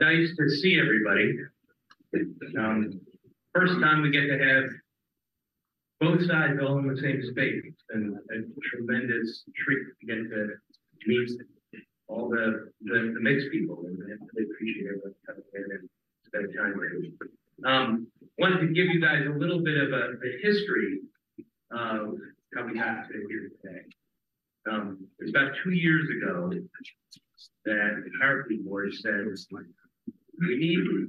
Nice to see everybody. First time we get to have both sides all in the same space, and a tremendous treat to get to meet all the MiX people, and I really appreciate everyone coming in and spending time with us. Wanted to give you guys a little bit of a history of how we got here today. It was about two years ago that the Powerfleet board said, "We need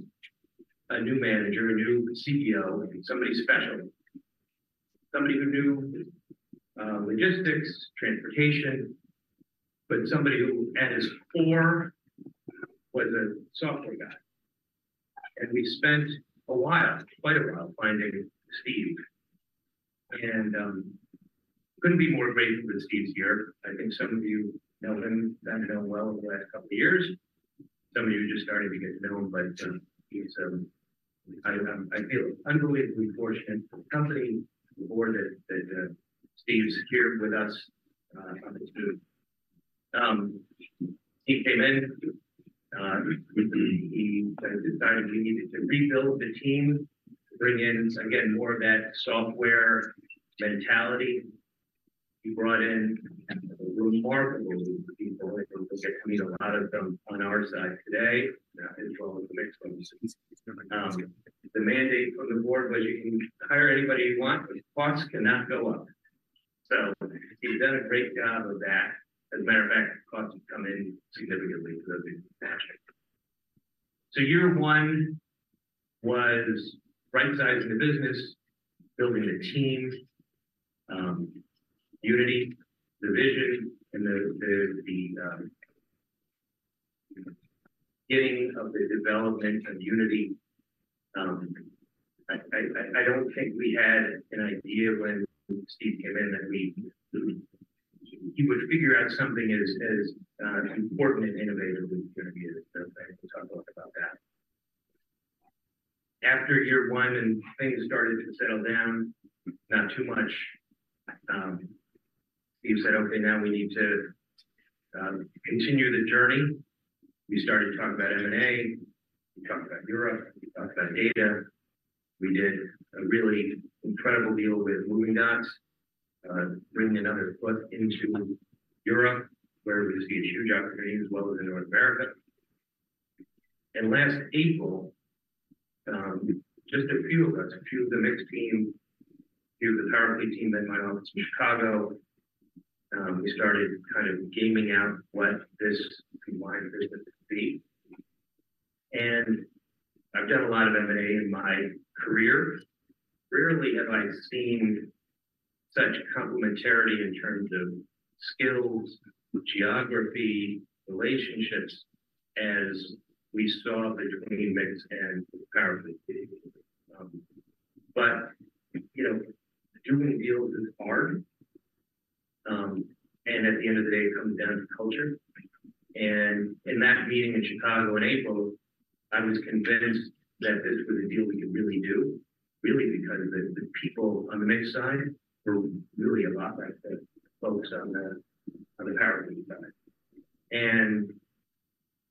a new manager, a new CEO, somebody special. Somebody who knew logistics, transportation, but somebody who at his core was a software guy." And we spent a while, quite a while, finding Steve. Couldn't be more grateful that Steve's here. I think some of you know him, and have known well over the last couple of years. Some of you are just starting to get to know him, but he's I feel unbelievably fortunate for the company, the board that Steve's here with us to. He came in, he kind of decided we needed to rebuild the team, to bring in, again, more of that software mentality. He brought in remarkable people, I mean, a lot of them on our side today, as well as the next one. The mandate from the board was, you can hire anybody you want, but costs cannot go up. So he's done a great job of that. As a matter of fact, costs have come in significantly because of the magic. So year one was right-sizing the business, building a team, Unity, the vision, and the beginning of the development of Unity. I don't think we had an idea when Steve came in that we—he would figure out something as important and innovative as it's gonna be, so we'll talk a lot about that. After year one and things started to settle down, not too much, Steve said, "Okay, now we need to continue the journey." We started to talk about M&A, we talked about Europe, we talked about data. We did a really incredible deal with Movingdots, bringing another foot into Europe, where we see a huge opportunity as well as in North America. And last April, just a few of us, a few of the MiX team, few of the Powerfleet team in my office in Chicago, we started kind of gaming out what this combined business would be. I've done a lot of M&A in my career. Rarely have I seen such complementarity in terms of skills, geography, relationships, as we saw between MiX and Powerfleet. But, you know, doing deals is hard, and at the end of the day, it comes down to culture. In that meeting in Chicago in April, I was convinced that this was a deal we could really do, really because the, the people on the MiX side were really a lot like the folks on the, on the Powerfleet side. And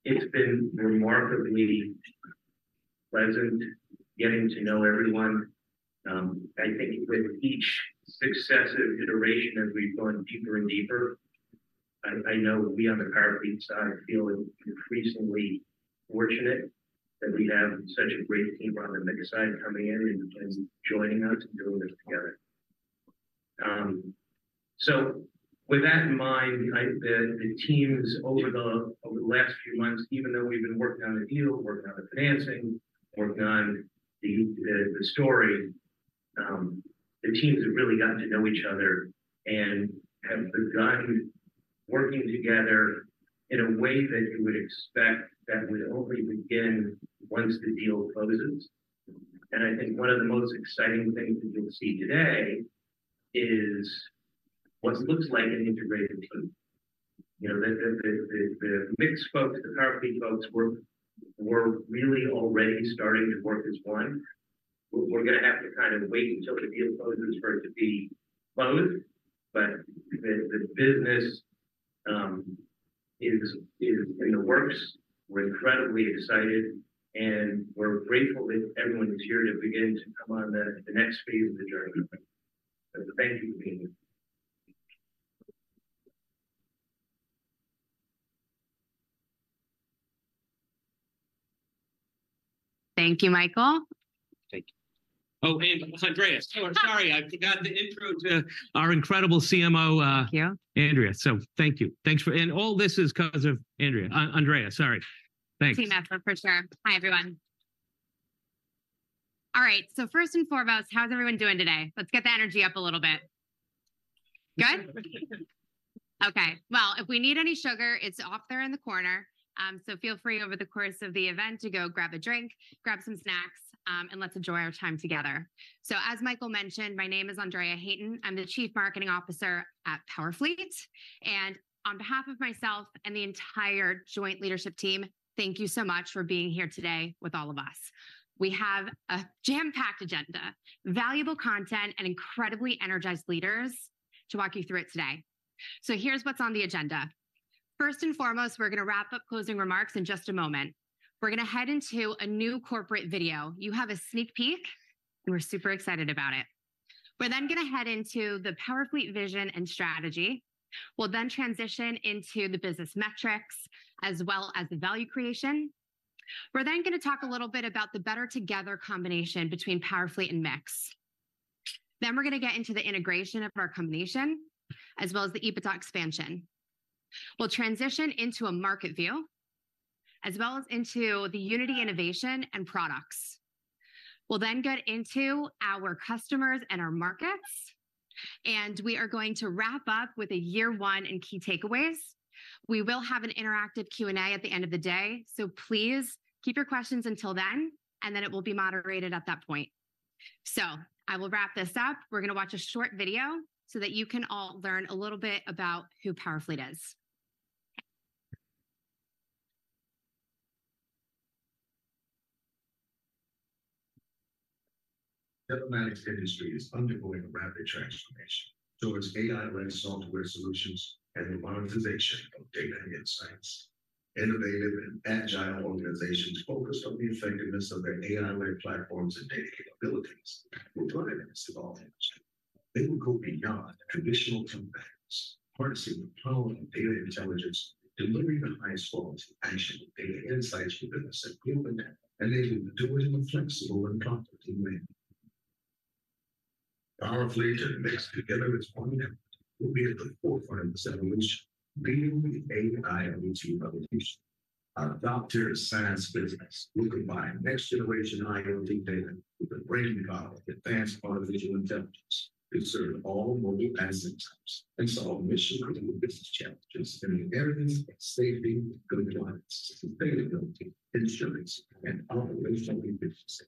it's been remarkably pleasant getting to know everyone. I think with each successive iteration, as we've gone deeper and deeper, I, I know we on the Powerfleet side are feeling increasingly fortunate that we have such a great team on the MiX side coming in and, and joining us and doing this together. So with that in mind, the teams over the last few months, even though we've been working on the deal, working on the financing, working on the story, the teams have really gotten to know each other and have begun working together in a way that you would expect that would only begin once the deal closes. And I think one of the most exciting things that you'll see today is what looks like an integrated team. You know, the MiX folks, the Powerfleet folks, we're really already starting to work as one. We're gonna have to kind of wait until the deal closes for it to be closed, but the business is in the works. We're incredibly excited, and we're grateful that everyone is here to begin to come on the next phase of the journey. So thank you for being here. Thank you, Michael. Thank you. Oh, and Andrea, so sorry, I forgot the intro to our incredible CMO. Thank you. Andrea. So thank you. Thanks for-- And all this is 'cause of Andrea. Andrea, sorry. Thanks. Team effort, for sure. Hi, everyone. All right, so first and foremost, how's everyone doing today? Let's get the energy up a little bit. Good? Okay, well, if we need any sugar, it's off there in the corner. So feel free over the course of the event to go grab a drink, grab some snacks, and let's enjoy our time together. So as Michael mentioned, my name is Andrea Hayton. I'm the Chief Marketing Officer at Powerfleet, and on behalf of myself and the entire joint leadership team, thank you so much for being here today with all of us. We have a jam-packed agenda, valuable content, and incredibly energized leaders to walk you through it today. So here's what's on the agenda.... First and foremost, we're gonna wrap up closing remarks in just a moment. We're gonna head into a new corporate video. You have a sneak peek, and we're super excited about it. We're then gonna head into the Powerfleet vision and strategy. We'll then transition into the business metrics, as well as the value creation. We're then gonna talk a little bit about the better together combination between Powerfleet and MiX. Then we're gonna get into the integration of our combination, as well as the EBITDA expansion. We'll transition into a market view, as well as into the Unity innovation and products. We'll then get into our customers and our markets, and we are going to wrap up with a year one and key takeaways. We will have an interactive Q&A at the end of the day, so please keep your questions until then, and then it will be moderated at that point. So I will wrap this up. We're gonna watch a short video so that you can all learn a little bit about who Powerfleet is. THE telematics industry is undergoing a rapid transformation towards AI-led software solutions and the monetization of data and insights. Innovative and agile organizations focused on the effectiveness of their AI-led platforms and data capabilities will drive this evolution. They will go beyond traditional competitors, harnessing the power of data intelligence, delivering the highest quality actionable data insights for businesses and global networks, enabling in a durable, flexible, and profitable manner. Powerfleet and MiX together as one network will be at the forefront of this evolution, leading the AIoT revolution. Our data science business will combine next-generation IoT data with the brain power of advanced artificial intelligence to serve all mobile asset types and solve mission-critical business challenges in maintenance, safety, and compliance, sustainability, insurance, and operational efficiency.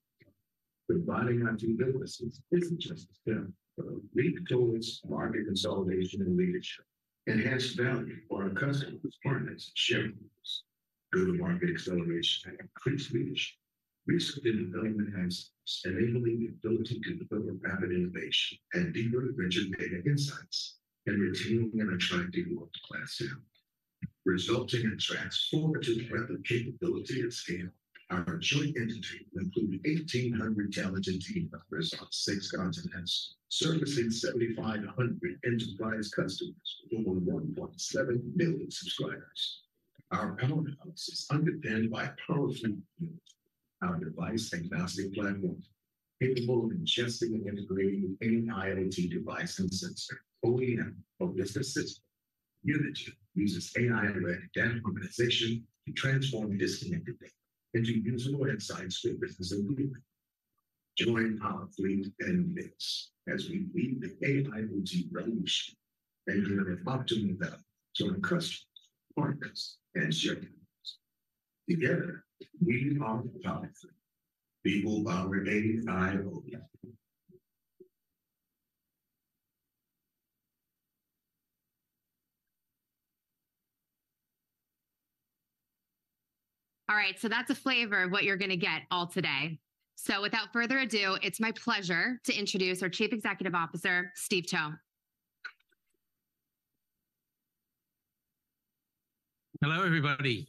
Combining our two businesses isn't just a step, but a leap towards market consolidation and leadership, enhanced value for our customers, partners, and shareholders through the market acceleration and increased leadership. Recent development has enabling the ability to deliver rapid innovation and deeper, richer data insights and retaining and attracting world-class talent, resulting in transformative rapid capability and scale. Our joint entity will include 1,800 talented team members on six continents, servicing 7,500 enterprise customers with over 1.7 million subscribers. Our power house is underpinned by Powerfleet Unity. Our device-agnostic platform, capable of ingesting and integrating any IoT device and sensor, OEM or business system. Unity uses AI-led data organization to transform disconnected data into usable insights for business and delivery. Join Powerfleet and MiX as we lead the AIoT revolution and deliver optimum value to our customers, partners, and shareholders. Together, we are Powerfleet, people power AIoT. All right, so that's a flavor of what you're gonna get all today. Without further ado, it's my pleasure to introduce our Chief Executive Officer, Steve Towe. Hello, everybody.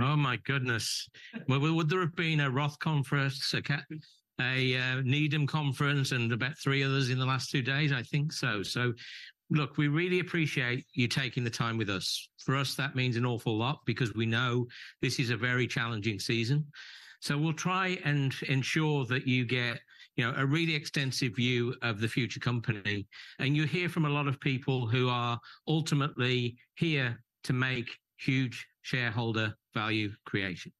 Oh, my goodness! Well, would there have been a Roth conference, a Craig-Hallum conference, and Needham conference, and about three others in the last two days? I think so. So look, we really appreciate you taking the time with us. For us, that means an awful lot because we know this is a very challenging season. So we'll try and ensure that you get, you know, a really extensive view of the future company, and you'll hear from a lot of people who are ultimately here to make huge shareholder value creation.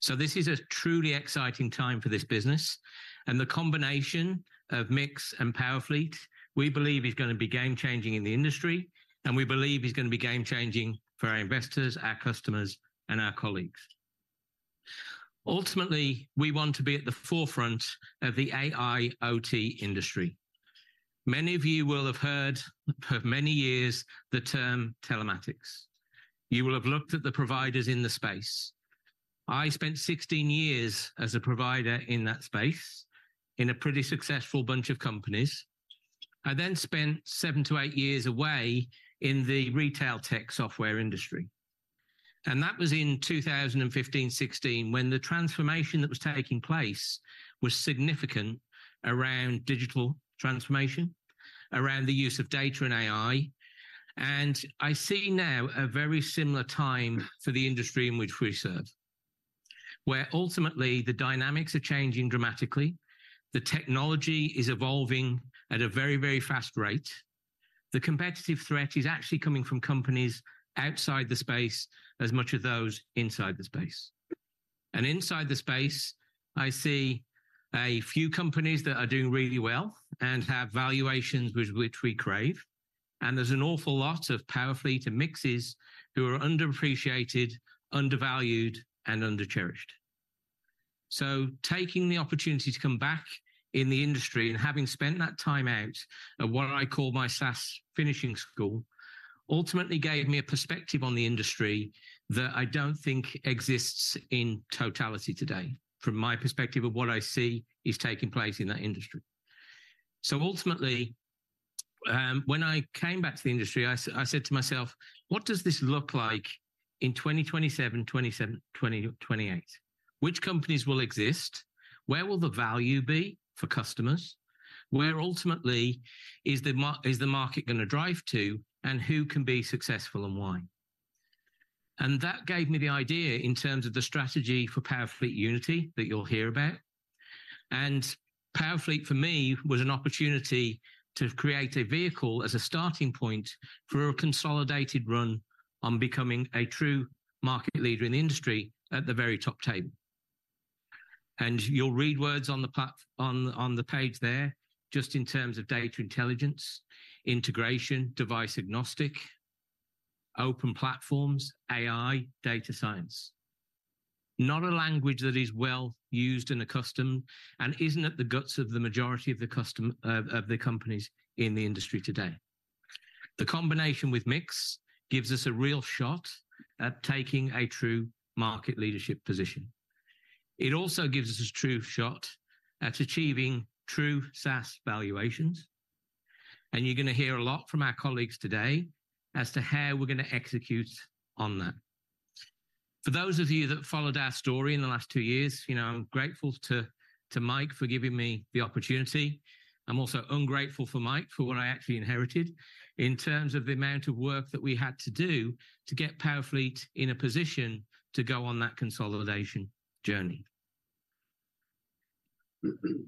So this is a truly exciting time for this business, and the combination of MiX and Powerfleet, we believe, is gonna be game-changing in the industry, and we believe is gonna be game-changing for our investors, our customers, and our colleagues. Ultimately, we want to be at the forefront of the AIoT industry. Many of you will have heard, for many years, the term telematics. You will have looked at the providers in the space. I spent 16 years as a provider in that space, in a pretty successful bunch of companies. I then spent 7-8 years away in the retail tech software industry, and that was in 2015-2016, when the transformation that was taking place was significant around digital transformation, around the use of data and AI. I see now a very similar time for the industry in which we serve, where ultimately the dynamics are changing dramatically. The technology is evolving at a very, very fast rate. The competitive threat is actually coming from companies outside the space as much as those inside the space. And inside the space, I see a few companies that are doing really well and have valuations which, which we crave, and there's an awful lot of Powerfleet and MiXes who are underappreciated, undervalued, and undercherished. So taking the opportunity to come back in the industry and having spent that time out at what I call my SaaS finishing school, ultimately gave me a perspective on the industry that I don't think exists in totality today, from my perspective of what I see is taking place in that industry. So ultimately, when I came back to the industry, I said to myself: "What does this look like in 2027, 2028? Which companies will exist? Where will the value be for customers? Where ultimately is the market gonna drive to, and who can be successful and why?" That gave me the idea in terms of the strategy for Powerfleet Unity that you'll hear about. Powerfleet, for me, was an opportunity to create a vehicle as a starting point for a consolidated run on becoming a true market leader in the industry at the very top table. You'll read words on the page there, just in terms of data intelligence, integration, device-agnostic, open platforms, AI, data science. Not a language that is well used and accustomed, and isn't at the guts of the majority of the companies in the industry today. The combination with MiX gives us a real shot at taking a true market leadership position. It also gives us a true shot at achieving true SaaS valuations, and you're gonna hear a lot from our colleagues today as to how we're gonna execute on that. For those of you that followed our story in the last two years, you know, I'm grateful to Mike for giving me the opportunity. I'm also ungrateful for Mike for what I actually inherited in terms of the amount of work that we had to do to get Powerfleet in a position to go on that consolidation journey.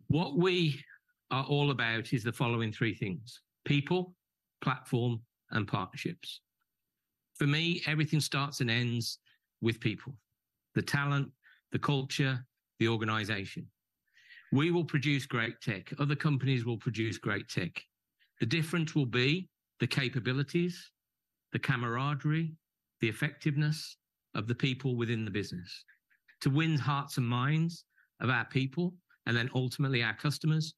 What we are all about is the following three things: people, platform, and partnerships. For me, everything starts and ends with people, the talent, the culture, the organization. We will produce great tech. Other companies will produce great tech. The difference will be the capabilities, the camaraderie, the effectiveness of the people within the business to win the hearts and minds of our people, and then ultimately our customers,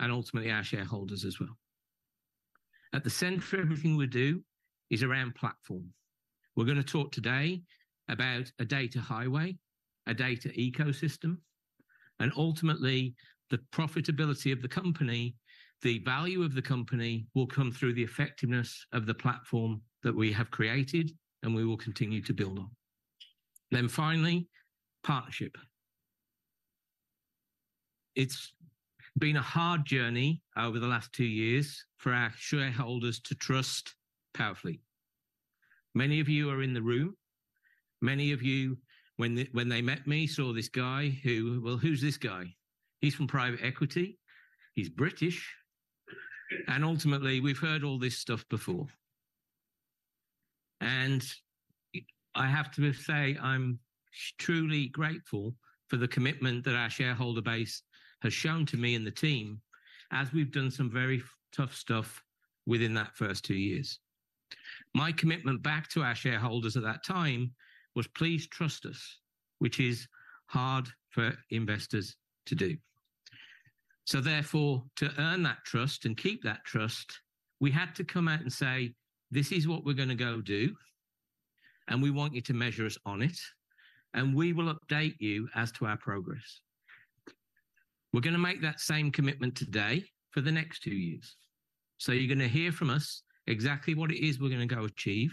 and ultimately our shareholders as well. At the center of everything we do is around platform. We're gonna talk today about a data highway, a data ecosystem, and ultimately, the profitability of the company, the value of the company, will come through the effectiveness of the platform that we have created and we will continue to build on. Then finally, partnership. It's been a hard journey over the last two years for our shareholders to trust Powerfleet. Many of you are in the room. Many of you, when they met me, saw this guy who... "Well, who's this guy? He's from private equity, he's British," and ultimately, "We've heard all this stuff before." I have to say, I'm truly grateful for the commitment that our shareholder base has shown to me and the team as we've done some very tough stuff within that first two years. My commitment back to our shareholders at that time was, "Please trust us," which is hard for investors to do. So therefore, to earn that trust and keep that trust, we had to come out and say, "This is what we're gonna go do, and we want you to measure us on it, and we will update you as to our progress." We're gonna make that same commitment today for the next two years. So you're gonna hear from us exactly what it is we're gonna go achieve,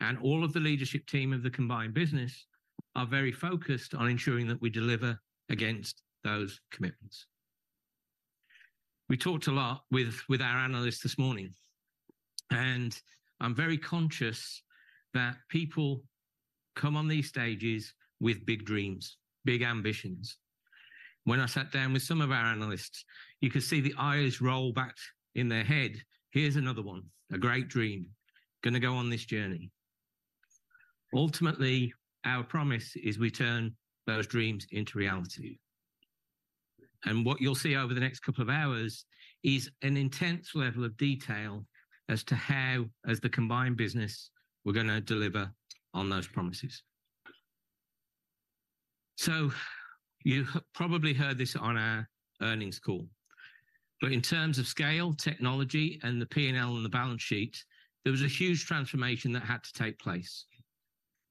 and all of the leadership team of the combined business are very focused on ensuring that we deliver against those commitments. We talked a lot with our analysts this morning, and I'm very conscious that people come on these stages with big dreams, big ambitions. When I sat down with some of our analysts, you could see the eyes roll back in their head. "Here's another one, a great dream, gonna go on this journey." Ultimately, our promise is we turn those dreams into reality. And what you'll see over the next couple of hours is an intense level of detail as to how, as the combined business, we're gonna deliver on those promises. So you probably heard this on our earnings call, but in terms of scale, technology, and the P&L on the balance sheet, there was a huge transformation that had to take place.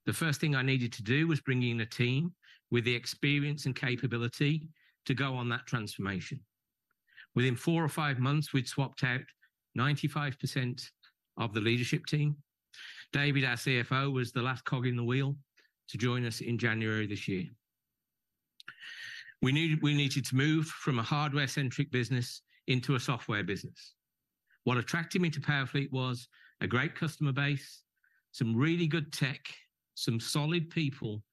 The first thing I needed to do was bring in a team with the experience and capability to go on that transformation. Within four to five months, we'd swapped out 95% of the leadership team. David, our CFO, was the last cog in the wheel to join us in January this year. We needed, we needed to move from a hardware-centric business into a software business. What attracted me to Powerfleet was a great customer base, some really good tech, some solid people,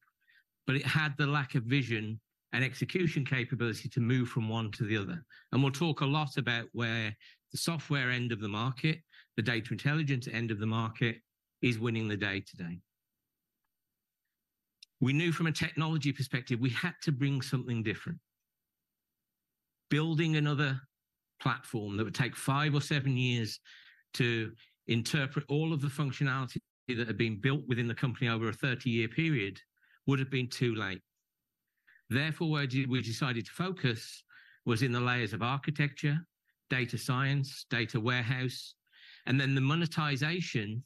but it had the lack of vision and execution capability to move from one to the other. We'll talk a lot about where the software end of the market, the data intelligence end of the market, is winning the day today. We knew from a technology perspective, we had to bring something different. Building another platform that would take five or seven years to interpret all of the functionality that had been built within the company over a 30-year period would've been too late. Therefore, we decided to focus was in the layers of architecture, data science, data warehouse, and then the monetization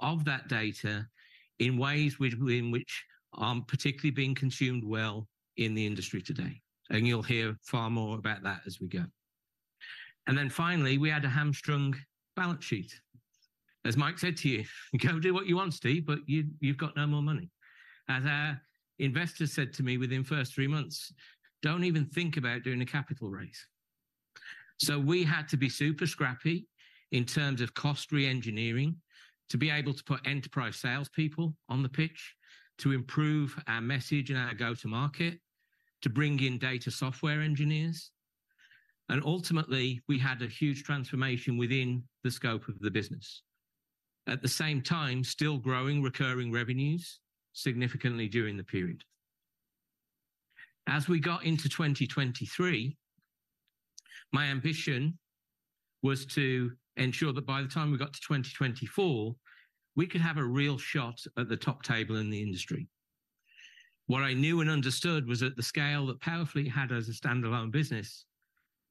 of that data in ways which, in which, aren't particularly being consumed well in the industry today. You'll hear far more about that as we go. Then finally, we had a hamstrung balance sheet. As Mike said to you, "You go do what you want, Steve, but you, you've got no more money." As our investors said to me within the first three months, "Don't even think about doing a capital raise." So we had to be super scrappy in terms of cost reengineering, to be able to put enterprise salespeople on the pitch, to improve our message and our go-to-market, to bring in data software engineers. Ultimately, we had a huge transformation within the scope of the business. At the same time, still growing recurring revenues significantly during the period. As we got into 2023, my ambition was to ensure that by the time we got to 2024, we could have a real shot at the top table in the industry. What I knew and understood was that the scale that Powerfleet had as a standalone business,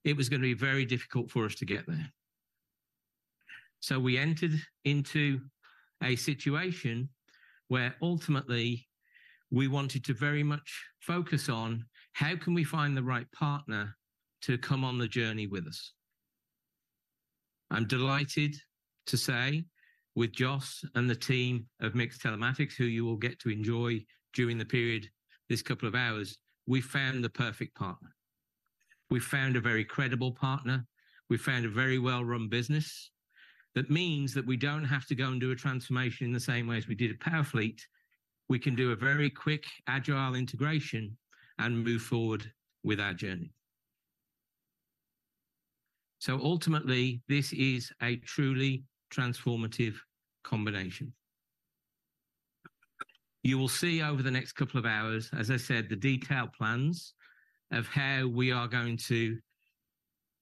it was gonna be very difficult for us to get there. So we entered into a situation where ultimately we wanted to very much focus on: How can we find the right partner to come on the journey with us? I'm delighted to say, with Jos and the team of MiX Telematics, who you will get to enjoy during the period this couple of hours, we found the perfect partner. We found a very credible partner. We found a very well-run business that means that we don't have to go and do a transformation in the same way as we did at Powerfleet. We can do a very quick, agile integration and move forward with our journey. So ultimately, this is a truly transformative combination. You will see over the next couple of hours, as I said, the detailed plans of how we are going to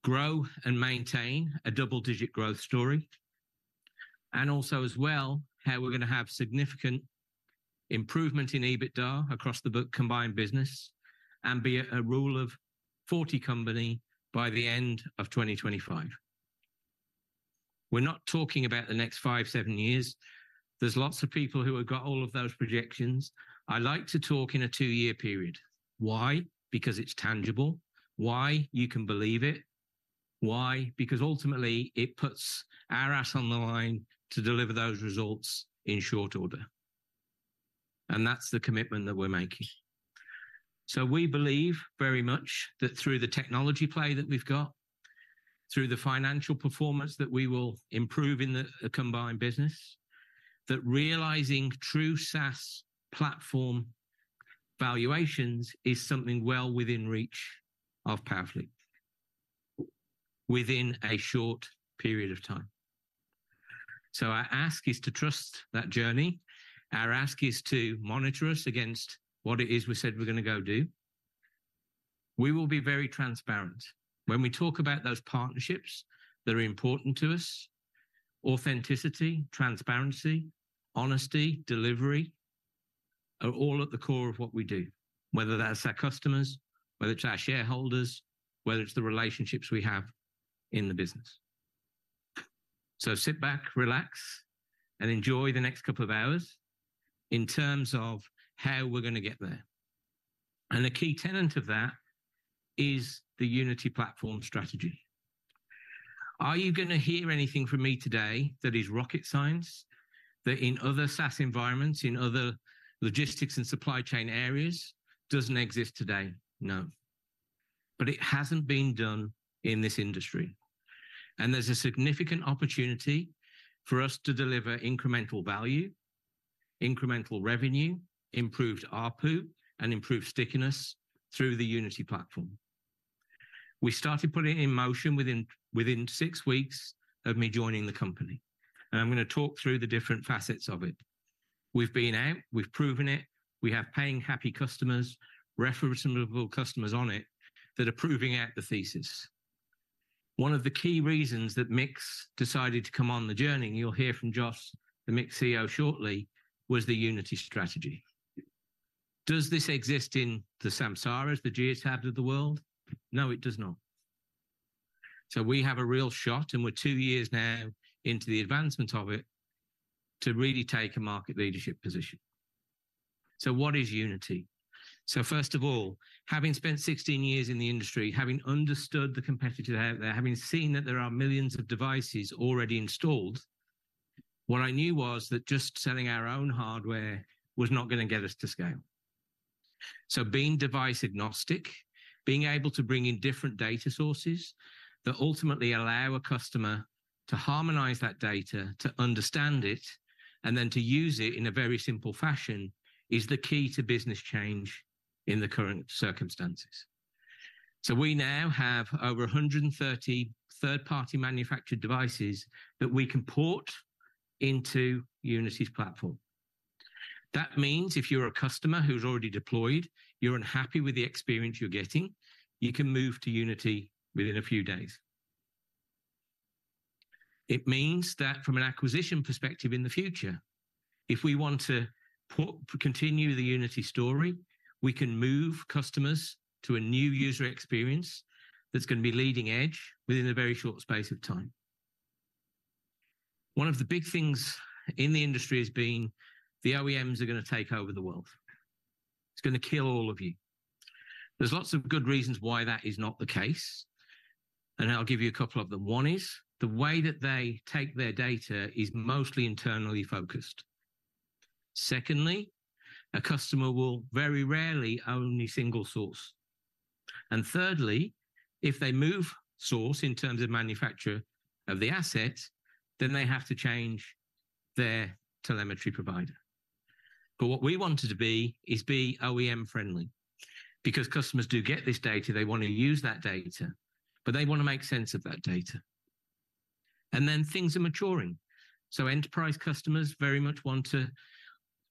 grow and maintain a double-digit growth story, and also as well, how we're gonna have significant improvement in EBITDA across the book combined business, and be a, a Rule of 40 company by the end of 2025. We're not talking about the next 5, 7 years. There's lots of people who have got all of those projections. I like to talk in a 2-year period. Why? Because it's tangible. Why? You can believe it. Why? Because ultimately, it puts our ass on the line to deliver those results in short order, and that's the commitment that we're making. So we believe very much that through the technology play that we've got, through the financial performance, that we will improve in the combined business. That realizing true SaaS platform valuations is something well within reach of Powerfleet within a short period of time. So our ask is to trust that journey. Our ask is to monitor us against what it is we said we're gonna go do. We will be very transparent. When we talk about those partnerships that are important to us, authenticity, transparency, honesty, delivery, are all at the core of what we do, whether that's our customers, whether it's our shareholders, whether it's the relationships we have in the business. So sit back, relax, and enjoy the next couple of hours in terms of how we're gonna get there. And the key tenet of that is the Unity Platform strategy. Are you gonna hear anything from me today that is rocket science, that in other SaaS environments, in other logistics and supply chain areas, doesn't exist today? No. But it hasn't been done in this industry, and there's a significant opportunity for us to deliver incremental value, incremental revenue, improved ARPU, and improved stickiness through the Unity Platform. We started putting it in motion within six weeks of me joining the company, and I'm gonna talk through the different facets of it. We've been out. We've proven it. We have paying, happy customers, reference-able customers on it, that are proving out the thesis. One of the key reasons that MiX decided to come on the journey, and you'll hear from Jos, the MiX CEO, shortly, was the Unity strategy. Does this exist in the Samsara, the Geotab of the world? No, it does not. So we have a real shot, and we're two years now into the advancement of it, to really take a market leadership position. So what is Unity? So first of all, having spent 16 years in the industry, having understood the competitors out there, having seen that there are millions of devices already installed, what I knew was that just selling our own hardware was not gonna get us to scale. So being device-agnostic, being able to bring in different data sources that ultimately allow a customer to harmonize that data, to understand it, and then to use it in a very simple fashion, is the key to business change in the current circumstances. So we now have over 130 third-party manufactured devices that we can port into Unity's platform. That means if you're a customer who's already deployed, you're unhappy with the experience you're getting, you can move to Unity within a few days. It means that from an acquisition perspective in the future-... If we want to port, continue the Unity story, we can move customers to a new user experience that's gonna be leading edge within a very short space of time. One of the big things in the industry has been the OEMs are gonna take over the world. It's gonna kill all of you. There's lots of good reasons why that is not the case, and I'll give you a couple of them. One is, the way that they take their data is mostly internally focused. Secondly, a customer will very rarely only single source. And thirdly, if they move source in terms of manufacturer of the asset, then they have to change their telemetry provider. But what we wanted to be is be OEM-friendly, because customers do get this data. They want to use that data, but they want to make sense of that data. Then things are maturing. Enterprise customers very much want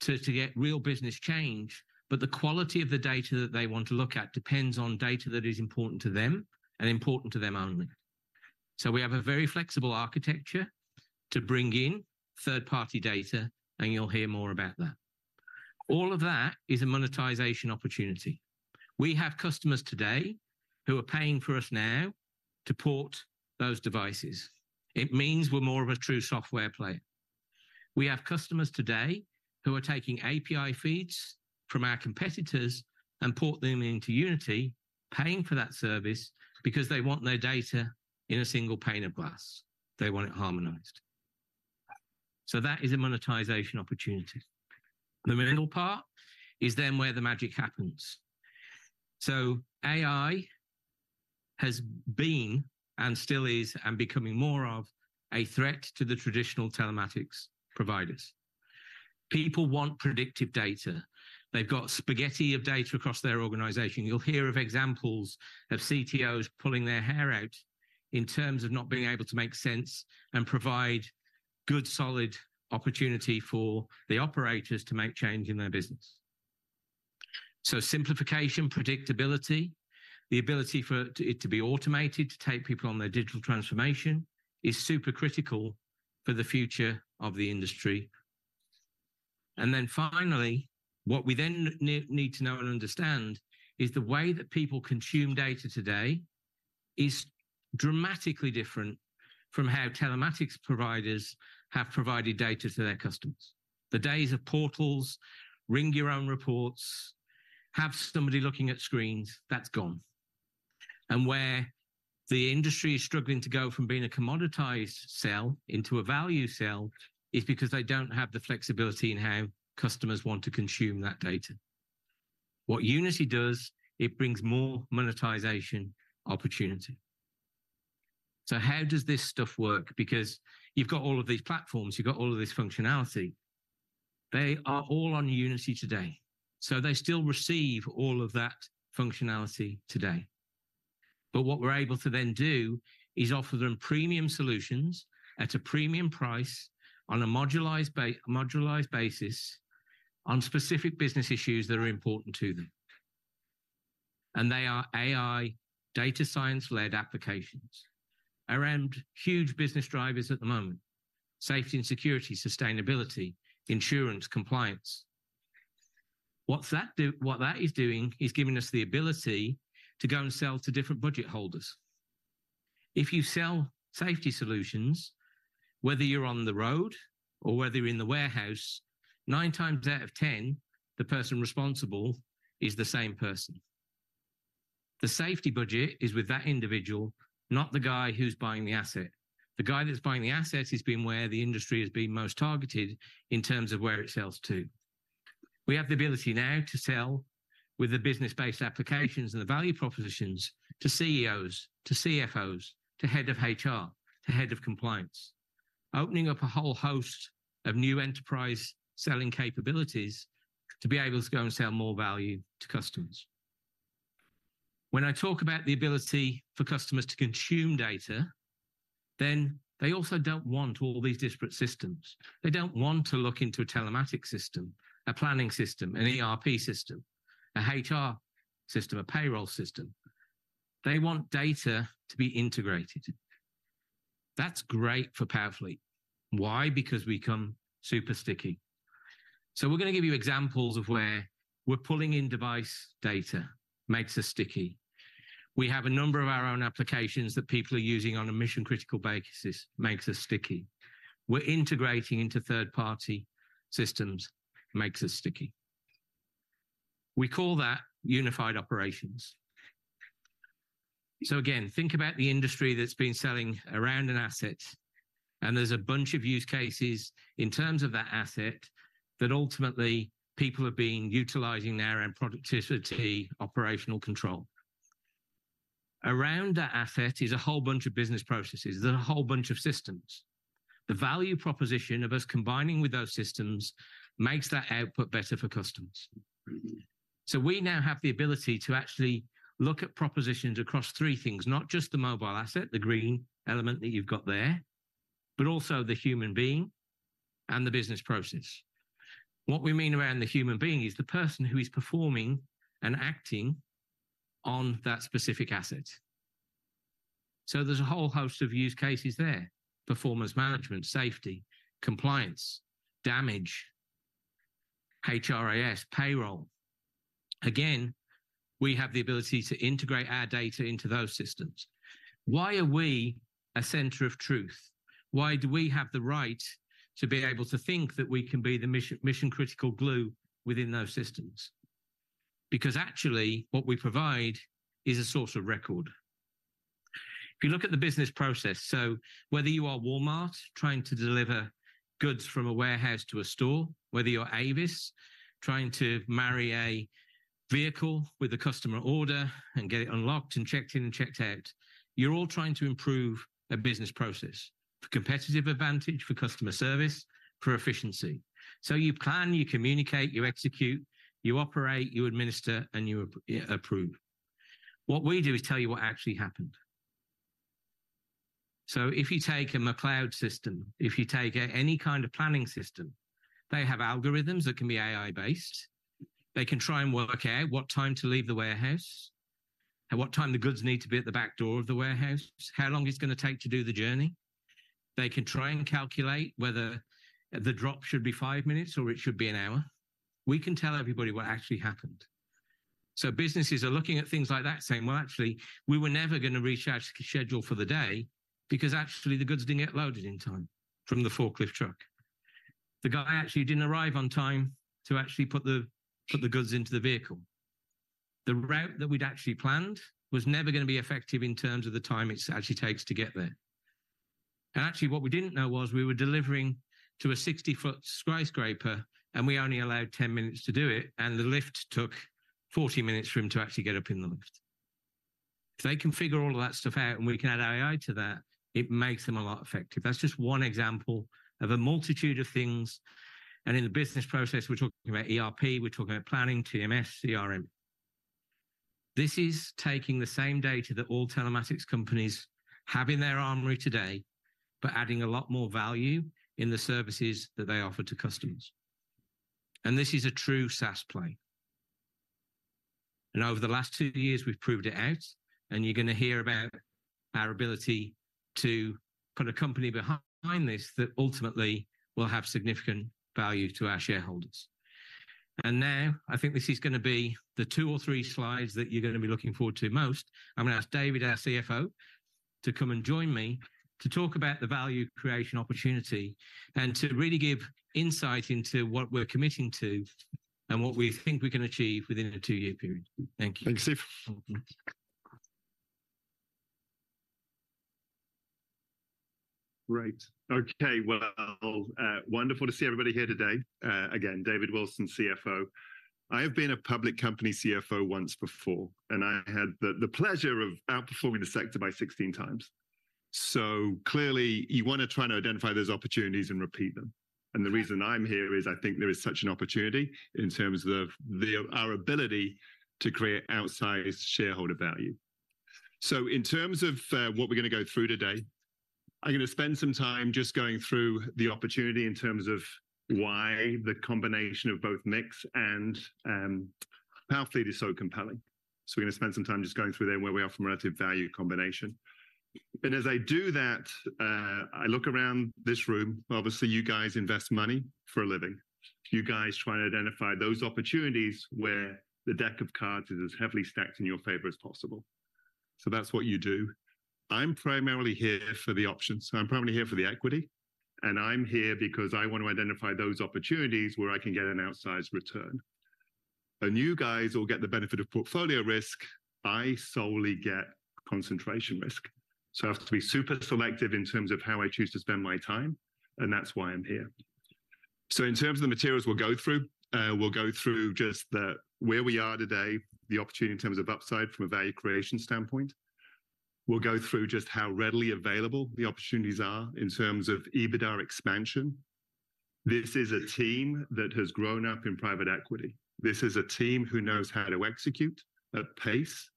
to get real business change, but the quality of the data that they want to look at depends on data that is important to them and important to them only. We have a very flexible architecture to bring in third-party data, and you'll hear more about that. All of that is a monetization opportunity. We have customers today who are paying for us now to port those devices. It means we're more of a true software player. We have customers today who are taking API feeds from our competitors and port them into Unity, paying for that service because they want their data in a single pane of glass. They want it harmonized. That is a monetization opportunity. The middle part is then where the magic happens. So AI has been, and still is, and becoming more of, a threat to the traditional telematics providers. People want predictive data. They've got spaghetti of data across their organization. You'll hear of examples of CTOs pulling their hair out in terms of not being able to make sense and provide good, solid opportunity for the operators to make change in their business. So simplification, predictability, the ability for it to be automated, to take people on their digital transformation, is super critical for the future of the industry. And then finally, what we then need to know and understand is the way that people consume data today is dramatically different from how telematics providers have provided data to their customers. The days of portals, run your own reports, have somebody looking at screens, that's gone. Where the industry is struggling to go from being a commoditized sell into a value sell is because they don't have the flexibility in how customers want to consume that data. What Unity does, it brings more monetization opportunity. How does this stuff work? Because you've got all of these platforms, you've got all of this functionality. They are all on Unity today, so they still receive all of that functionality today. But what we're able to then do is offer them premium solutions at a premium price on a modularized basis on specific business issues that are important to them. They are AI, data science-led applications around huge business drivers at the moment: safety and security, sustainability, insurance, compliance. What that is doing is giving us the ability to go and sell to different budget holders. If you sell safety solutions, whether you're on the road or whether you're in the warehouse, nine times out of ten, the person responsible is the same person. The safety budget is with that individual, not the guy who's buying the asset. The guy that's buying the asset has been where the industry has been most targeted in terms of where it sells to. We have the ability now to sell with the business-based applications and the value propositions to CEOs, to CFOs, to head of HR, to head of compliance, opening up a whole host of new enterprise selling capabilities to be able to go and sell more value to customers. When I talk about the ability for customers to consume data, then they also don't want all these disparate systems. They don't want to look into a telematics system, a planning system, an ERP system, a HR system, a payroll system. They want data to be integrated. That's great for Powerfleet. Why? Because we become super sticky. So we're gonna give you examples of where we're pulling in device data, makes us sticky. We have a number of our own applications that people are using on a mission-critical basis, makes us sticky. We're integrating into third-party systems, makes us sticky. We call that Unified Operations. So again, think about the industry that's been selling around an asset, and there's a bunch of use cases in terms of that asset that ultimately people have been utilizing there around productivity, operational control. Around that asset is a whole bunch of business processes. There's a whole bunch of systems. The value proposition of us combining with those systems makes that output better for customers. So we now have the ability to actually look at propositions across three things: not just the mobile asset, the green element that you've got there, but also the human being and the business process. What we mean around the human being is the person who is performing and acting on that specific asset.... So there's a whole host of use cases there: performance management, safety, compliance, damage, HRIS, payroll. Again, we have the ability to integrate our data into those systems. Why are we a center of truth? Why do we have the right to be able to think that we can be the mission-critical glue within those systems? Because actually, what we provide is a source of record. If you look at the business process, so whether you are Walmart trying to deliver goods from a warehouse to a store, whether you're Avis trying to marry a vehicle with a customer order and get it unlocked and checked in and checked out, you're all trying to improve a business process for competitive advantage, for customer service, for efficiency. So you plan, you communicate, you execute, you operate, you administer, and you approve. What we do is tell you what actually happened. So if you take a McLeod system, if you take any kind of planning system, they have algorithms that can be AI-based. They can try and work out what time to leave the warehouse and what time the goods need to be at the back door of the warehouse, how long it's gonna take to do the journey. They can try and calculate whether the drop should be five minutes or it should be an hour. We can tell everybody what actually happened. So businesses are looking at things like that, saying, "Well, actually, we were never gonna reach our scheduled for the day because actually the goods didn't get loaded in time from the forklift truck. The guy actually didn't arrive on time to actually put the, put the goods into the vehicle. The route that we'd actually planned was never gonna be effective in terms of the time it actually takes to get there. And actually, what we didn't know was we were delivering to a 60-foot skyscraper, and we only allowed 10 minutes to do it, and the lift took 40 minutes for him to actually get up in the lift. If they can figure all of that stuff out, and we can add AI to that, it makes them a lot effective. That's just one example of a multitude of things. And in the business process, we're talking about ERP, we're talking about planning, TMS, CRM. This is taking the same data that all telematics companies have in their armory today, but adding a lot more value in the services that they offer to customers. And this is a true SaaS play. Over the last two years, we've proved it out, and you're gonna hear about our ability to put a company behind this that ultimately will have significant value to our shareholders. Now, I think this is gonna be the two or three slides that you're gonna be looking forward to most. I'm gonna ask David, our CFO, to come and join me to talk about the value creation opportunity and to really give insight into what we're committing to and what we think we can achieve within a two-year period. Thank you. Thanks, Steve. Mm-hmm. Right. Okay, well, wonderful to see everybody here today. Again, David Wilson, CFO. I have been a public company CFO once before, and I had the, the pleasure of outperforming the sector by 16 times. So clearly, you wanna try and identify those opportunities and repeat them. And the reason I'm here is I think there is such an opportunity in terms of the our ability to create outsized shareholder value. So in terms of what we're gonna go through today, I'm gonna spend some time just going through the opportunity in terms of why the combination of both MiX and Powerfleet is so compelling. So we're gonna spend some time just going through there, where we are from a relative value combination. And as I do that, I look around this room. Obviously, you guys invest money for a living. You guys try to identify those opportunities where the deck of cards is as heavily stacked in your favor as possible. So that's what you do. I'm primarily here for the options, so I'm primarily here for the equity, and I'm here because I want to identify those opportunities where I can get an outsized return. And you guys all get the benefit of portfolio risk, I solely get concentration risk. So I have to be super selective in terms of how I choose to spend my time, and that's why I'm here. So in terms of the materials we'll go through, we'll go through just the where we are today, the opportunity in terms of upside from a value creation standpoint. We'll go through just how readily available the opportunities are in terms of EBITDA expansion. This is a team that has grown up in private equity. This is a team who knows how to execute at pace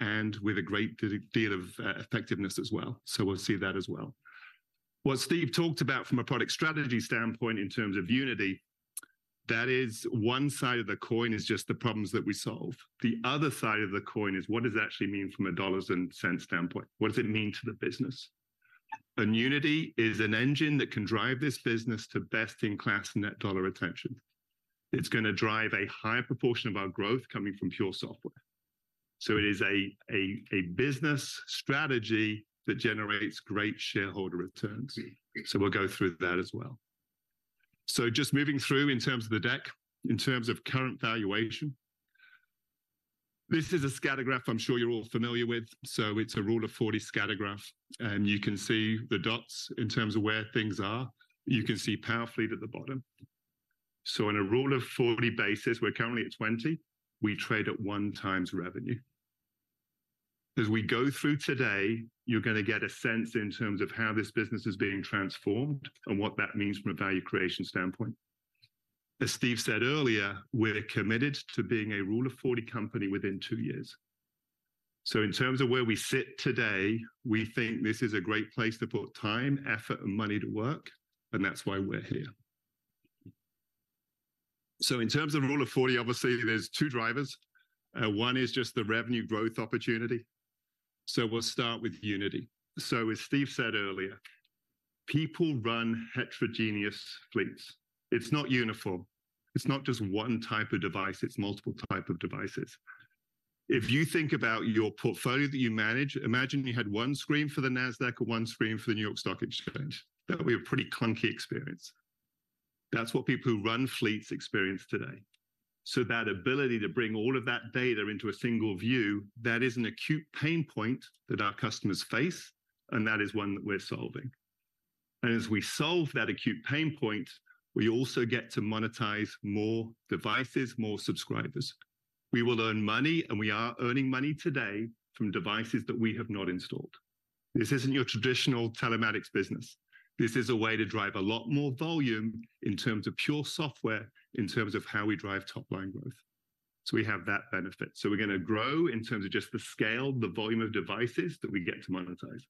and with a great deal of effectiveness as well. So we'll see that as well. What Steve talked about from a product strategy standpoint in terms of unity, that is, one side of the coin is just the problems that we solve. The other side of the coin is: What does it actually mean from a dollars and cents standpoint? What does it mean to the business? And unity is an engine that can drive this business to best-in-class net dollar retention. It's gonna drive a higher proportion of our growth coming from pure software. So it is a business strategy that generates great shareholder returns. So we'll go through that as well. So just moving through in terms of the deck, in terms of current valuation, this is a scatter graph I'm sure you're all familiar with. So it's a Rule of 40 scatter graph, and you can see the dots in terms of where things are. You can see Powerfleet at the bottom. So on a Rule of 40 basis, we're currently at 20. We trade at 1x revenue. As we go through today, you're gonna get a sense in terms of how this business is being transformed and what that means from a value creation standpoint. As Steve said earlier, we're committed to being a Rule of 40 company within two years. So in terms of where we sit today, we think this is a great place to put time, effort, and money to work, and that's why we're here. So in terms of Rule of 40, obviously, there's two drivers. One is just the revenue growth opportunity. So we'll start with Unity. So as Steve said earlier, people run heterogeneous fleets. It's not uniform. It's not just one type of device, it's multiple type of devices. If you think about your portfolio that you manage, imagine you had one screen for the NASDAQ or one screen for the New York Stock Exchange. That would be a pretty clunky experience. That's what people who run fleets experience today. So that ability to bring all of that data into a single view, that is an acute pain point that our customers face, and that is one that we're solving. And as we solve that acute pain point, we also get to monetize more devices, more subscribers. We will earn money, and we are earning money today from devices that we have not installed. This isn't your traditional telematics business. This is a way to drive a lot more volume in terms of pure software, in terms of how we drive top-line growth. So we have that benefit. So we're gonna grow in terms of just the scale, the volume of devices that we get to monetize.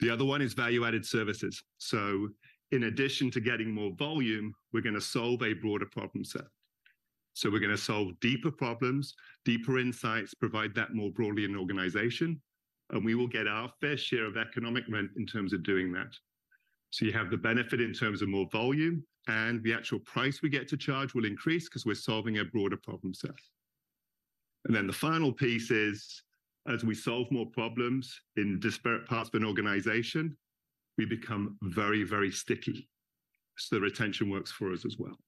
The other one is value-added services. So in addition to getting more volume, we're gonna solve a broader problem set. So we're gonna solve deeper problems, deeper insights, provide that more broadly in the organization, and we will get our fair share of economic rent in terms of doing that. So you have the benefit in terms of more volume, and the actual price we get to charge will increase 'cause we're solving a broader problem set. And then the final piece is, as we solve more problems in disparate parts of an organization, we become very, very sticky. So the retention works for us as well.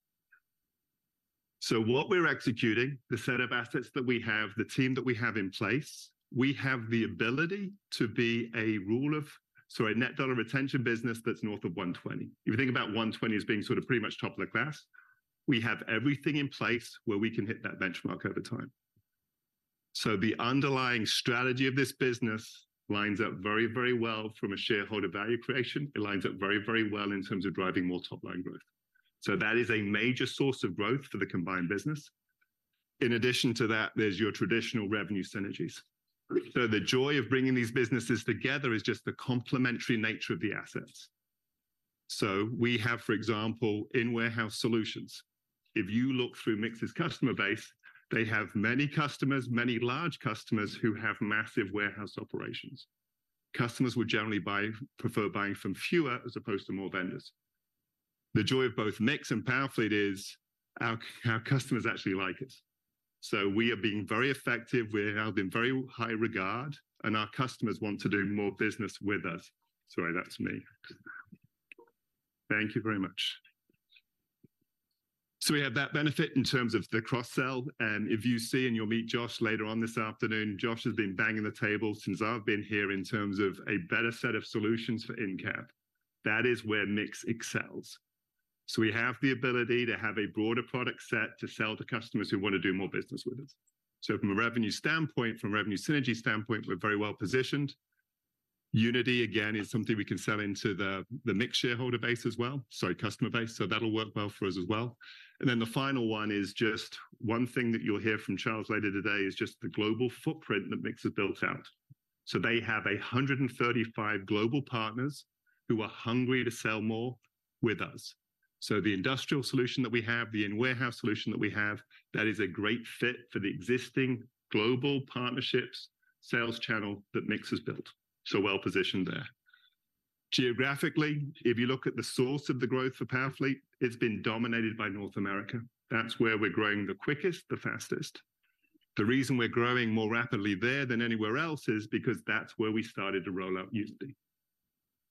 So what we're executing, the set of assets that we have, the team that we have in place, we have the ability to be a rule of... Sorry, net dollar retention business that's north of 120. If you think about 120 as being sort of pretty much top of the class, we have everything in place where we can hit that benchmark over time. So the underlying strategy of this business lines up very, very well from a shareholder value creation. It lines up very, very well in terms of driving more top-line growth. So that is a major source of growth for the combined business. In addition to that, there's your traditional revenue synergies. So the joy of bringing these businesses together is just the complementary nature of the assets. So we have, for example, in warehouse solutions, if you look through MiX's customer base, they have many customers, many large customers who have massive warehouse operations. Customers would generally buy, prefer buying from fewer as opposed to more vendors. The joy of both MiX and Powerfleet is our customers actually like us. So we are being very effective. We're held in very high regard, and our customers want to do more business with us. Sorry, that's me. Thank you very much. So we have that benefit in terms of the cross-sell, and if you see, and you'll meet Jos later on this afternoon, Jos has been banging the table since I've been here in terms of a better set of solutions for in-cab. That is where MiX excels. So we have the ability to have a broader product set to sell to customers who want to do more business with us. So from a revenue standpoint, from a revenue synergy standpoint, we're very well positioned. Unity, again, is something we can sell into the, the Mix shareholder base as well, sorry, customer base, so that'll work well for us as well. And then the final one is just one thing that you'll hear from Charles later today, is just the global footprint that Mix has built out. So they have 135 global partners who are hungry to sell more with us. So the industrial solution that we have, the in-warehouse solution that we have, that is a great fit for the existing global partnerships sales channel that Mix has built, so well-positioned there. Geographically, if you look at the source of the growth for Powerfleet, it's been dominated by North America. That's where we're growing the quickest, the fastest. The reason we're growing more rapidly there than anywhere else is because that's where we started to roll out Unity.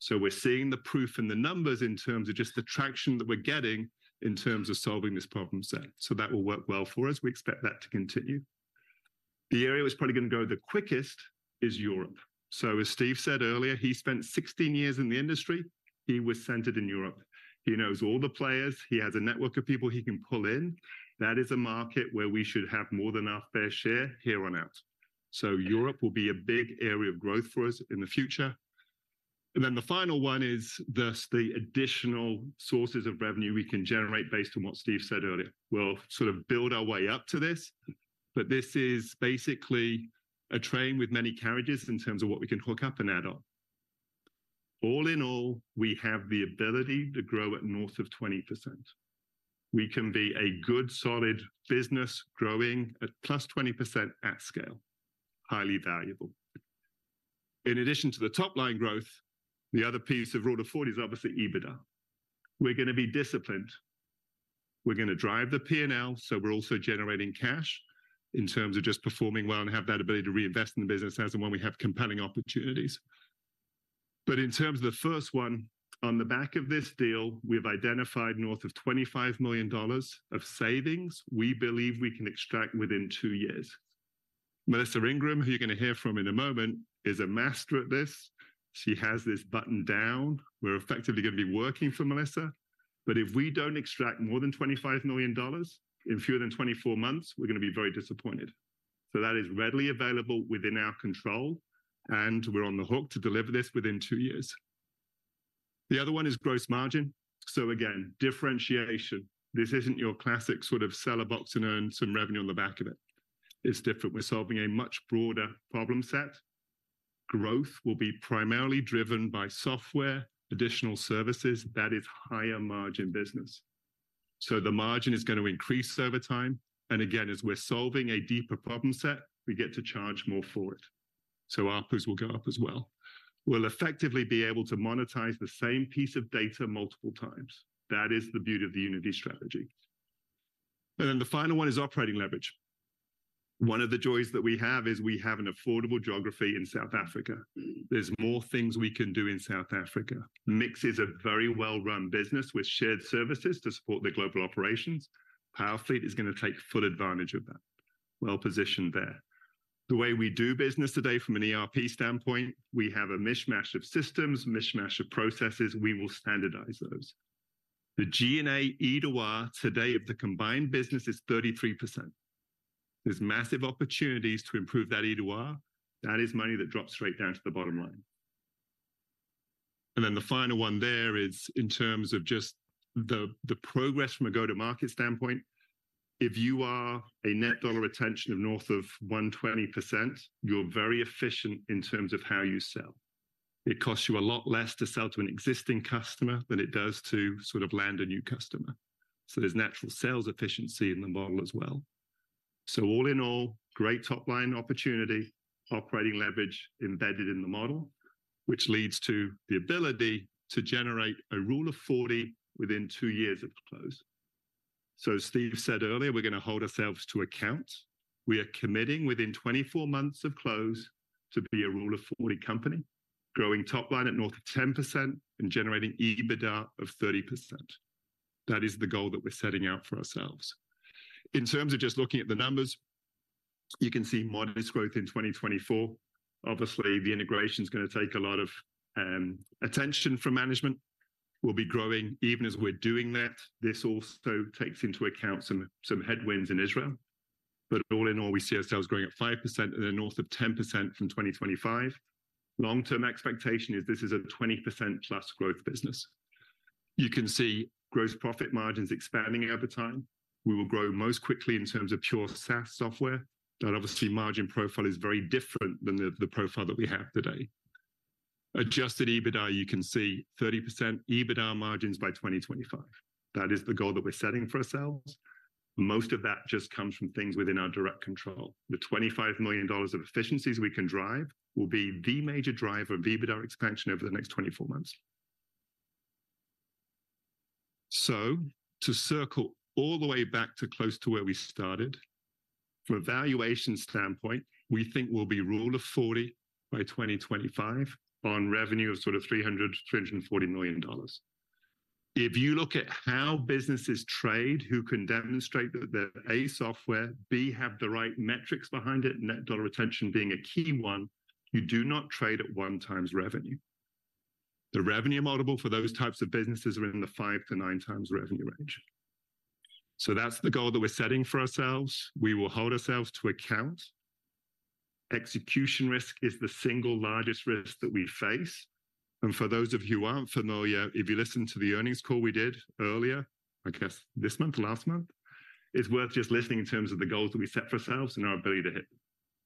So we're seeing the proof in the numbers in terms of just the traction that we're getting in terms of solving this problem set. So that will work well for us. We expect that to continue. The area which is probably gonna grow the quickest is Europe. So as Steve said earlier, he spent 16 years in the industry. He was centered in Europe. He knows all the players. He has a network of people he can pull in. That is a market where we should have more than our fair share here on out. Europe will be a big area of growth for us in the future. Then the final one is the additional sources of revenue we can generate based on what Steve said earlier. We'll sort of build our way up to this, but this is basically a train with many carriages in terms of what we can hook up and add on. All in all, we have the ability to grow at north of 20%. We can be a good, solid business growing at +20% at scale, highly valuable. In addition to the top-line growth, the other piece of Rule of 40 is obviously EBITDA. We're gonna be disciplined. We're gonna drive the P&L, so we're also generating cash in terms of just performing well and have that ability to reinvest in the business as and when we have compelling opportunities. But in terms of the first one, on the back of this deal, we've identified north of $25 million of savings we believe we can extract within two years. Melissa Ingram, who you're gonna hear from in a moment, is a master at this. She has this buttoned down. We're effectively gonna be working for Melissa, but if we don't extract more than $25 million in fewer than 24 months, we're gonna be very disappointed. So that is readily available within our control, and we're on the hook to deliver this within two years. The other one is gross margin. So again, differentiation. This isn't your classic sort of sell a box and earn some revenue on the back of it. It's different. We're solving a much broader problem set. Growth will be primarily driven by software, additional services, that is higher margin business. So the margin is going to increase over time, and again, as we're solving a deeper problem set, we get to charge more for it. So ARPU will go up as well. We'll effectively be able to monetize the same piece of data multiple times. That is the beauty of the Unity strategy. And then the final one is operating leverage. One of the joys that we have is we have an affordable geography in South Africa. There's more things we can do in South Africa. MiX is a very well-run business with shared services to support the global operations. Powerfleet is going to take full advantage of that. Well-positioned there. The way we do business today from an ERP standpoint, we have a mishmash of systems, mishmash of processes, we will standardize those. The G&A EBITDA today of the combined business is 33%. There's massive opportunities to improve that EBITDA. That is money that drops straight down to the bottom line. Then the final one there is in terms of just the progress from a go-to-market standpoint. If you are a net dollar retention of north of 120%, you're very efficient in terms of how you sell. It costs you a lot less to sell to an existing customer than it does to sort of land a new customer. So there's natural sales efficiency in the model as well. So all in all, great top line opportunity, operating leverage embedded in the model, which leads to the ability to generate a rule of 40 within two years of the close. So as Steve said earlier, we're going to hold ourselves to account. We are committing within 24 months of close to be a rule of 40 company, growing top line at north of 10% and generating EBITDA of 30%. That is the goal that we're setting out for ourselves. In terms of just looking at the numbers, you can see modest growth in 2024. Obviously, the integration is going to take a lot of attention from management. We'll be growing even as we're doing that. This also takes into account some headwinds in Israel. But all in all, we see ourselves growing at 5% and then north of 10% from 2025. Long-term expectation is this is a 20%+ growth business. You can see gross profit margins expanding over time. We will grow most quickly in terms of pure SaaS software, but obviously margin profile is very different than the profile that we have today. adjusted EBITDA, you can see 30% EBITDA margins by 2025. That is the goal that we're setting for ourselves. Most of that just comes from things within our direct control. The $25 million of efficiencies we can drive will be the major driver of EBITDA expansion over the next 24 months. So to circle all the way back to close to where we started, from a valuation standpoint, we think we'll be Rule of 40 by 2025 on revenue of sort of $300 million-$340 million. If you look at how businesses trade, who can demonstrate that they're A, software, B, have the right metrics behind it, Net Dollar Retention being a key one, you do not trade at 1x revenue. The revenue multiple for those types of businesses are in the 5-9x revenue range. So that's the goal that we're setting for ourselves. We will hold ourselves to account. Execution risk is the single largest risk that we face, and for those of you who aren't familiar, if you listened to the earnings call we did earlier, I guess this month, last month, it's worth just listening in terms of the goals that we set for ourselves and our ability to hit.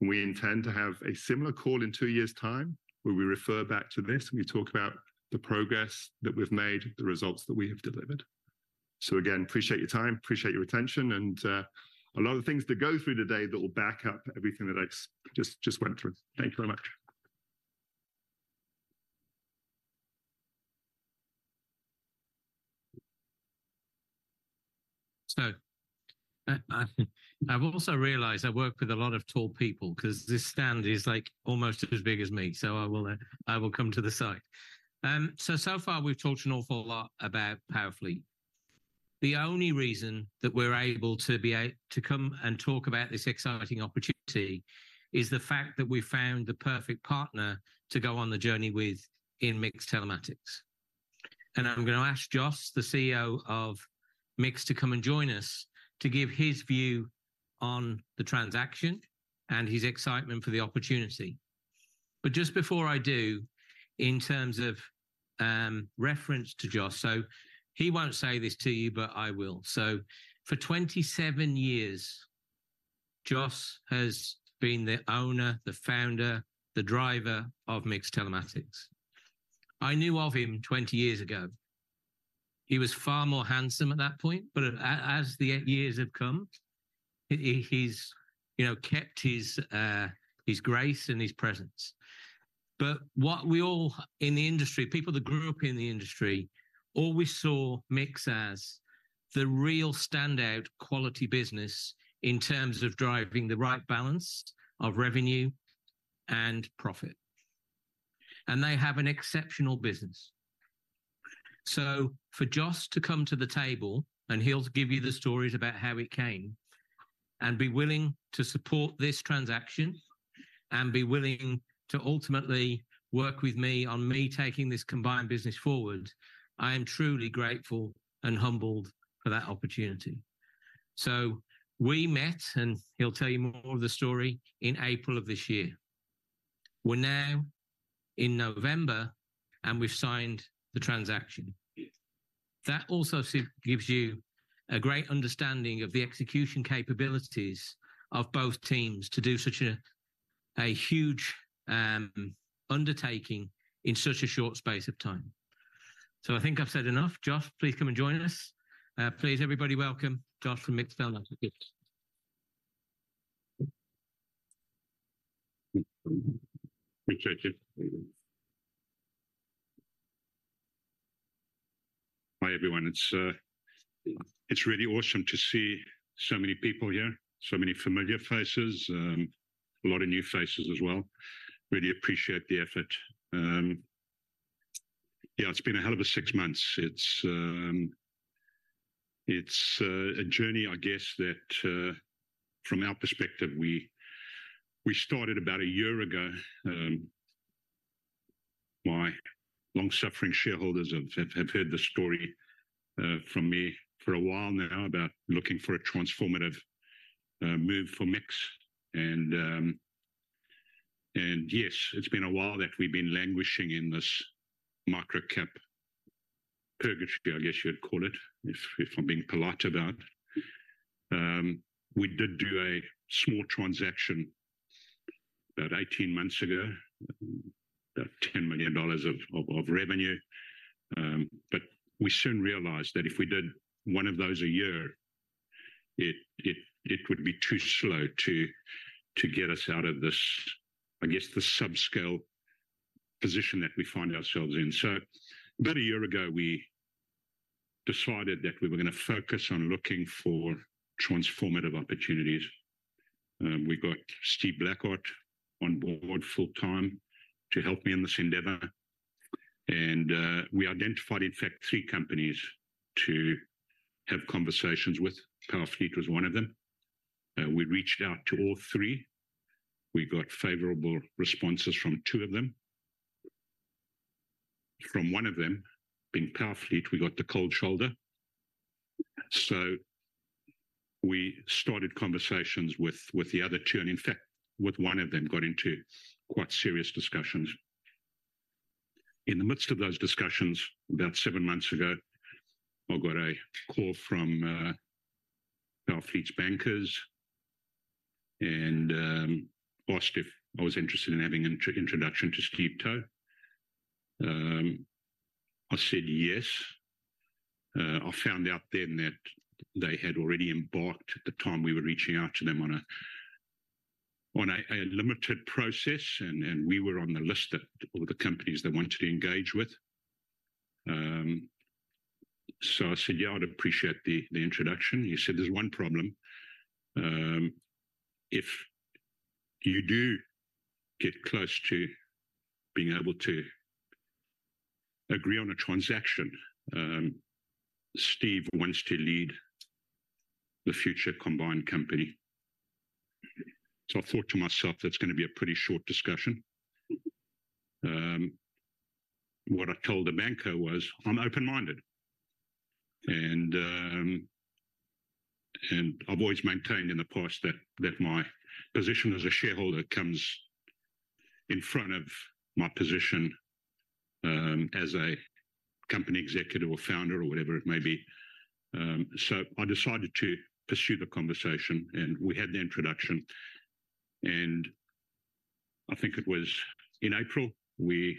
We intend to have a similar call in two years' time, where we refer back to this, and we talk about the progress that we've mada, the results that we have delivered. So again, appreciate your time, appreciate your attention, and a lot of things to go through today that will back up everything that I just went through. Thank you very much. So, I've also realized I work with a lot of tall people, because this stand is, like, almost as big as me, so I will come to the side. So far, we've talked an awful lot about Powerfleet. The only reason that we're able to come and talk about this exciting opportunity is the fact that we've found the perfect partner to go on the journey with in MiX Telematics. And I'm going to ask Jos, the CEO of MiX, to come and join us to give his view on the transaction and his excitement for the opportunity. But just before I do, in terms of reference to Jos, so he won't say this to you, but I will. So for 27 years, Jos has been the owner, the founder, the driver of MiX Telematics. I knew of him 20 years ago. He was far more handsome at that point, but as the years have come, he, he's, you know, kept his grace and his presence. But what we all in the industry, people that grew up in the industry, always saw MiX as the real standout quality business in terms of driving the right balance of revenue and profit. And they have an exceptional business. So for Jos to come to the table, and he'll give you the stories about how he came, and be willing to support this transaction, and be willing to ultimately work with me on me taking this combined business forward, I am truly grateful and humbled for that opportunity. So we met, and he'll tell you more of the story, in April of this year. We're now in November, and we've signed the transaction. That also gives you a great understanding of the execution capabilities of both teams to do such a huge undertaking in such a short space of time. So I think I've said enough. Jo, please come and join us. Please, everybody, welcome Jos from MiX Telematics. Appreciate it. Hi, everyone. It's, it's really awesome to see so many people here, so many familiar faces, a lot of new faces as well. Really appreciate the effort. Yeah, it's been a hell of a six months. It's, it's, a journey, I guess, that, from our perspective, we started about a year ago. My long-suffering shareholders have heard the story, from me for a while now about looking for a transformative, move for MiX. And, yes, it's been a while that we've been languishing in this micro-cap purgatory, I guess you would call it, if I'm being polite about it. We did do a small transaction about 18 months ago, about $10 million of revenue. But we soon realized that if we did one of those a year, it would be too slow to get us out of this, I guess, the subscale position that we find ourselves in. So about a year ago, we decided that we were gonna focus on looking for transformative opportunities. We got Steve Blackard on board full-time to help me in this endeavor, and we identified, in fact, three companies to have conversations with. Powerfleet was one of them. We reached out to all three. We got favorable responses from two of them. From one of them, being Powerfleet, we got the cold shoulder. So we started conversations with the other two, and in fact, with one of them, got into quite serious discussions. In the midst of those discussions, about seven months ago, I got a call from Powerfleet's bankers and asked if I was interested in having an introduction to Steve Towe. I said, "Yes." I found out then that they had already embarked, at the time we were reaching out to them, on a limited process, and we were on the list of the companies they wanted to engage with. So I said, "Yeah, I'd appreciate the introduction." He said, "There's one problem. If you do get close to being able to agree on a transaction, Steve wants to lead the future combined company." So I thought to myself, "That's gonna be a pretty short discussion." What I told the banker was, "I'm open-minded," and I've always maintained in the past that my position as a shareholder comes in front of my position as a company executive or founder or whatever it may be. So I decided to pursue the conversation, and we had the introduction. And I think it was in April, we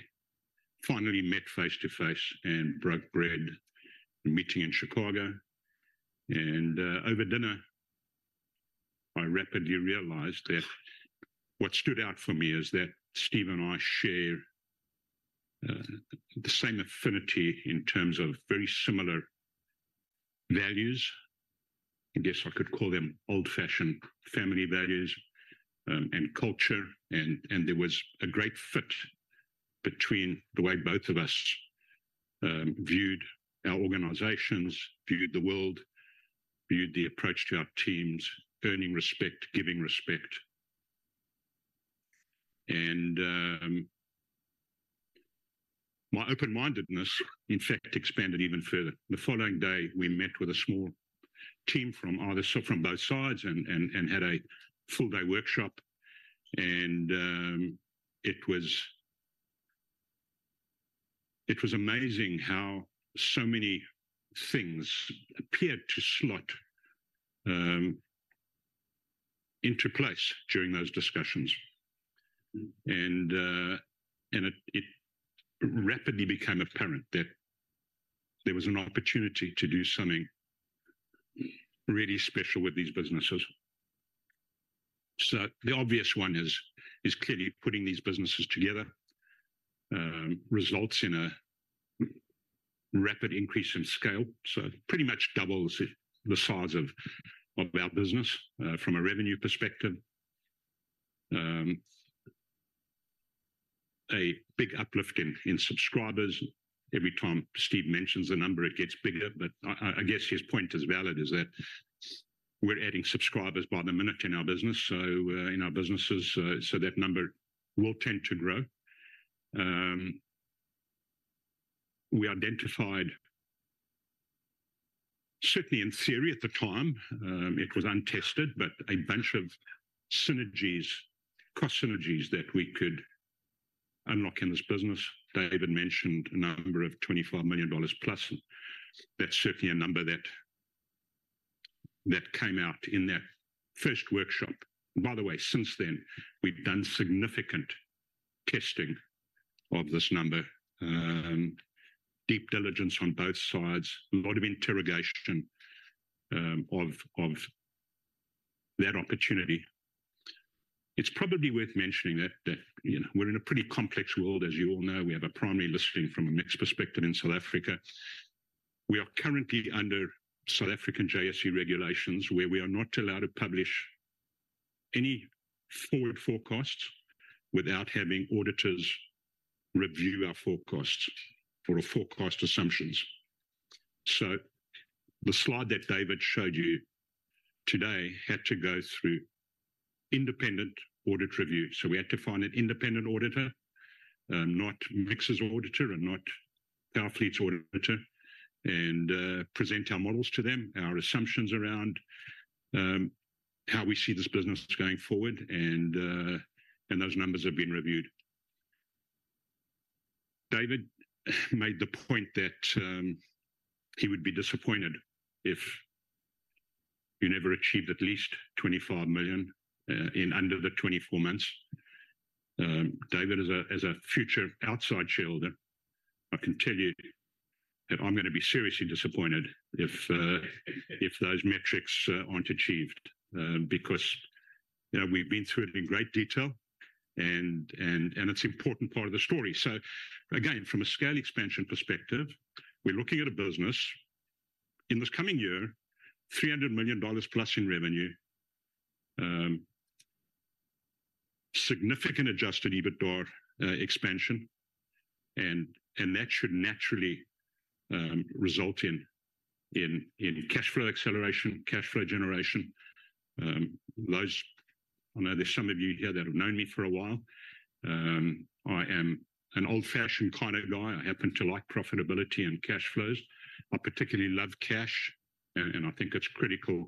finally met face-to-face and broke bread, meeting in Chicago. And over dinner, I rapidly realized that what stood out for me is that Steve and I share the same affinity in terms of very similar values. I guess I could call them old-fashioned family values and culture. There was a great fit between the way both of us viewed our organizations, viewed the world, viewed the approach to our teams, earning respect, giving respect. My open-mindedness, in fact, expanded even further. The following day, we met with a small team from either side, from both sides and had a full-day workshop, and it was. It was amazing how so many things appeared to slot into place during those discussions. It rapidly became apparent that there was an opportunity to do something really special with these businesses. So the obvious one is clearly putting these businesses together, results in a rapid increase in scale, so pretty much doubles the size of our business from a revenue perspective. A big uplift in subscribers. Every time Steve mentions a number, it gets bigger, but I guess his point is valid, is that we're adding subscribers by the minute in our business, so, in our businesses, so that number will tend to grow. We identified certainly, in theory at the time, it was untested, but a bunch of synergies, cost synergies that we could unlock in this business. David mentioned a number of $24 million plus, and that's certainly a number that, that came out in that first workshop. By the way, since then, we've done significant testing of this number, deep diligence on both sides, a lot of interrogation, of, of that opportunity. It's probably worth mentioning that, that, you know, we're in a pretty complex world, as you all know. We have a primary listing from a MiX perspective in South Africa. We are currently under South African JSE regulations, where we are not allowed to publish any forward forecasts without having auditors review our forecasts or our forecast assumptions. So the slide that David showed you today had to go through independent audit review. So we had to find an independent auditor, not Mix's auditor and not Powerfleet's auditor, and present our models to them, our assumptions around how we see this business going forward, and those numbers have been reviewed. David mada the point that he would be disappointed if we never achieved at least $25 million in under the 24 months. David, as a future outside shareholder, I can tell you that I'm gonna be seriously disappointed if those metrics aren't achieved. Because, you know, we've been through it in great detail, and it's important part of the story. So again, from a scale expansion perspective, we're looking at a business, in this coming year, $300 million plus in revenue, significant adjusted EBITDA expansion, and that should naturally result in cash flow acceleration, cash flow generation. Those—I know there's some of you here that have known me for a while. I am an old-fashioned kind of guy. I happen to like profitability and cash flows. I particularly love cash, and I think it's critical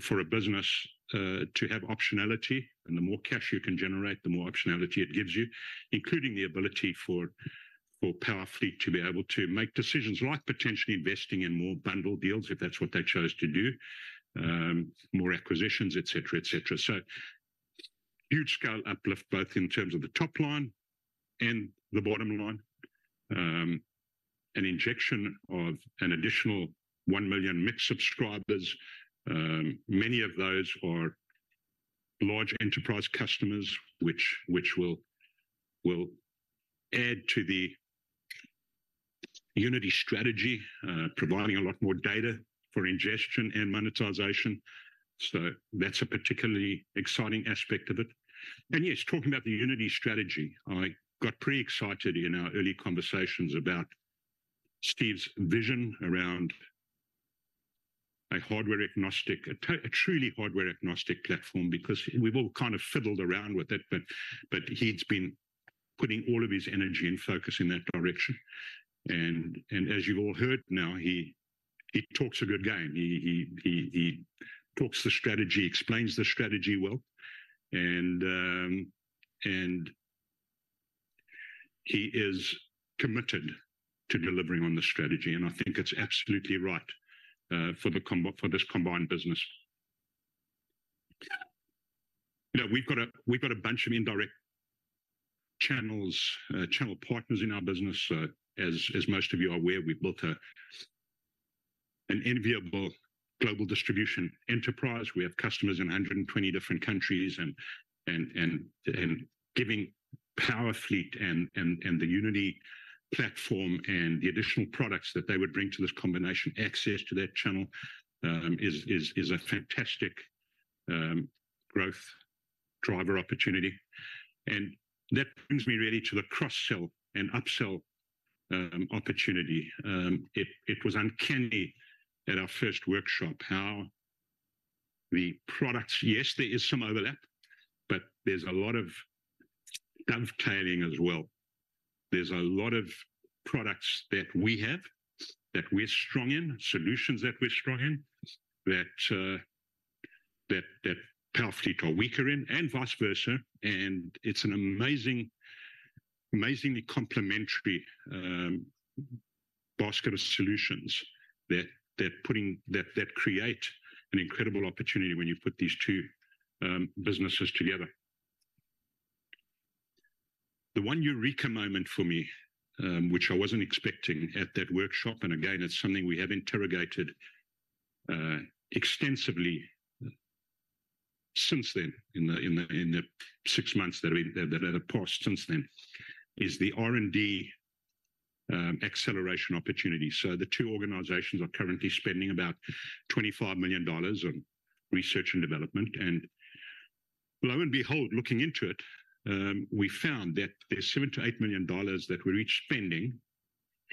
for a business to have optionality, and the more cash you can generate, the more optionality it gives you, including the ability for Powerfleet to be able to make decisions, like potentially investing in more bundle deals, if that's what they chose to do, more acquisitions, et cetera, et cetera. So huge scale uplift, both in terms of the top line and the bottom line. An injection of an additional 1 million MiX subscribers, many of those are large enterprise customers, which will add to the Unity strategy, providing a lot more data for ingestion and monetization. So that's a particularly exciting aspect of it. Yes, talking about the Unity strategy, I got pretty excited in our early conversations about Steve's vision around a hardware-agnostic, a truly hardware-agnostic platform, because we've all kind of fiddled around with it, but he's been putting all of his energy and focus in that direction. And as you've all heard now, he talks a good game. He talks the strategy, explains the strategy well, and he is committed to delivering on the strategy, and I think it's absolutely right for this combined business. You know, we've got a bunch of indirect channels, channel partners in our business. As most of you are aware, we've built an enviable global distribution enterprise. We have customers in 120 different countries, and giving Powerfleet and the Unity platform and the additional products that they would bring to this combination access to that channel is a fantastic growth driver opportunity. And that brings me really to the cross-sell and upsell opportunity. It was uncanny at our first workshop how the products. Yes, there is some overlap, but there's a lot of dovetailing as well. There's a lot of products that we have, that we're strong in, solutions that we're strong in, that Powerfleet are weaker in, and vice versa. And it's an amazing, amazingly complementary basket of solutions that create an incredible opportunity when you put these two businesses together. The one eureka moment for me, which I wasn't expecting at that workshop, and again, it's something we have interrogated extensively since then, in the six months that have passed since then, is the R&D acceleration opportunity. So the two organizations are currently spending about $25 million on research and development. And lo and behold, looking into it, we found that there's $7-8 million that we're each spending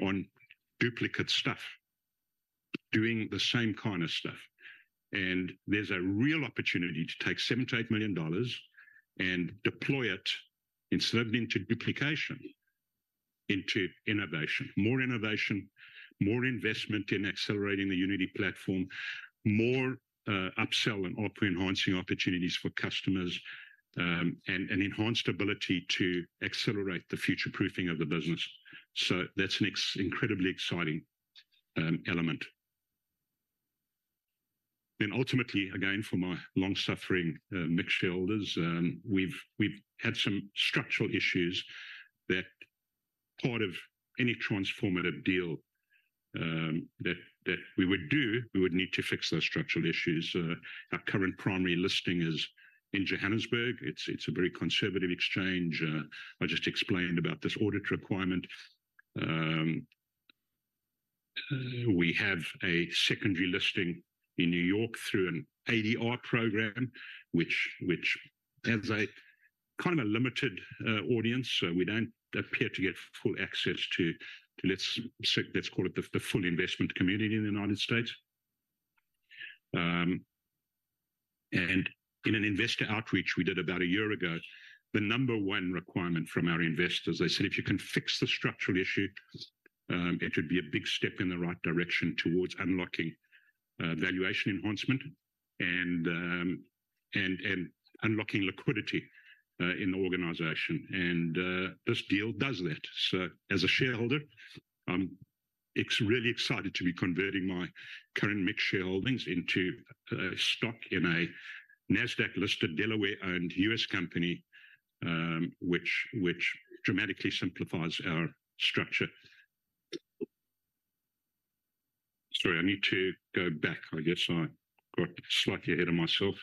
on duplicate stuff, doing the same kind of stuff. And there's a real opportunity to take $7-8 million and deploy it instead of into duplication into innovation. More innovation, more investment in accelerating the Unity platform, more upsell and opera enhancing opportunities for customers, and an enhanced ability to accelerate the future-proofing of the business. So that's an incredibly exciting element. Then ultimately, again, for my long-suffering MiX shareholders, we've had some structural issues that part of any transformative deal, that we would do, we would need to fix those structural issues. Our current primary listing is in Johannesburg. It's a very conservative exchange. I just explained about this audit requirement. We have a secondary listing in New York through an ADR program, which has a kinda limited audience, so we don't appear to get full access to, let's say—let's call it the full investment community in the United States. And in an investor outreach we did about a year ago, the number one requirement from our investors, they said, "If you can fix the structural issue, it would be a big step in the right direction towards unlocking valuation enhancement and unlocking liquidity in the organization." This deal does that. So as a shareholder, I'm really excited to be converting my current MiX shareholdings into stock in a NASDAQ-listed, Delaware-owned US company, which dramatically simplifies our structure. Sorry, I need to go back. I guess I got slightly ahead of myself.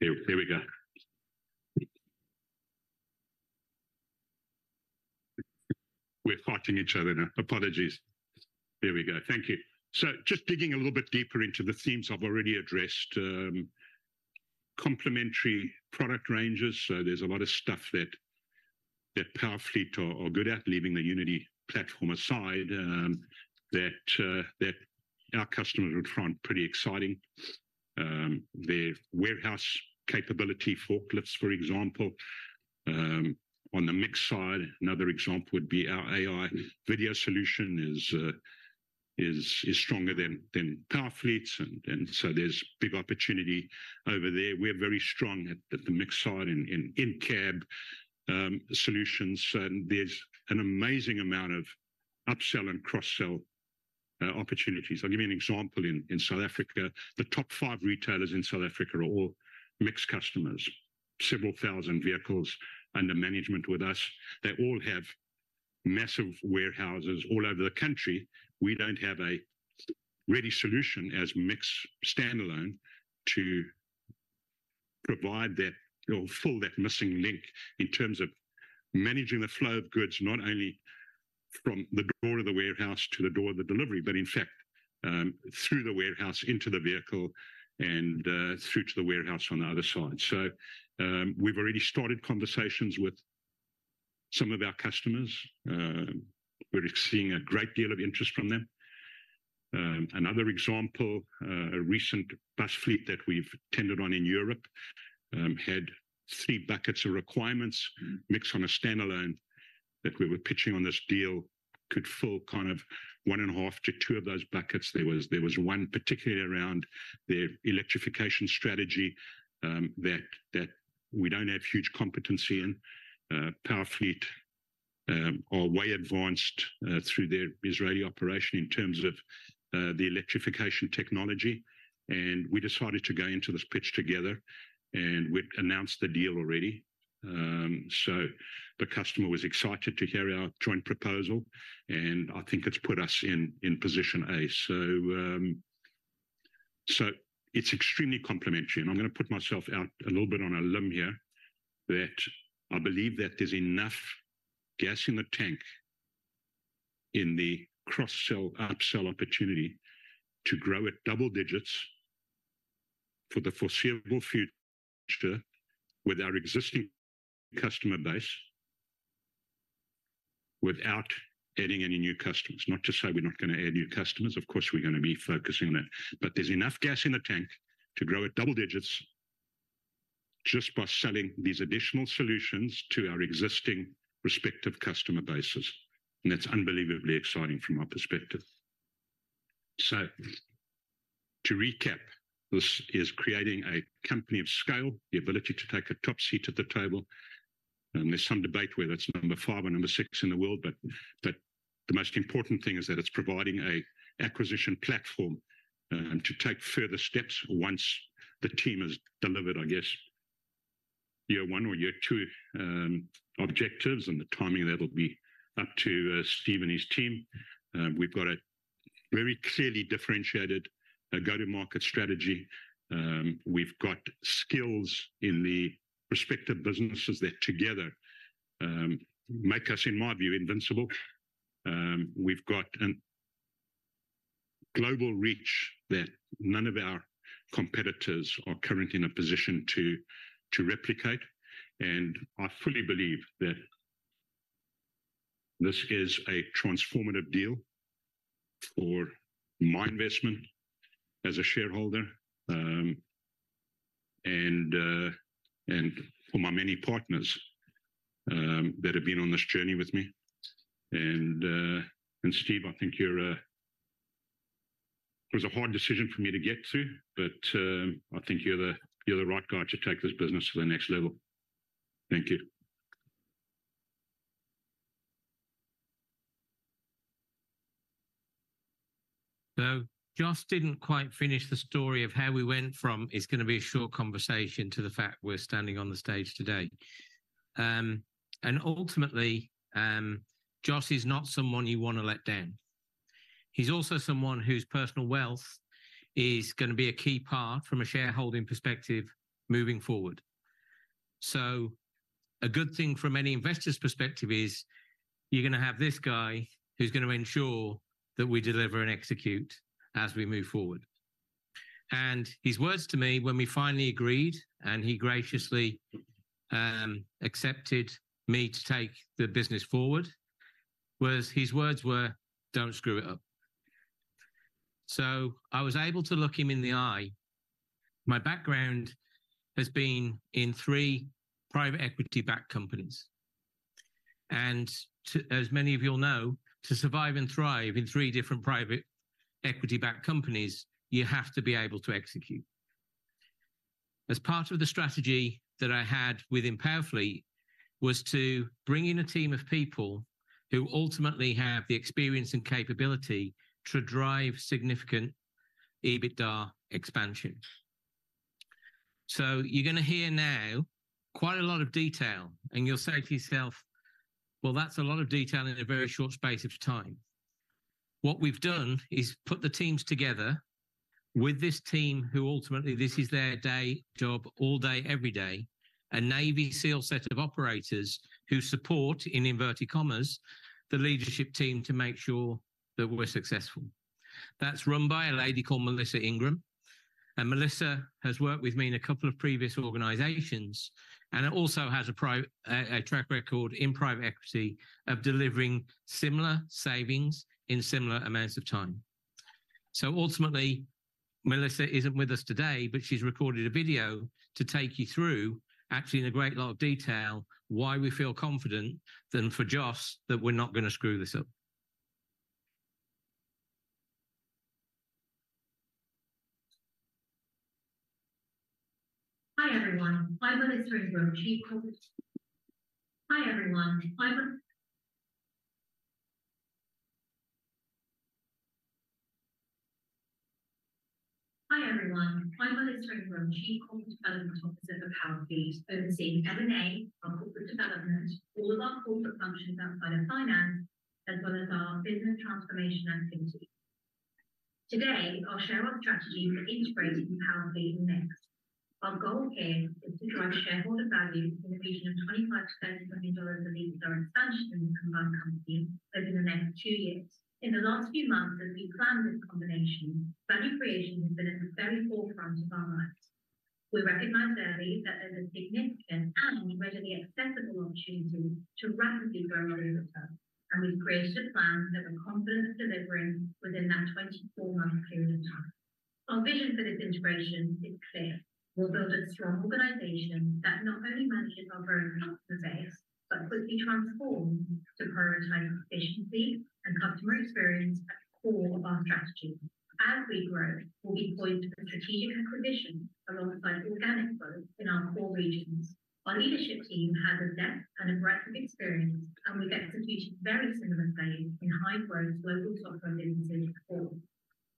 Here we go. We're fighting each other now. Apologies. Here we go. Thank you. So just digging a little bit deeper into the themes I've already addressed. Complementary product ranges, so there's a lot of stuff that Powerfleet are good at, leaving the Unity platform aside, that our customers would find pretty exciting. Their warehouse capability, forklifts, for example. On the Mix side, another example would be our AI video solution is stronger than Powerfleet's, and so there's big opportunity over there. We're very strong at the Mix side in in-cab solutions, and there's an amazing amount of upsell and cross-sell opportunities. I'll give you an example in South Africa. The top five retailers in South Africa are all Mix customers, several thousand vehicles under management with us. They all have massive warehouses all over the country. We don't have a ready solution as MiX standalone to provide that or fill that missing link in terms of managing the flow of goods, not only from the door of the warehouse to the door of the delivery, but in fact, through the warehouse into the vehicle and, through to the warehouse on the other side. So, we've already started conversations with some of our customers. We're seeing a great deal of interest from them. Another example, a recent bus fleet that we've tendered on in Europe, had three buckets of requirements. MiX on a standalone that we were pitching on this deal could fill kind of 1.5-2 of those buckets. There was one particularly around their electrification strategy, that we don't have huge competency in. Powerfleet are way advanced through their Israeli operation in terms of the electrification technology, and we decided to go into this pitch together, and we'd announced the deal already. So the customer was excited to hear our joint proposal, and I think it's put us in position A. So it's extremely complementary, and I'm gonna put myself out a little bit on a limb here, that I believe that there's enough gas in the tank in the cross-sell, upsell opportunity to grow at double digits for the foreseeable future with our existing customer base without adding any new customers. Not to say we're not gonna add new customers, of course, we're gonna be focusing on that. But there's enough gas in the tank to grow at double digits just by selling these additional solutions to our existing respective customer bases, and that's unbelievably exciting from our perspective. So to recap, this is creating a company of scale, the ability to take a top seat at the table, and there's some debate whether it's number five or number six in the world, but the most important thing is that it's providing an acquisition platform to take further steps once the team has delivered, I guess, year one or year two objectives, and the timing, that'll be up to, Steve and his team. We've got a very clearly differentiated go-to-market strategy. We've got skills in the respective businesses that together make us, in my view, invincible. We've got a global reach that none of our competitors are currently in a position to replicate, and I fully believe that. This is a transformative deal for my investment as a shareholder, and for my many partners that have been on this journey with me. And Steve, I think it was a hard decision for me to get to, but I think you're the right guy to take this business to the next level. Thank you. Jos didn't quite finish the story of how we went from, "It's gonna be a short conversation," to the fact we're standing on the stage today. Ultimately, Jos is not someone you wanna let down. He's also someone whose personal wealth is gonna be a key part from a shareholding perspective moving forward. A good thing from any investor's perspective is, you're gonna have this guy who's gonna ensure that we deliver and execute as we move forward. His words to me when we finally agreed, and he graciously accepted me to take the business forward, was. His words were, "Don't screw it up." I was able to look him in the eye. My background has been in three private equity-backed companies, and to—as many of you all know, to survive and thrive in three different private equity-backed companies, you have to be able to execute. As part of the strategy that I had with Powerfleet, was to bring in a team of people who ultimately have the experience and capability to drive significant EBITDA expansion. So you're gonna hear now quite a lot of detail, and you'll say to yourself: Well, that's a lot of detail in a very short space of time. What we've done is put the teams together with this team who ultimately, this is their day job, all day, every day. A Navy SEAL set of operators who support, in inverted commas, the leadership team to make sure that we're successful. That's run by a lady called Melissa Ingram, and Melissa has worked with me in a couple of previous organizations, and also has a track record in private equity of delivering similar savings in similar amounts of time. So ultimately, Melissa isn't with us today, but she's recorded a video to take you through, actually, in a great lot of detail, why we feel confident, then for Joss, that we're not gonna screw this up. Hi, everyone. I'm Melissa Ingram, Chief Corporate Development Officer for Powerfleet, overseeing M&A, our corporate development, all of our corporate functions outside of finance, as well as our business transformation and team. Today, I'll share our strategy for integrating Powerfleet and MiX. Our goal here is to drive shareholder value in the region of $25 million of EBITDA expansion in the combined company over the next two years. In the last few months, as we planned this combination, value creation has been at the very forefront of our minds. We recognized early that there's a significant and readily accessible opportunity to rapidly grow our EBITDA, and we've created a plan that we're confident of delivering within that 24-month period of time. Our vision for this integration is clear. We'll build a strong organization that not only manages our growth base, but quickly transforms to prioritize efficiency and customer experience at the core of our strategy. As we grow, we'll be poised for strategic acquisition alongside organic growth in our core regions. Our leadership team has a depth and a breadth of experience, and we've executed very similar plays in high-growth, local software businesses before.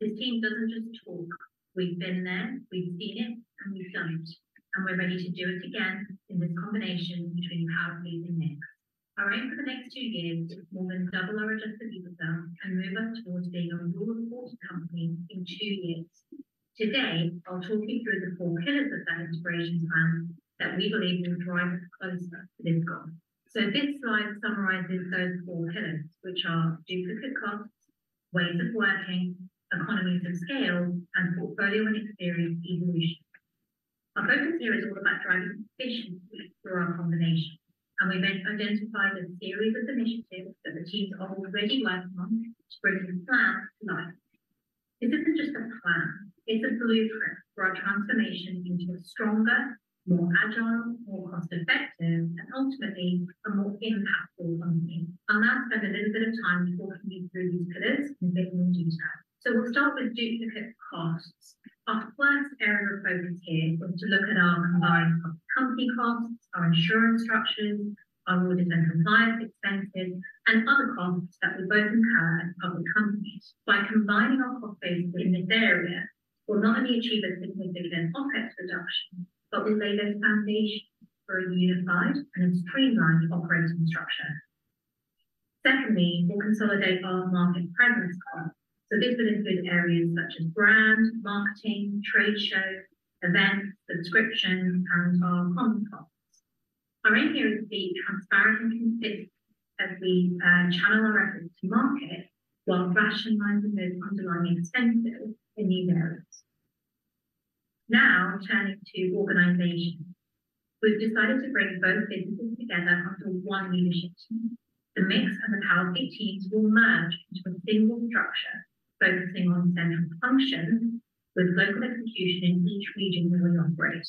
This team doesn't just talk, we've been there, we've seen it, and we've done it, and we're ready to do it again in this combination between Powerfleet and MiX. Our aim for the next two years is more than double our adjusted EBITDA and move us towards being a Rule of 40 company in two years. Today, I'll talk you through the four pillars of that integration plan that we believe will drive us closer to this goal. So this slide summarizes those four pillars, which are duplicate costs, ways of working, economies of scale, and portfolio and experience evolution. Our focus here is all about driving efficiency through our combination, and we've identified a series of initiatives that the teams are already working on to bring the plan to life. This isn't just a plan; it's a blueprint for our transformation into a stronger, more agile, more cost-effective, and ultimately, a more impactful company. I'll now spend a little bit of time walking you through these pillars in a bit more detail. So we'll start with duplicate costs. Our first area of focus here was to look at our combined company costs, our insurance structures, our audit and compliance expenses, and other costs that we both incur as public companies. By combining our cost base in this area, we'll not only achieve a significant OpEx reduction, but we'll lay the foundation for a unified and a streamlined operating structure. Secondly, we'll consolidate our market presence costs. This will include areas such as brand, marketing, trade shows, events, subscription, and our comm costs. Our aim here is to be transparent and consistent as we channel our efforts to market while rationalizing those underlying expenses in these areas. ...Now, turning to organization. We've decided to bring both businesses together under one leadership team. The MiX and the Powerfleet teams will merge into a single structure, focusing on central functions, with local execution in each region where we operate.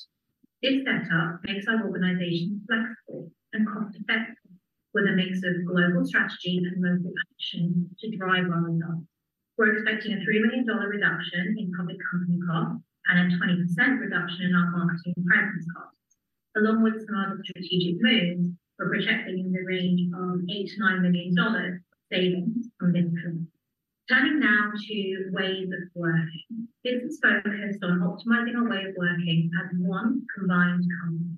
This setup makes our organization flexible and cost-effective, with a mix of global strategy and local action to drive our growth. We're expecting a $3 million reduction in public company costs and a 20% reduction in our marketing and franchise costs. Along with some other strategic moves, we're projecting in the range of $8 million-$9 million savings from this move. Turning now to ways of working. Business focus on optimizing our way of working as one combined company.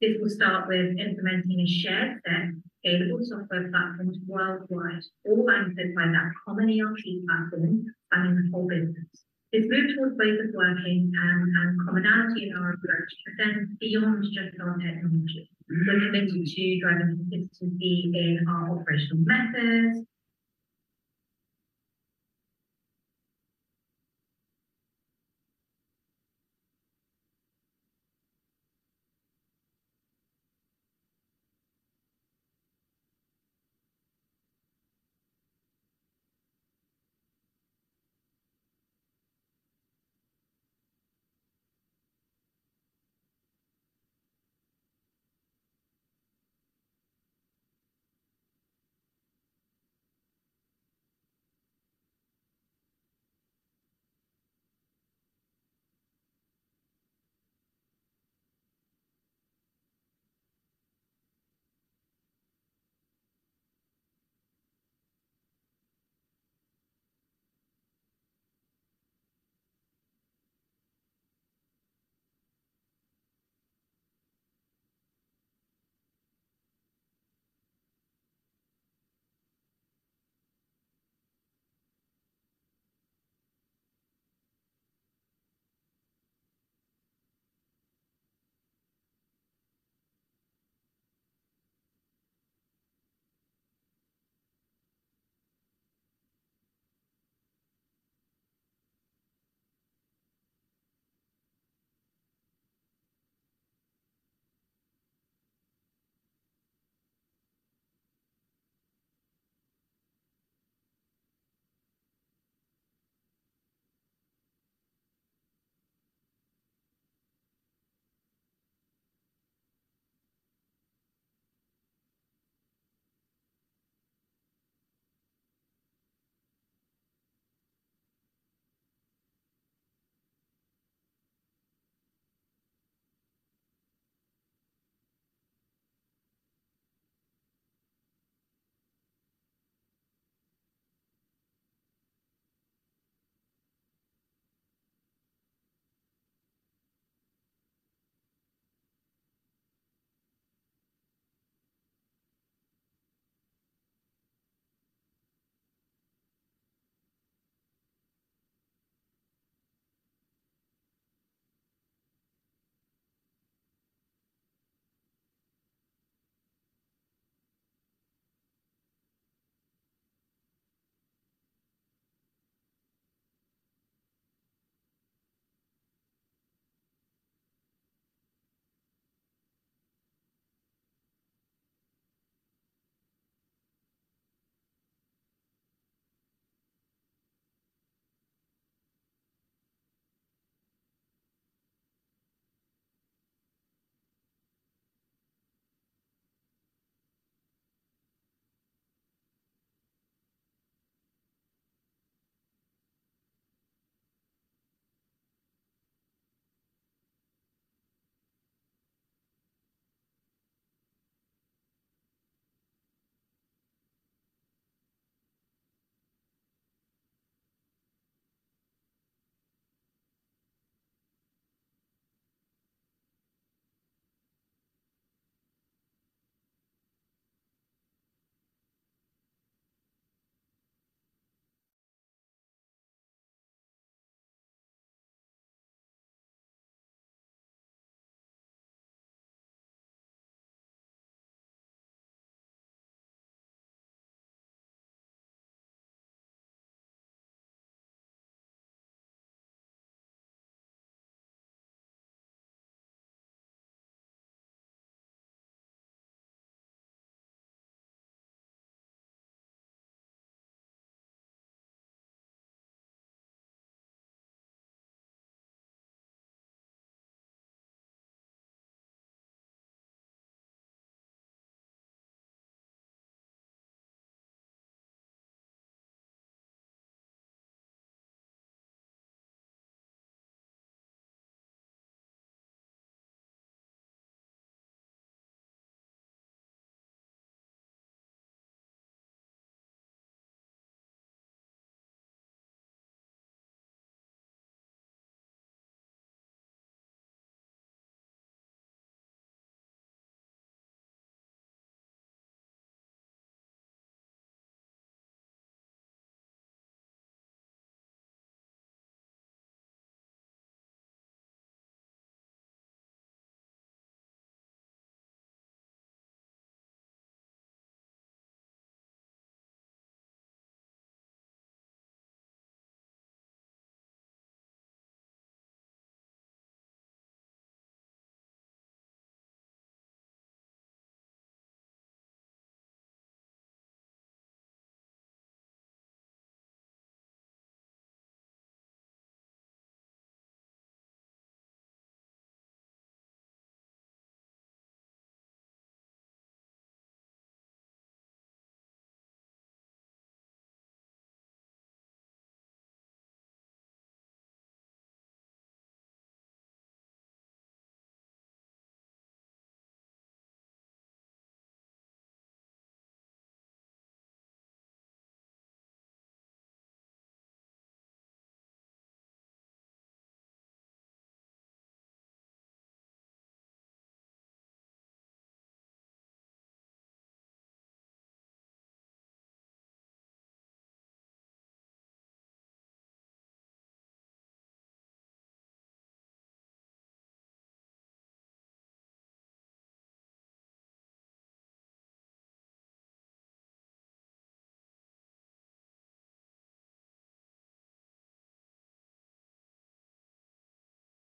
This will start with implementing a shared set of scalable software platforms worldwide, all anchored by that common ERP platform spanning the whole business. This move towards ways of working and commonality in our approach extends beyond just our technology. We're committed to driving consistency in our operational methods. ...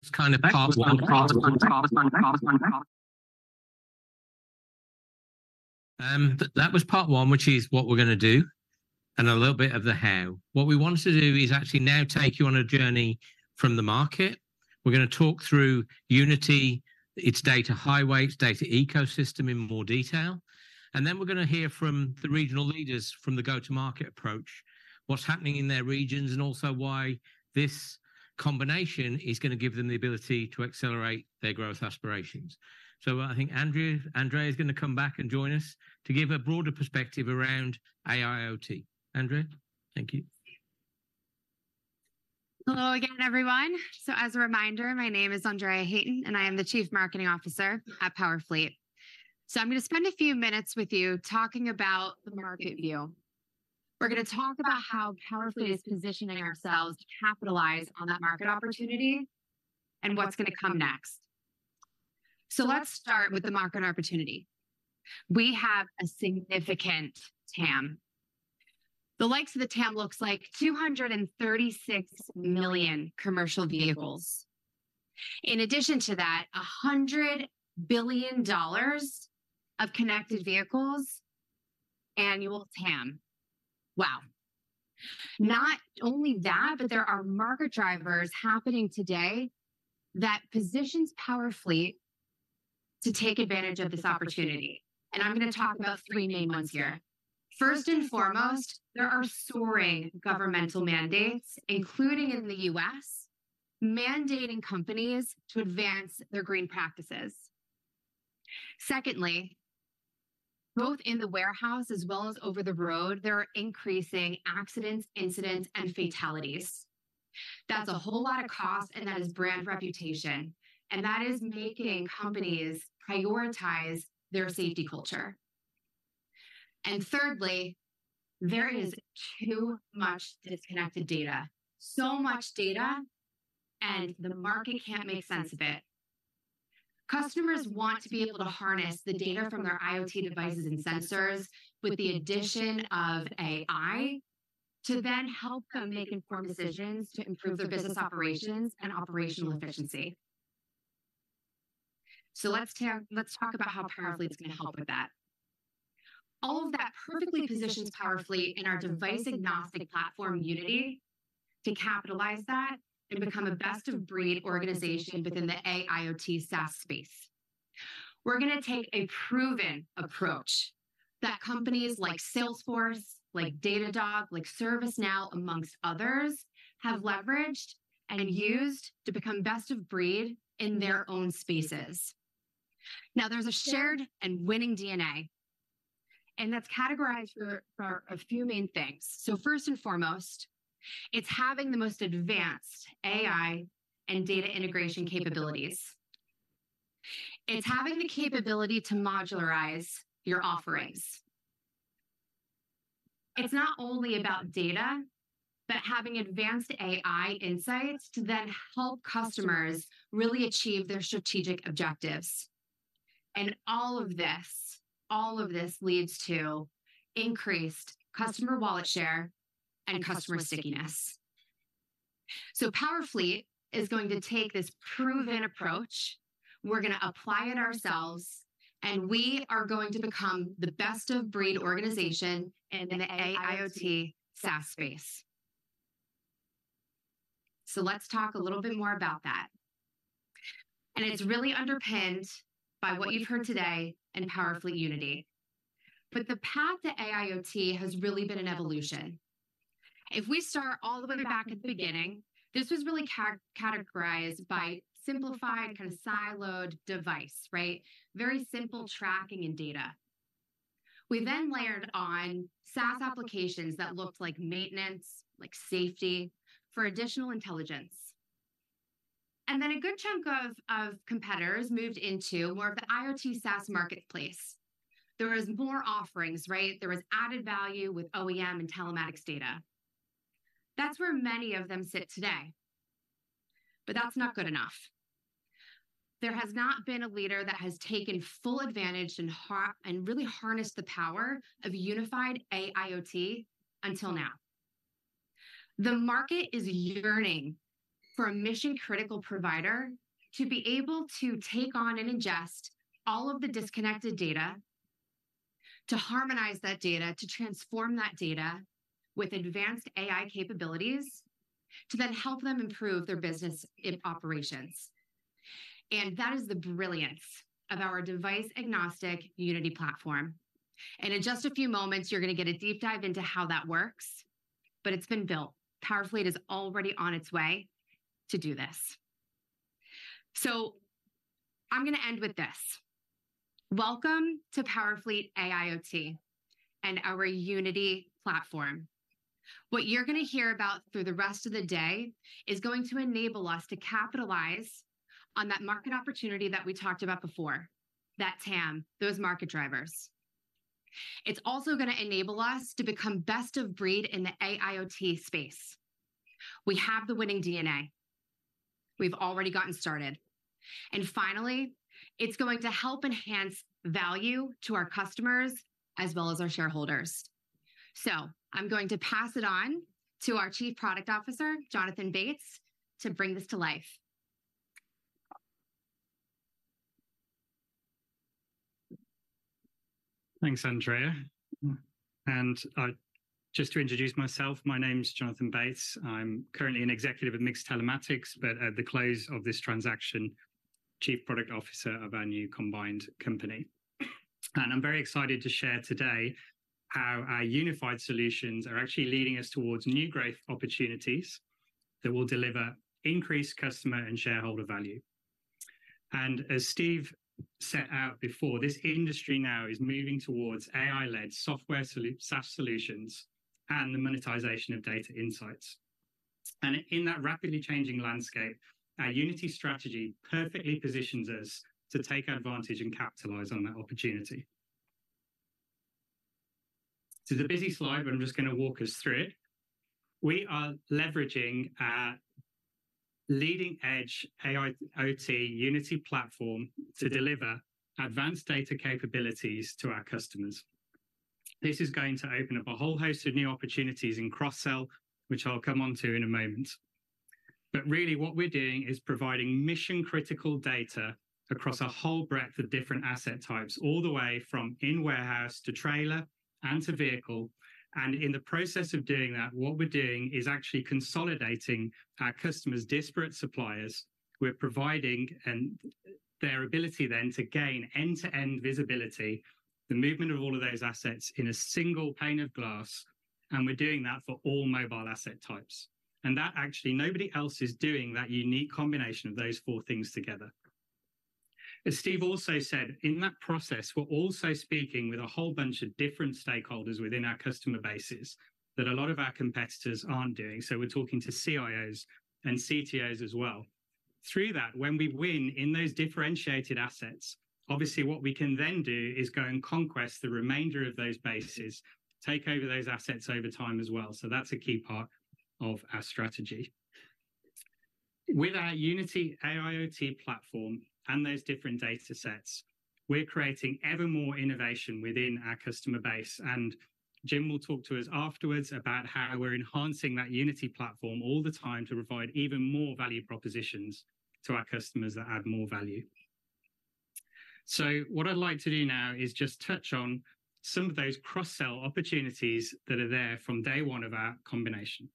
It's kind of part one, part one, part one, part one. That was part one, which is what we're gonna do, and a little bit of the how. What we want to do is actually now take you on a journey from the market. We're gonna talk through Unity, its data highway, its data ecosystem in more detail, and then we're gonna hear from the regional leaders from the go-to-market approach, what's happening in their regions, and also why this combination is gonna give them the ability to accelerate their growth aspirations. So I think Andrea, Andrea is gonna come back and join us to give a broader perspective around AIoT. Andrea, thank you. Hello again, everyone. As a reminder, my name is Andrea Hayton, and I am the Chief Marketing Officer at Powerfleet. I'm gonna spend a few minutes with you talking about the market view. We're gonna talk about how Powerfleet is positioning ourselves to capitalize on that market opportunity and what's gonna come next. Let's start with the market opportunity. We have a significant TAM. The likes of the TAM looks like 236 million commercial vehicles. In addition to that, $100 billion of connected vehicles, annual TAM. Wow! Not only that, but there are market drivers happening today that positions Powerfleet to take advantage of this opportunity, and I'm gonna talk about three main ones here. First and foremost, there are soaring governmental mandates, including in the U.S., mandating companies to advance their green practices. Secondly, both in the warehouse as well as over the road, there are increasing accidents, incidents, and fatalities. That's a whole lot of cost, and that is brand reputation, and that is making companies prioritize their safety culture. And thirdly, there is too much disconnected data. So much data, and the market can't make sense of it. Customers want to be able to harness the data from their IoT devices and sensors, with the addition of AI, to then help them make informed decisions to improve their business operations and operational efficiency. So let's talk about how Powerfleet's gonna help with that. All of that perfectly positions Powerfleet in our device-agnostic platform, Unity, to capitalize that and become a best-of-breed organization within the AIoT SaaS space. We're gonna take a proven approach that companies like Salesforce, like Datadog, like ServiceNow, among others, have leveraged and used to become best of breed in their own spaces. Now, there's a shared and winning DNA, and that's categorized for a few main things. So first and foremost, it's having the most advanced AI and data integration capabilities. It's having the capability to modularize your offerings. It's not only about data, but having advanced AI insights to then help customers really achieve their strategic objectives. And all of this, all of this leads to increased customer wallet share and customer stickiness. So Powerfleet is going to take this proven approach, we're gonna apply it ourselves, and we are going to become the best-of-breed organization in the AIoT SaaS space. So let's talk a little bit more about that. It's really underpinned by what you've heard today in Powerfleet Unity. The path to AIoT has really been an evolution. If we start all the way back at the beginning, this was really categorized by simplified, kind of siloed device, right? Very simple tracking and data. We then layered on SaaS applications that looked like maintenance, like safety, for additional intelligence. Then a good chunk of competitors moved into more of the IoT SaaS marketplace. There was more offerings, right? There was added value with OEM and telematics data. That's where many of them sit today... but that's not good enough. There has not been a leader that has taken full advantage and really harnessed the power of unified AIoT until now. The market is yearning for a mission-critical provider to be able to take on and ingest all of the disconnected data, to harmonize that data, to transform that data with advanced AI capabilities, to then help them improve their business and operations. That is the brilliance of our device-agnostic Unity platform. In just a few moments, you're gonna get a deep dive into how that works, but it's been built. Powerfleet is already on its way to do this. I'm gonna end with this: Welcome to Powerfleet AIoT and our Unity platform. What you're gonna hear about through the rest of the day is going to enable us to capitalize on that market opportunity that we talked about before, that TAM, those market drivers. It's also gonna enable us to become best of breed in the AIoT space. We have the winning DNA. We've already gotten started. Finally, it's going to help enhance value to our customers as well as our shareholders. I'm going to pass it on to our Chief Product Officer, Jonathan Bates, to bring this to life. Thanks, Andrea. Just to introduce myself, my name is Jonathan Bates. I'm currently an executive at MiX Telematics, but at the close of this transaction, Chief Product Officer of our new combined company. I'm very excited to share today how our unified solutions are actually leading us towards new growth opportunities that will deliver increased customer and shareholder value. As Steve set out before, this industry now is moving towards AI-led software SaaS solutions and the monetization of data insights. In that rapidly changing landscape, our Unity strategy perfectly positions us to take advantage and capitalize on that opportunity. This is a busy slide, but I'm just gonna walk us through it. We are leveraging our leading-edge AIoT Unity platform to deliver advanced data capabilities to our customers. This is going to open up a whole host of new opportunities in cross-sell, which I'll come onto in a moment. Really what we're doing is providing mission-critical data across a whole breadth of different asset types, all the way from in-warehouse, to trailer, and to vehicle. In the process of doing that, what we're doing is actually consolidating our customers' disparate suppliers. We're providing their ability then to gain end-to-end visibility of the movement of all of those assets in a single pane of glass, and we're doing that for all mobile asset types. That, actually, nobody else is doing that unique combination of those four things together. As Steve also said, in that process, we're also speaking with a whole bunch of different stakeholders within our customer bases that a lot of our competitors aren't doing. We're talking to CIOs and CTOs as well. Through that, when we win in those differentiated assets, obviously, what we can then do is go and conquest the remainder of those bases, take over those assets over time as well, so that's a key part of our strategy. With our Unity AIoT platform and those different datasets, we're creating ever more innovation within our customer base, and Jim will talk to us afterwards about how we're enhancing that Unity platform all the time to provide even more value propositions to our customers that add more value. So what I'd like to do now is just touch on some of those cross-sell opportunities that are there from day one of our combination.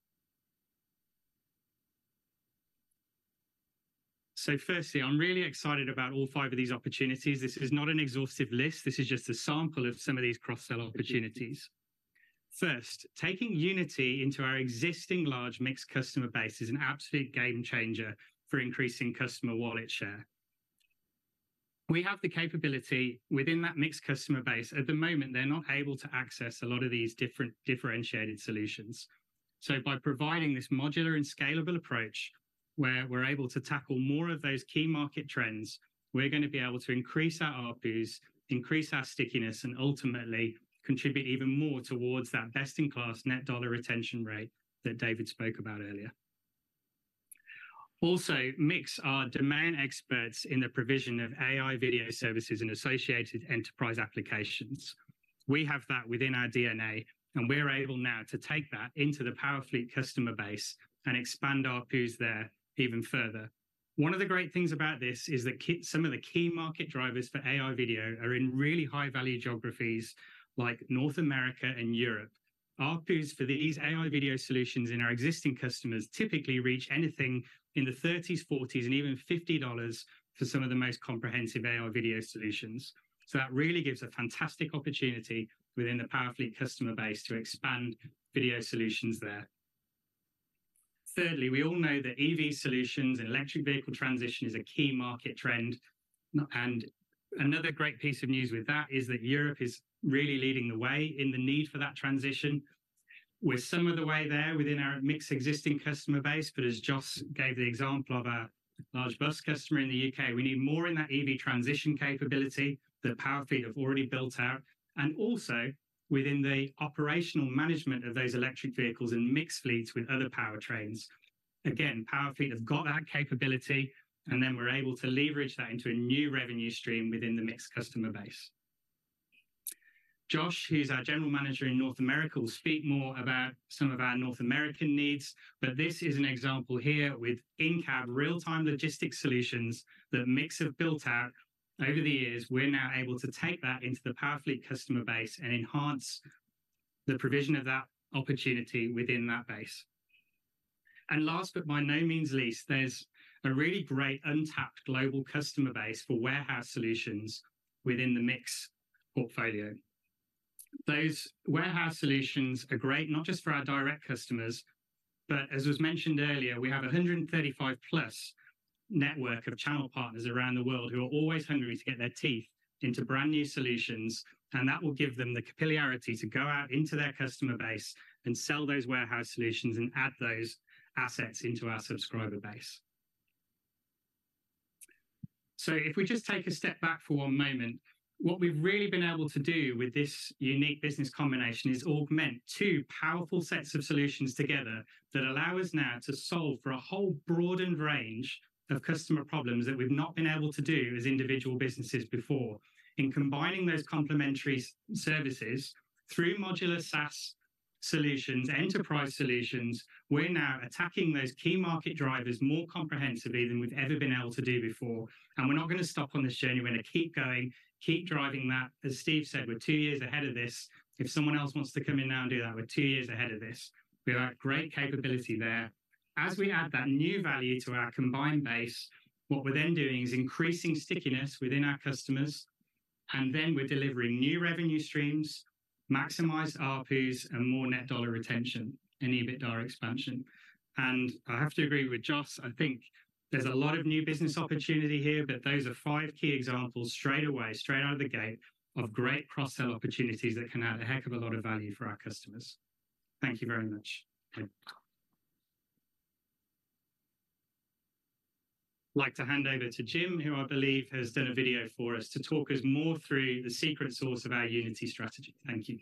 So firstly, I'm really excited about all five of these opportunities. This is not an exhaustive list. This is just a sample of some of these cross-sell opportunities. First, taking Unity into our existing large miX customer base is an absolute game changer for increasing customer wallet share. We have the capability within that MiX customer base. At the moment, they're not able to access a lot of these different, differentiated solutions. So by providing this modular and scalable approach, where we're able to tackle more of those key market trends, we're gonna be able to increase our ARPUs, increase our stickiness, and ultimately, contribute even more towards that best-in-class net dollar retention rate that David spoke about earlier. Also, MiX are demand experts in the provision of AI video services and associated enterprise applications. We have that within our DNA, and we're able now to take that into the Powerfleet customer base and expand ARPUs there even further. One of the great things about this is the key, some of the key market drivers for AI video are in really high-value geographies, like North America and Europe. ARPUs for these AI video solutions in our existing customers typically reach anything in the $30s, $40s, and even $50 for some of the most comprehensive AI video solutions. So that really gives a fantastic opportunity within the Powerfleet customer base to expand video solutions there. Thirdly, we all know that EV solutions and electric vehicle transition is a key market trend. And another great piece of news with that is that Europe is really leading the way in the need for that transition. We're some of the way there within our MiX existing customer base, but as Jos gave the example of our-... Large bus customer in the U.K., we need more in that EV transition capability that Powerfleet have already built out, and also within the operational management of those electric vehicles and mixed fleets with other powertrains. Again, Powerfleet have got that capability, and then we're able to leverage that into a new revenue stream within the mixed customer base. Joss, who's our general manager in North America, will speak more about some of our North American needs, but this is an example here with in-cab real-time logistics solutions that MiX have built out over the years. We're now able to take that into the Powerfleet customer base and enhance the provision of that opportunity within that base. Last, but by no means least, there's a really great untapped global customer base for warehouse solutions within the MiX portfolio. Those warehouse solutions are great, not just for our direct customers, but as was mentioned earlier, we have a 135+ network of channel partners around the world who are always hungry to get their teeth into brand-new solutions, and that will give them the capillarity to go out into their customer base and sell those warehouse solutions and add those assets into our subscriber base. So if we just take a step back for one moment, what we've really been able to do with this unique business combination is augment two powerful sets of solutions together that allow us now to solve for a whole broadened range of customer problems that we've not been able to do as individual businesses before. In combining those complementary services through modular SaaS solutions, enterprise solutions, we're now attacking those key market drivers more comprehensively than we've ever been able to do before. We're not gonna stop on this journey. We're gonna keep going, keep driving that. As Steve said, we're two years ahead of this. If someone else wants to come in now and do that, we're two years ahead of this. We have great capability there. As we add that new value to our combined base, what we're then doing is increasing stickiness within our customers, and then we're delivering new revenue streams, maximized ARPUs, and more net dollar retention and EBITDA expansion. I have to agree with Josh, I think there's a lot of new business opportunity here, but those are five key examples straight away, straight out of the gate, of great cross-sell opportunities that can add a heck of a lot of value for our customers. Thank you very much. I'd like to hand over to Jim, who I believe has done a video for us, to talk us more through the secret sauce of our Unity strategy. Thank you. ...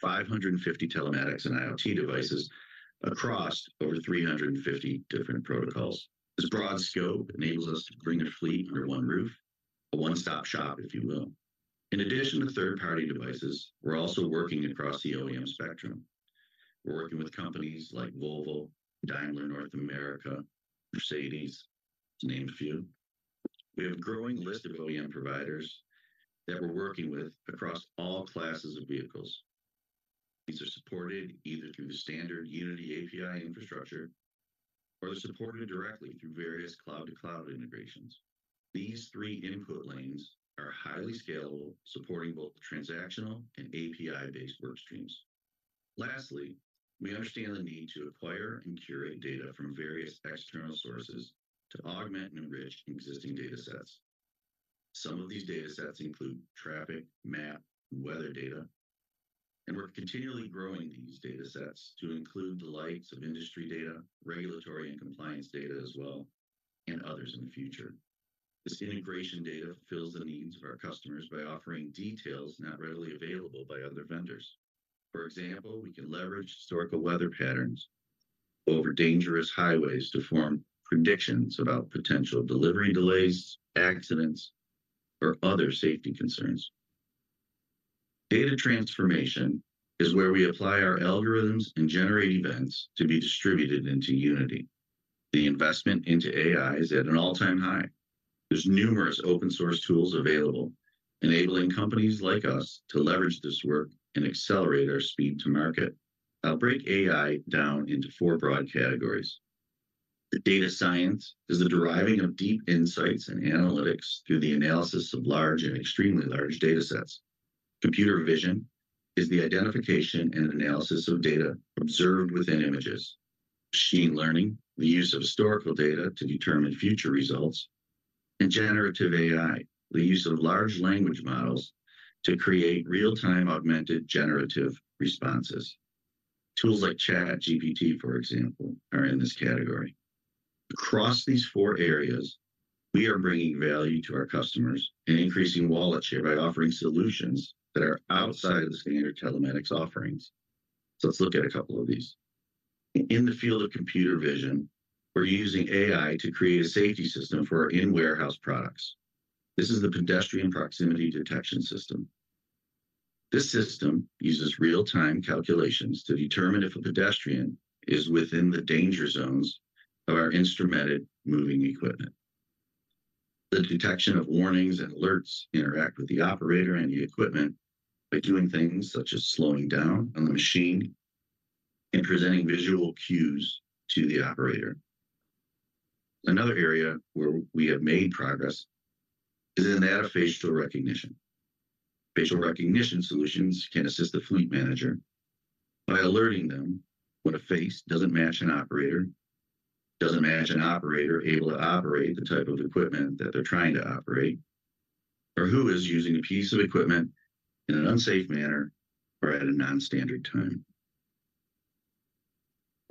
550 telematics and IoT devices across over 350 different protocols. This broad scope enables us to bring a fleet under one roof, a one-stop shop, if you will. In addition to third-party devices, we're also working across the OEM spectrum. We're working with companies like Volvo, Daimler North America, Mercedes, to name a few. We have a growing list of OEM providers that we're working with across all classes of vehicles. These are supported either through the standard Unity API infrastructure or they're supported directly through various cloud-to-cloud integrations. These three input lanes are highly scalable, supporting both transactional and API-based work streams. Lastly, we understand the need to acquire and curate data from various external sources to augment and enrich existing datasets. Some of these datasets include traffic, map, weather data, and we're continually growing these datasets to include the likes of industry data, regulatory, and compliance data as well, and others in the future. This integration data fulfills the needs of our customers by offering details not readily available by other vendors. For example, we can leverage historical weather patterns over dangerous highways to form predictions about potential delivery delays, accidents, or other safety concerns. Data transformation is where we apply our algorithms and generate events to be distributed into Unity. The investment into AI is at an all-time high. There's numerous open-source tools available, enabling companies like us to leverage this work and accelerate our speed to market. I'll break AI down into four broad categories. The data science is the deriving of deep insights and analytics through the analysis of large and extremely large datasets. Computer vision is the identification and analysis of data observed within images. Machine learning, the use of historical data to determine future results. And generative AI, the use of large language models to create real-time, augmented, generative responses. Tools like ChatGPT, for example, are in this category. Across these four areas, we are bringing value to our customers and increasing wallet share by offering solutions that are outside of the standard telematics offerings. So let's look at a couple of these. In the field of computer vision, we're using AI to create a safety system for our in-warehouse products. This is the Pedestrian Proximity Detection System. This system uses real-time calculations to determine if a pedestrian is within the danger zones of our instrumented moving equipment. The detection of warnings and alerts interact with the operator and the equipment by doing things such as slowing down on the machine and presenting visual cues to the operator. Another area where we have made progress is in that of facial recognition. Facial recognition solutions can assist the fleet manager by alerting them when a face doesn't match an operator, doesn't match an operator able to operate the type of equipment that they're trying to operate, or who is using a piece of equipment in an unsafe manner or at a non-standard time.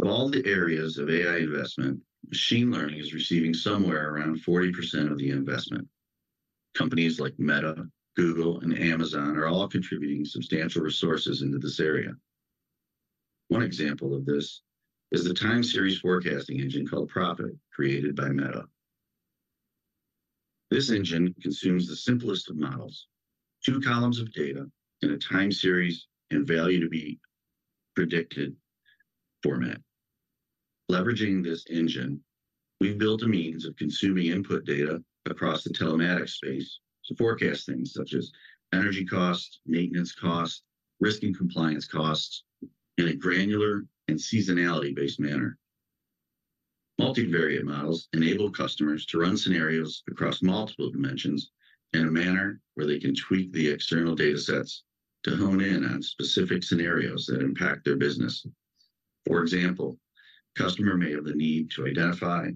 Of all the areas of AI investment, machine learning is receiving somewhere around 40% of the investment. Companies like Meta, Google, and Amazon are all contributing substantial resources into this area. One example of this is the time series forecasting engine called Prophet, created by Meta. This engine consumes the simplest of models, two columns of data in a time series and value to be predicted format. Leveraging this engine, we've built a means of consuming input data across the telematics space to forecast things such as energy costs, maintenance costs, risk and compliance costs in a granular and seasonality-based manner. Multivariate models enable customers to run scenarios across multiple dimensions in a manner where they can tweak the external data sets to hone in on specific scenarios that impact their business. For example, customer may have the need to identify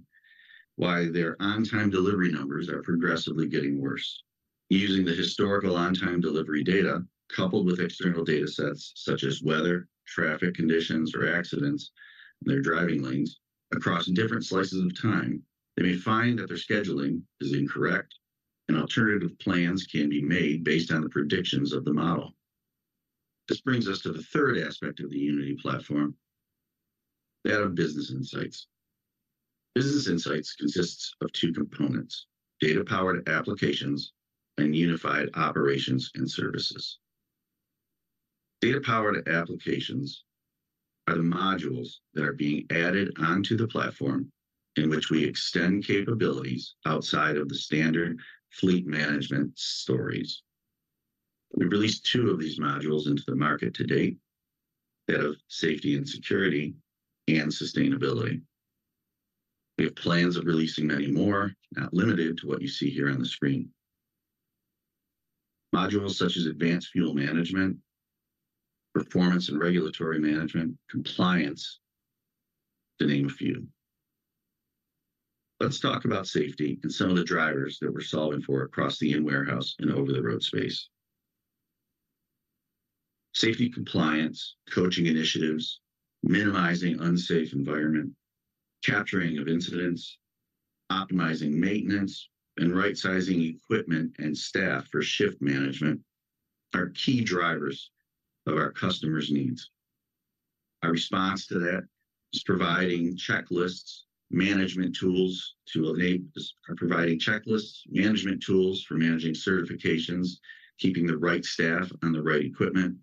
why their on-time delivery numbers are progressively getting worse. Using the historical on-time delivery data, coupled with external data sets such as weather, traffic conditions, or accidents in their driving lanes across different slices of time, they may find that their scheduling is incorrect, and alternative plans can be made based on the predictions of the model. This brings us to the third aspect of the Unity platform, that of business insights. Business insights consists of two components: data-powered applications and unified operations and services. Data-powered applications are the modules that are being added onto the platform in which we extend capabilities outside of the standard fleet management stories. We released two of these modules into the market to date, that of safety and security and sustainability. We have plans of releasing many more, not limited to what you see here on the screen. Modules such as advanced fuel management, performance and regulatory management, compliance, to name a few. Let's talk about safety and some of the drivers that we're solving for across the in-warehouse and over-the-road space. Safety compliance, coaching initiatives, minimizing unsafe environment, capturing of incidents, optimizing maintenance, and right-sizing equipment and staff for shift management are key drivers of our customers' needs. Our response to that is providing checklists, management tools for managing certifications, keeping the right staff on the right equipment,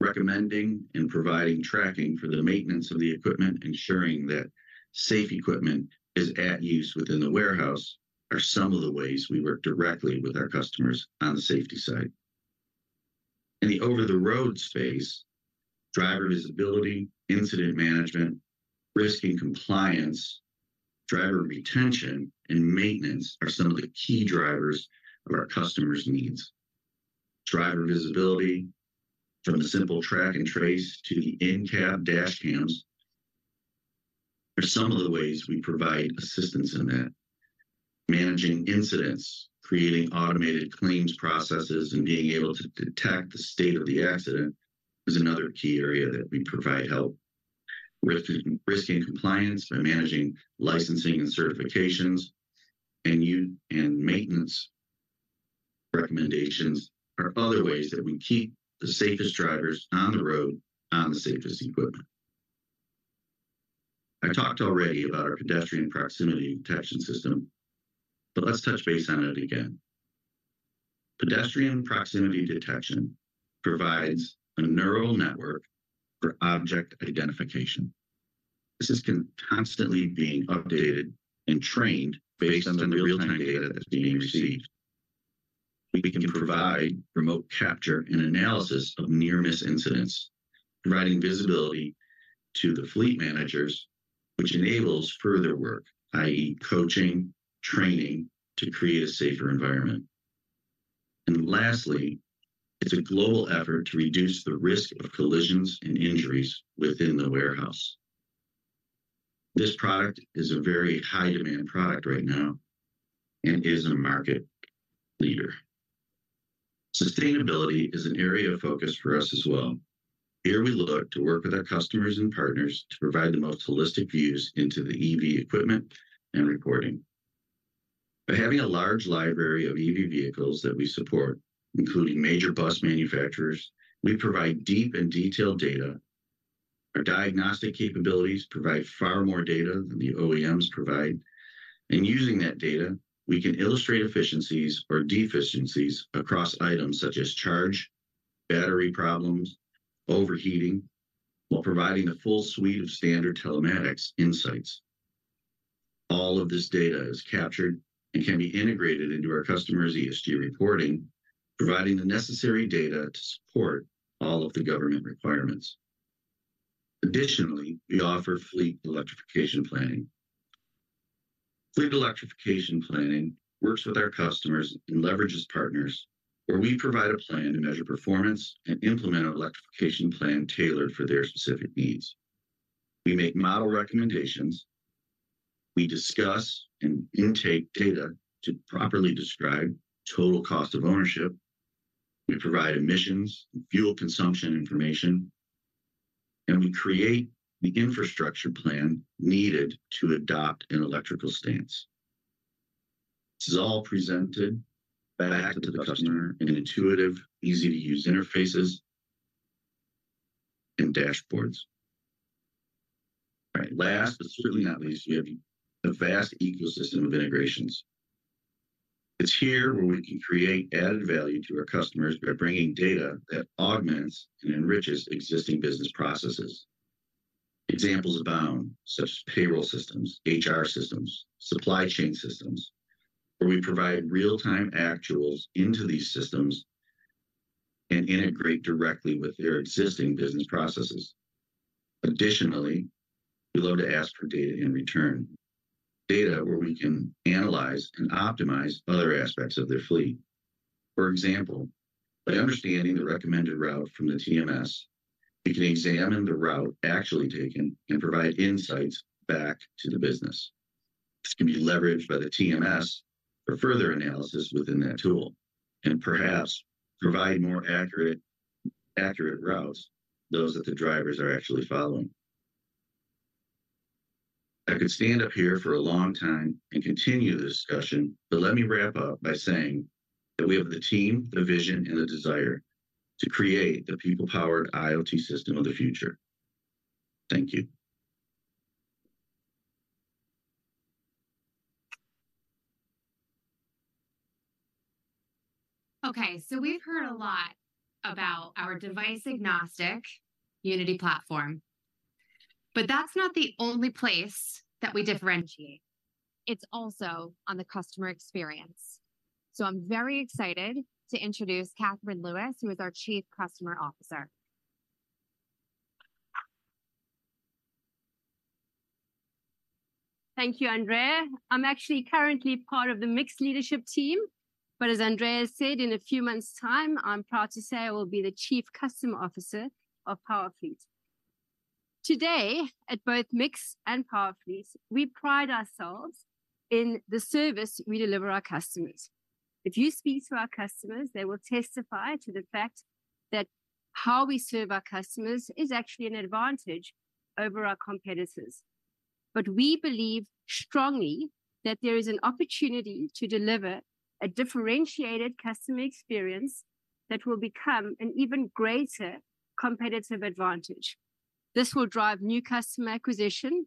recommending and providing tracking for the maintenance of the equipment, ensuring that safe equipment is at use within the warehouse. These are some of the ways we work directly with our customers on the safety side. In the over-the-road space, driver visibility, incident management, risk and compliance, driver retention, and maintenance are some of the key drivers of our customers' needs. Driver visibility, from the simple track and trace to the in-cab dash cams, are some of the ways we provide assistance in that. Managing incidents, creating automated claims processes, and being able to detect the state of the accident is another key area that we provide help. Risk and compliance by managing licensing and certifications, and maintenance recommendations are other ways that we keep the safest drivers on the road on the safest equipment. I talked already about our Pedestrian Proximity Detection System, but let's touch base on it again. Pedestrian Proximity Detection provides a neural network for object identification. This is constantly being updated and trained based on the real-time data that's being received. We can provide remote capture and analysis of near-miss incidents, providing visibility to the fleet managers, which enables further work, i.e., coaching, training, to create a safer environment. Lastly, it's a global effort to reduce the risk of collisions and injuries within the warehouse. This product is a very high-demand product right now and is a market leader. Sustainability is an area of focus for us as well. Here, we look to work with our customers and partners to provide the most holistic views into the EV equipment and reporting. By having a large library of EV vehicles that we support, including major bus manufacturers, we provide deep and detailed data. Our diagnostic capabilities provide far more data than the OEMs provide, and using that data, we can illustrate efficiencies or deficiencies across items such as charge, battery problems, overheating, while providing a full suite of standard telematics insights. All of this data is captured and can be integrated into our customers' ESG reporting, providing the necessary data to support all of the government requirements. Additionally, we offer fleet electrification planning. Fleet electrification planning works with our customers and leverages partners, where we provide a plan to measure performance and implement an electrification plan tailored for their specific needs. We make model recommendations, we discuss and intake data to properly describe total cost of ownership, we provide emissions and fuel consumption information, and we create the infrastructure plan needed to adopt an electrical stance. This is all presented back to the customer in intuitive, easy-to-use interfaces and dashboards. Right. Last, but certainly not least, we have the vast ecosystem of integrations. It's here where we can create added value to our customers by bringing data that augments and enriches existing business processes. Examples abound, such as payroll systems, HR systems, supply chain systems, where we provide real-time actuals into these systems and integrate directly with their existing business processes. Additionally, we look to ask for data in return, data where we can analyze and optimize other aspects of their fleet. For example, by understanding the recommended route from the TMS, we can examine the route actually taken and provide insights back to the business. This can be leveraged by the TMS for further analysis within that tool, and perhaps provide more accurate, accurate routes, those that the drivers are actually following. I could stand up here for a long time and continue the discussion, but let me wrap up by saying that we have the team, the vision, and the desire to create the people-powered IoT system of the future. Thank you. Okay, so we've heard a lot about our device-agnostic Unity platform, but that's not the only place that we differentiate. It's also on the customer experience. So I'm very excited to introduce Catherine Lewis, who is our Chief Customer Officer. Thank you, Andrea. I'm actually currently part of the MiX leadership team, but as Andrea said, in a few months' time, I'm proud to say I will be the Chief Customer Officer of Powerfleet. Today, at both MiX and Powerfleet, we pride ourselves in the service we deliver our customers. If you speak to our customers, they will testify to the fact that how we serve our customers is actually an advantage over our competitors. But we believe strongly that there is an opportunity to deliver a differentiated customer experience that will become an even greater competitive advantage. This will drive new customer acquisition,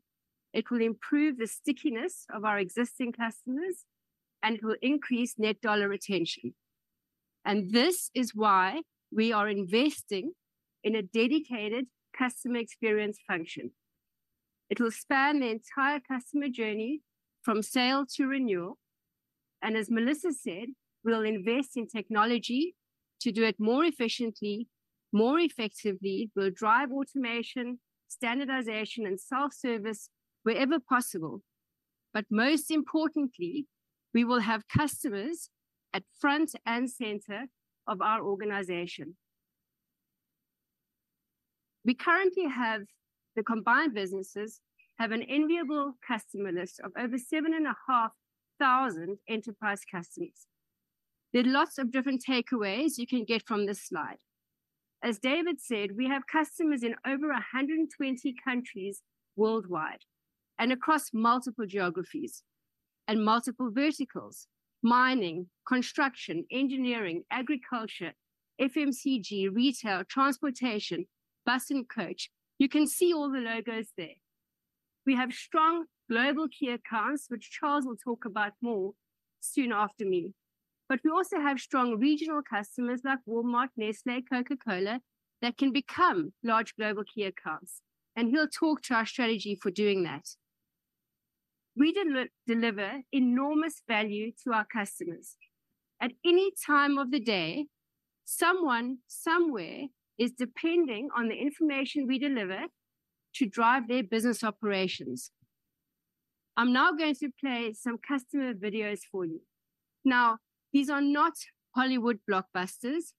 it will improve the stickiness of our existing customers, and it will increase net dollar retention. And this is why we are investing in a dedicated customer experience function. It will span the entire customer journey from sale to renewal, and as Melissa said, we'll invest in technology to do it more efficiently, more effectively. We'll drive automation, standardization, and self-service wherever possible. But most importantly, we will have customers at front and center of our organization. We currently have... The combined businesses have an enviable customer list of over 7,500 enterprise customers. There are lots of different takeaways you can get from this slide. As David said, we have customers in over 120 countries worldwide and across multiple geographies and multiple verticals: mining, construction, engineering, agriculture, FMCG, retail, transportation, bus and coach. You can see all the logos there. We have strong global key accounts, which Charles will talk about more soon after me, but we also have strong regional customers like Walmart, Nestlé, Coca-Cola, that can become large global key accounts, and he'll talk to our strategy for doing that. We deliver enormous value to our customers. At any time of the day, someone somewhere is depending on the information we deliver to drive their business operations. I'm now going to play some customer videos for you. Now, these are not Hollywood blockbusters.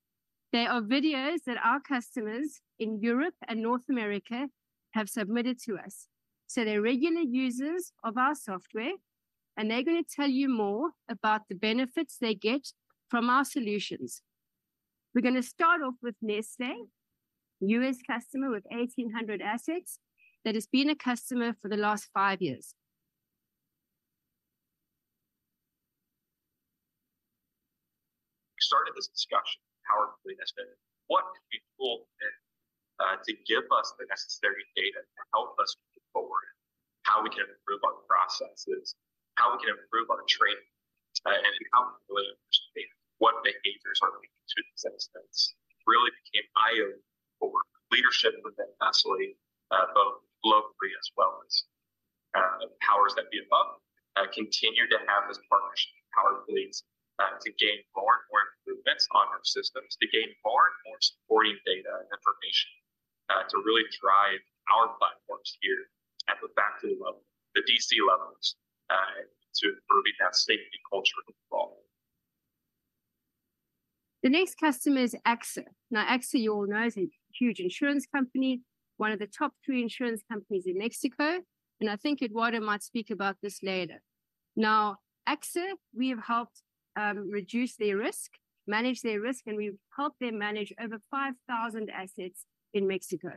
They are videos that our customers in Europe and North America have submitted to us. So they're regular users of our software, and they're gonna tell you more about the benefits they get from our solutions. We're gonna start off with Nestlé, US customer with 1,800 assets that has been a customer for the last five years. We started this discussion, Powerfleet, what could be cool to give us the necessary data to help us move forward, how we can improve our processes, how we can improve our training, and how we understand what behaviors are leading to these incidents. Really became eye-opening for leadership within facility, both locally as well as the powers that be above. Continue to have this partnership, Powerfleet, to gain more and more improvements on our systems, to gain more and more supporting data and information, to really drive our platforms here at the facility level, the DC levels, to improving that safety culture involved. The next customer is AXA. Now, AXA, you all know, is a huge insurance company, one of the top three insurance companies in Mexico, and I think Eduardo might speak about this later. Now, AXA, we have helped reduce their risk, manage their risk, and we've helped them manage over 5,000 assets in Mexico.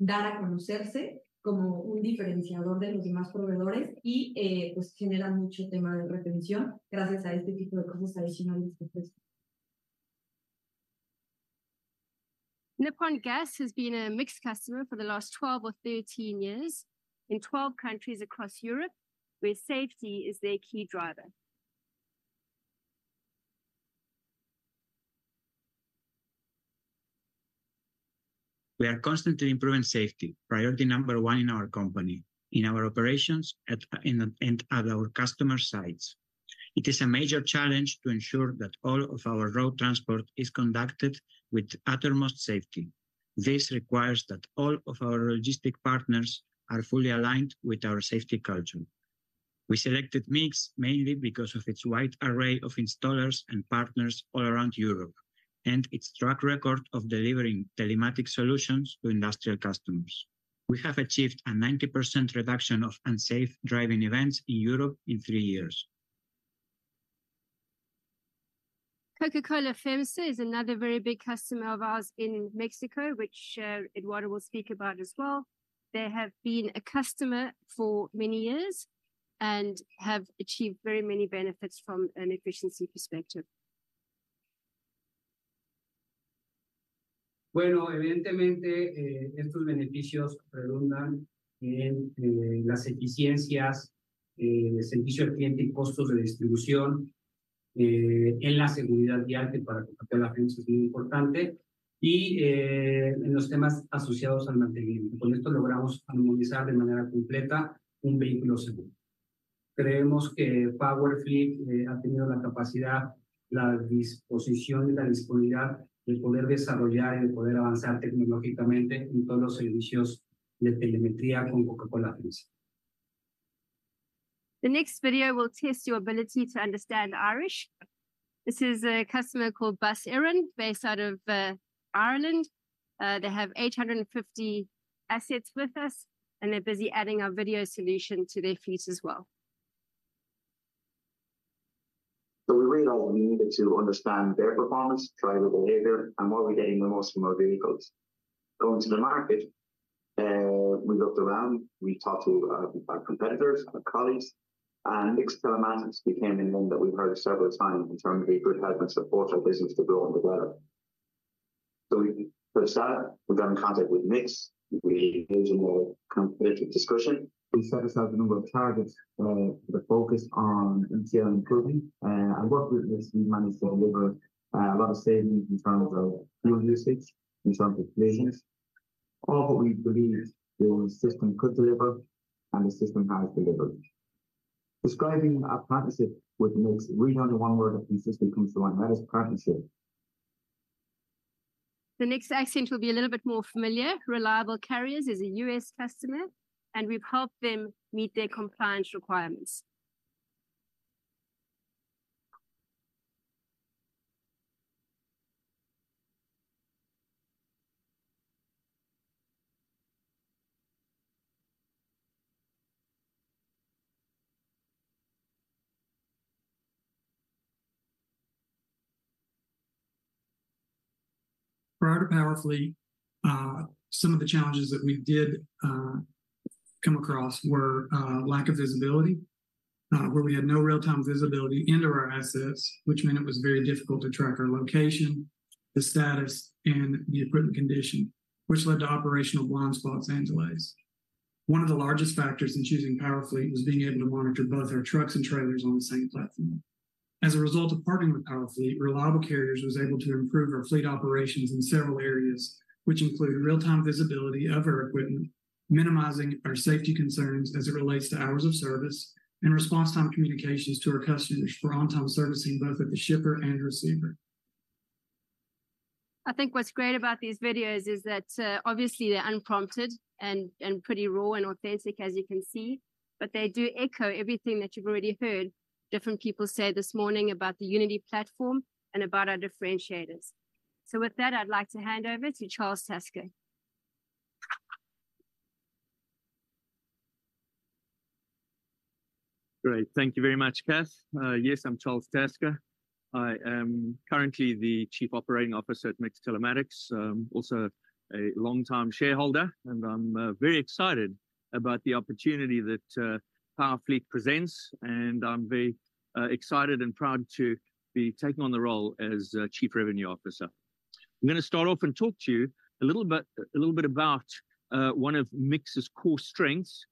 Nippon Gases has been a MiX customer for the last 12 or 13 years in 12 countries across Europe, where safety is their key driver. We are constantly improving safety, priority number one in our company, in our operations, at, in, and at our customer sites. It is a major challenge to ensure that all of our road transport is conducted with utmost safety. This requires that all of our logistic partners are fully aligned with our safety culture. We selected MiX mainly because of its wide array of installers and partners all around Europe, and its track record of delivering telematics solutions to industrial customers. We have achieved a 90% reduction of unsafe driving events in Europe in three years. Coca-Cola FEMSA is another very big customer of ours in Mexico, which Eduardo will speak about as well. They have been a customer for many years and have achieved very many benefits from an efficiency perspective. The next video will test your ability to understand Irish. This is a customer called Bus Éireann, based out of Ireland. They have 850 assets with us, and they're busy adding our video solution to their fleet as well. So we really all needed to understand their performance, driver behavior, and what are we getting the most from our vehicles. Going to the market, we looked around, we talked to our competitors, our colleagues, and MiX Telematics became a name that we've heard several times in terms of a good help and support our business to grow and develop. So we, we started, we got in contact with MiX. We engaged in a competitive discussion. We set ourselves a number of targets with a focus on improving. And worked with MiX, we managed to deliver a lot of savings in terms of fuel usage, in terms of collisions, all what we believed the system could deliver, and the system has delivered. Describing our partnership with MiX, really only one word consistently comes to mind, and that is partnership. The next accent will be a little bit more familiar. Reliable Carriers is a U.S. customer, and we've helped them meet their compliance requirements.... Prior to Powerfleet, some of the challenges that we did come across were lack of visibility, where we had no real-time visibility into our assets, which meant it was very difficult to track our location, the status, and the equipment condition, which led to operational blind spots and delays. One of the largest factors in choosing Powerfleet was being able to monitor both our trucks and trailers on the same platform. As a result of partnering with Powerfleet, Reliable Carriers was able to improve our fleet operations in several areas, which included real-time visibility of our equipment, minimizing our safety concerns as it relates to hours of service, and response time communications to our customers for on-time servicing, both at the shipper and receiver. I think what's great about these videos is that, obviously they're unprompted and, and pretty raw and authentic, as you can see, but they do echo everything that you've already heard different people say this morning about the Unity platform and about our differentiators. So with that, I'd like to hand over to Charles Tasker. Great. Thank you very much, Cath. Yes, I'm Charles Tasker. I am currently the Chief Operating Officer at MiX Telematics, also a long-time shareholder, and I'm very excited about the opportunity that Powerfleet presents, and I'm very excited and proud to be taking on the role as Chief Revenue Officer. I'm gonna start off and talk to you a little bit, a little bit about one of MiX's core strengths,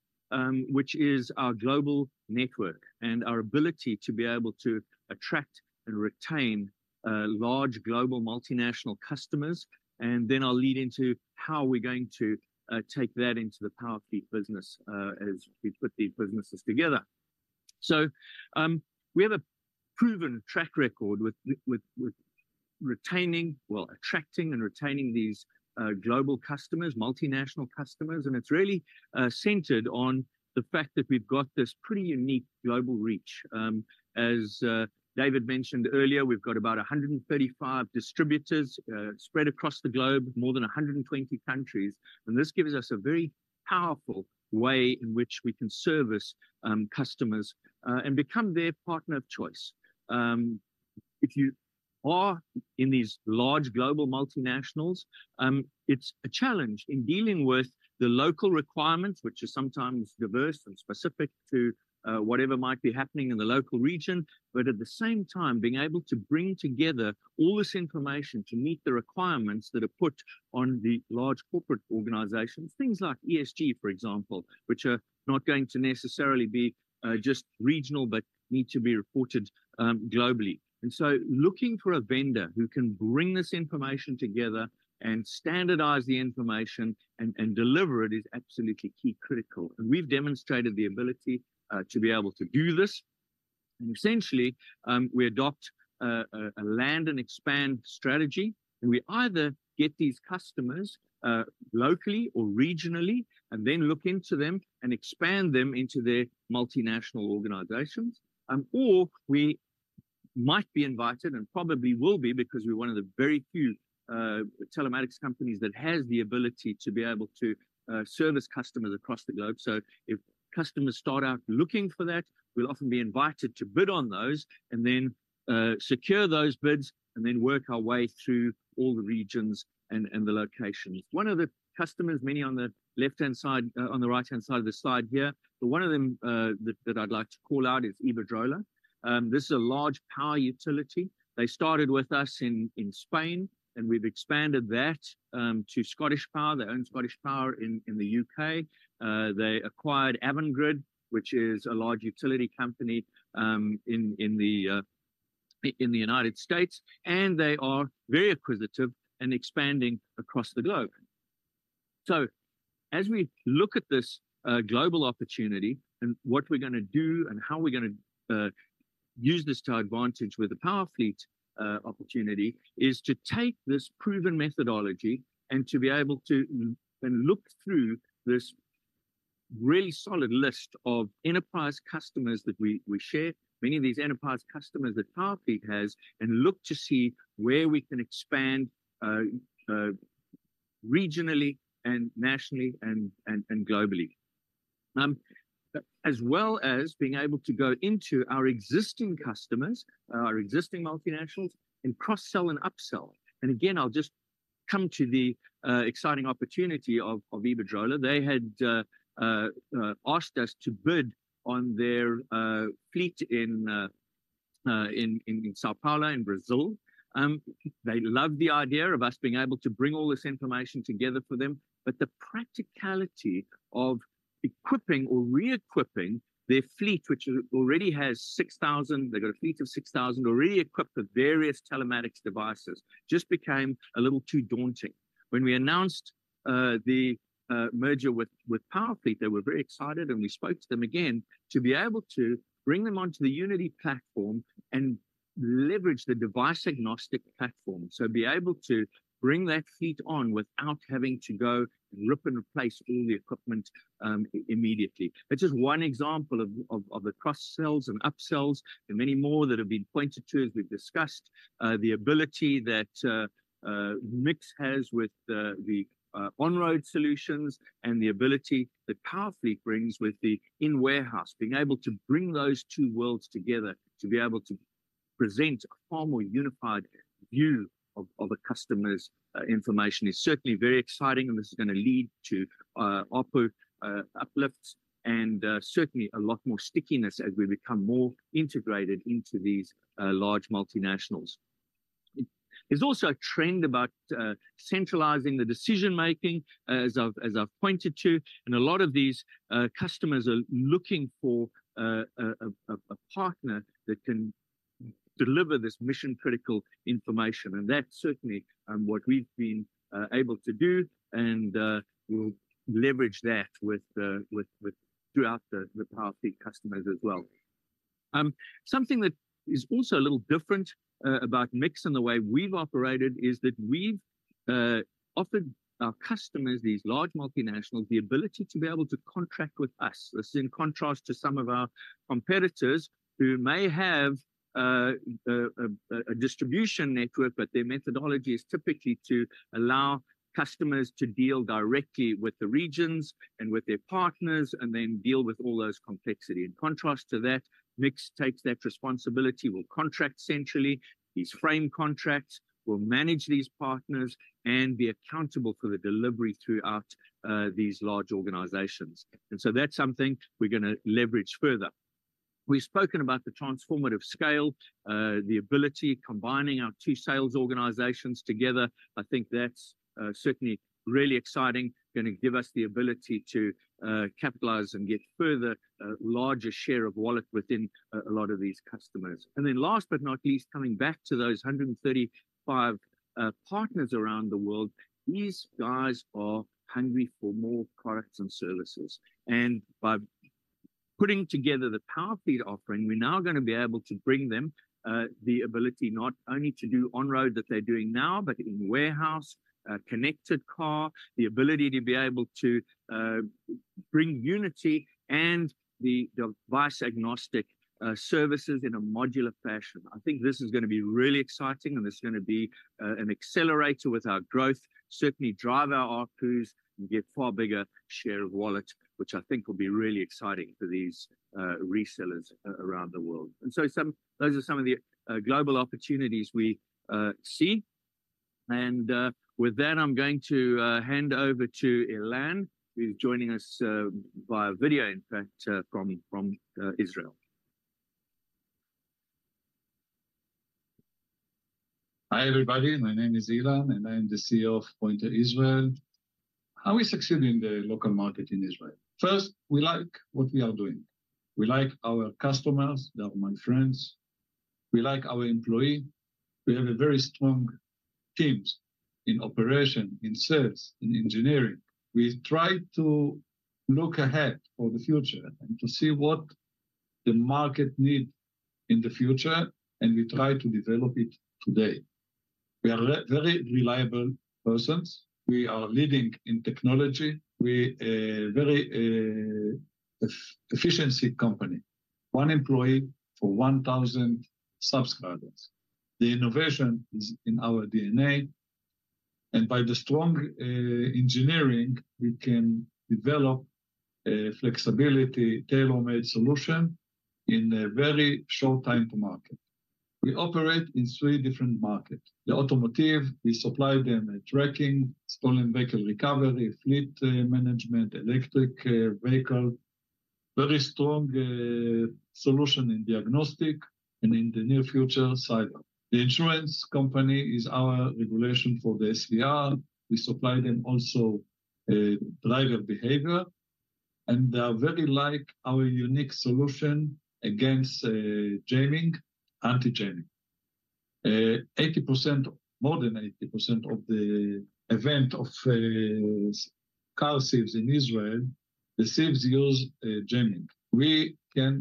which is our global network and our ability to be able to attract and retain large global multinational customers, and then I'll lead into how we're going to take that into the Powerfleet business, as we put these businesses together. So, we have a proven track record with retaining, well, attracting and retaining these global customers, multinational customers, and it's really centered on the fact that we've got this pretty unique global reach. As David mentioned earlier, we've got about 135 distributors spread across the globe, more than 120 countries, and this gives us a very powerful way in which we can service customers and become their partner of choice. If you are in these large global multinationals, it's a challenge in dealing with the local requirements, which are sometimes diverse and specific to whatever might be happening in the local region, but at the same time, being able to bring together all this information to meet the requirements that are put on the large corporate organizations. Things like ESG, for example, which are not going to necessarily be just regional, but need to be reported globally. So looking for a vendor who can bring this information together and standardize the information and deliver it is absolutely key critical, and we've demonstrated the ability to be able to do this. Essentially, we adopt a land and expand strategy, and we either get these customers locally or regionally and then look into them and expand them into their multinational organizations. Or we might be invited, and probably will be because we're one of the very few telematics companies that has the ability to be able to service customers across the globe. So if customers start out looking for that, we'll often be invited to bid on those and then, secure those bids, and then work our way through all the regions and, and the locations. One of the customers, many on the left-hand side, on the right-hand side of the slide here, but one of them, that I'd like to call out is Iberdrola. This is a large power utility. They started with us in Spain, and we've expanded that to Scottish Power. They own Scottish Power in the U.K. They acquired Avangrid, which is a large utility company, in the United States, and they are very acquisitive and expanding across the globe. So as we look at this, global opportunity and what we're gonna do and how we're gonna, use this to our advantage with the Powerfleet, opportunity, is to take this proven methodology and to be able to and look through this really solid list of enterprise customers that we, we share, many of these enterprise customers that Powerfleet has, and look to see where we can expand, regionally and nationally and, and, and globally. As well as being able to go into our existing customers, our existing multinationals, and cross-sell and upsell. And again, I'll just come to the, exciting opportunity of, of Iberdrola. They had, asked us to bid on their, fleet in, in, in São Paulo, in Brazil. They loved the idea of us being able to bring all this information together for them, but the practicality of equipping or re-equipping their fleet, which already has 6,000—they've got a fleet of 6,000, already equipped with various telematics devices, just became a little too daunting. When we announced the merger with Powerfleet, they were very excited, and we spoke to them again to be able to bring them onto the Unity platform and leverage the device-agnostic platform. So be able to bring that fleet on without having to go and rip and replace all the equipment immediately. That's just one example of the cross-sells and upsells. There are many more that have been pointed to, as we've discussed. The ability that MiX has with the on-road solutions and the ability that Powerfleet brings with the in-warehouse, being able to bring those two worlds together, to be able to present a far more unified view of a customer's information is certainly very exciting, and this is gonna lead to ARPU uplifts, and certainly a lot more stickiness as we become more integrated into these large multinationals. There's also a trend about centralizing the decision-making, as I've pointed to, and a lot of these customers are looking for a partner that can deliver this mission-critical information, and that's certainly what we've been able to do, and we'll leverage that throughout the Powerfleet customers as well. Something that is also a little different about MiX and the way we've operated is that we've offered our customers, these large multinationals, the ability to be able to contract with us. This is in contrast to some of our competitors, who may have a distribution network, but their methodology is typically to allow customers to deal directly with the regions and with their partners, and then deal with all those complexity. In contrast to that, MiX takes that responsibility; we'll contract centrally, these frame contracts; we'll manage these partners and be accountable for the delivery throughout these large organizations. And so that's something we're gonna leverage further. We've spoken about the transformative scale, the ability, combining our two sales organizations together. I think that's certainly really exciting, gonna give us the ability to capitalize and get further larger share of wallet within a lot of these customers. And then last but not least, coming back to those 135 partners around the world, these guys are hungry for more products and services. And by putting together the Powerfleet offering, we're now gonna be able to bring them the ability not only to do on-road that they're doing now, but in warehouse, connected car, the ability to be able to bring Unity and the device-agnostic services in a modular fashion. I think this is gonna be really exciting, and it's gonna be an accelerator with our growth, certainly drive our ARPUs and get far bigger share of wallet, which I think will be really exciting for these resellers around the world. And so those are some of the global opportunities we see. And with that, I'm going to hand over to Ilan, who's joining us via video, in fact, from Israel. Hi, everybody. My name is Ilan, and I am the CEO of Pointer Israel. How we succeed in the local market in Israel? First, we like what we are doing. We like our customers; they are my friends. We like our employee. We have very strong teams in operation, in sales, in engineering. We try to look ahead for the future and to see what the market need in the future, and we try to develop it today. We are very reliable persons. We are leading in technology. We are a very efficient company. 1 employee for 1,000 subscribers. The innovation is in our DNA, and by the strong engineering, we can develop a flexible, tailor-made solution in a very short time to market. We operate in three different market. The automotive, we supply them a tracking, stolen vehicle recovery, fleet, management, electric, vehicle. Very strong, solution in diagnostic and in the near future, cyber. The insurance company is our regulation for the SVR. We supply them also, driver behavior, and they are very like our unique solution against, jamming, anti-jamming. 80%, more than 80% of the event of, car thieves in Israel, the thieves use, jamming. We can,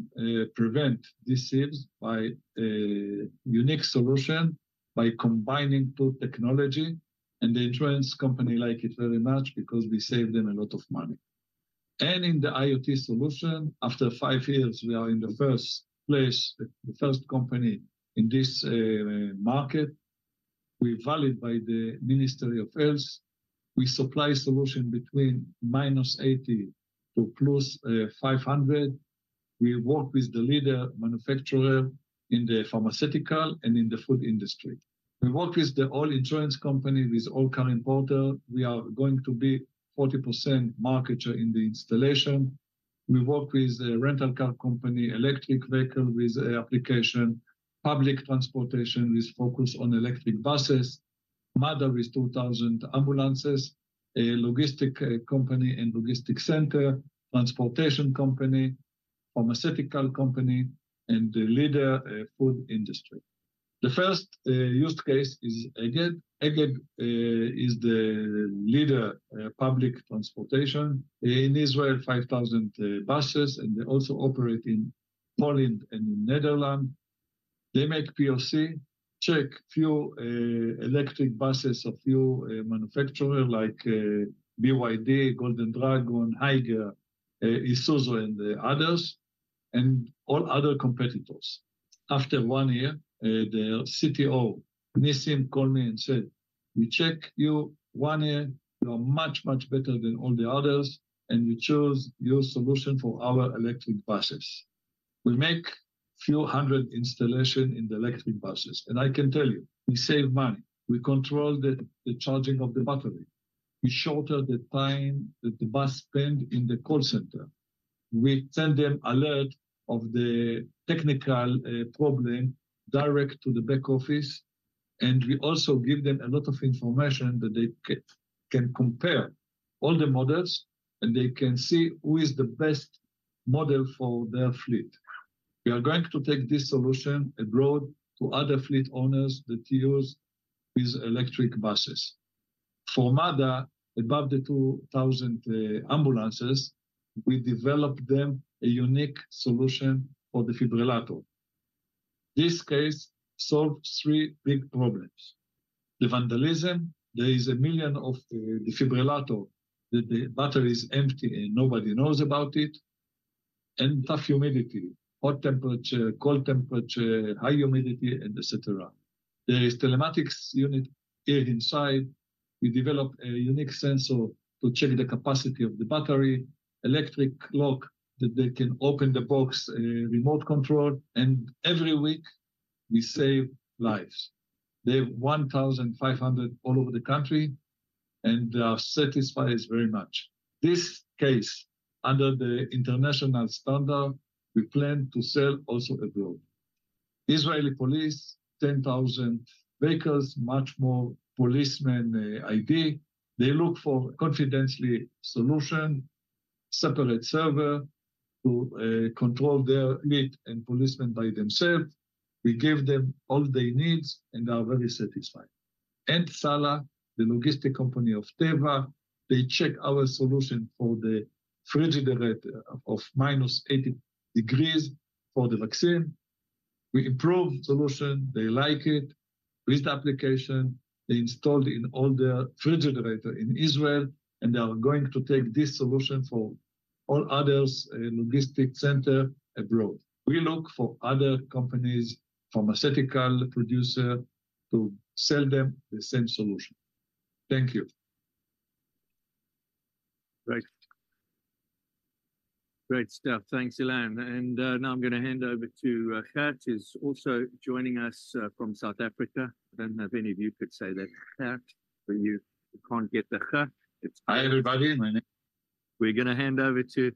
prevent these thieves by a unique solution, by combining two technology, and the insurance company like it very much because we save them a lot of money. And in the IoT solution, after five years, we are in the first place, the, the first company in this, market. We're valid by the Ministry of Health. We supply solution between minus 80 to plus, 500. We work with the leader manufacturer in the pharmaceutical and in the food industry. We work with the all insurance company, with all car importer. We are going to be 40% market share in the installation. We work with a rental car company, electric vehicle, with a application, public transportation with focus on electric buses, Made with 2,000 ambulances, a logistic company and logistic center, transportation company, pharmaceutical company, and the leader food industry. The first use case is Egged. Egged is the leader public transportation in Israel, 5,000 buses, and they also operate in Poland and in Netherlands. They make POC, check few electric buses of few manufacturer like BYD, Golden Dragon, Higer, Isuzu, and others, and all other competitors. After 1 year, the CTO, Nissim, called me and said-... We check you one year, you are much, much better than all the others, and we chose your solution for our electric buses. We make few hundred installation in the electric buses, and I can tell you, we save money. We control the charging of the battery. We shorter the time that the bus spend in the call center. We send them alert of the technical problem direct to the back office, and we also give them a lot of information that they can compare all the models, and they can see who is the best model for their fleet. We are going to take this solution abroad to other fleet owners that use these electric buses. For Mada, above the 2,000 ambulances, we developed them a unique solution for the defibrillator. This case solved three big problems: the vandalism, there is one million of the, the defibrillator, the battery is empty and nobody knows about it, and tough humidity, hot temperature, cold temperature, high humidity, and etc. There is telematics unit inside. We developed a unique sensor to check the capacity of the battery, electric lock that they can open the box, remote control, and every week we save lives. They have 1,500 all over the country and are satisfied very much. This case, under the international standard, we plan to sell also abroad. Israeli police, 10,000 vehicles, much more policemen ID. They look for confidential solution, separate server to control their need and policemen by themselves. We give them all they needs, and are very satisfied. SLE, the logistics company of Teva, they check our solution for the refrigerator of -80 degrees for the vaccine. We improved solution, they like it. With application, they installed in all the refrigerator in Israel, and they are going to take this solution for all others, logistic center abroad. We look for other companies, pharmaceutical producer, to sell them the same solution. Thank you. Great. Great stuff. Thanks, Ilan. And, now I'm gonna hand over to, Gert is also joining us, from South Africa. I don't know if any of you could say that, Gert, but you can't get the G. Hi, everybody. We're gonna hand over to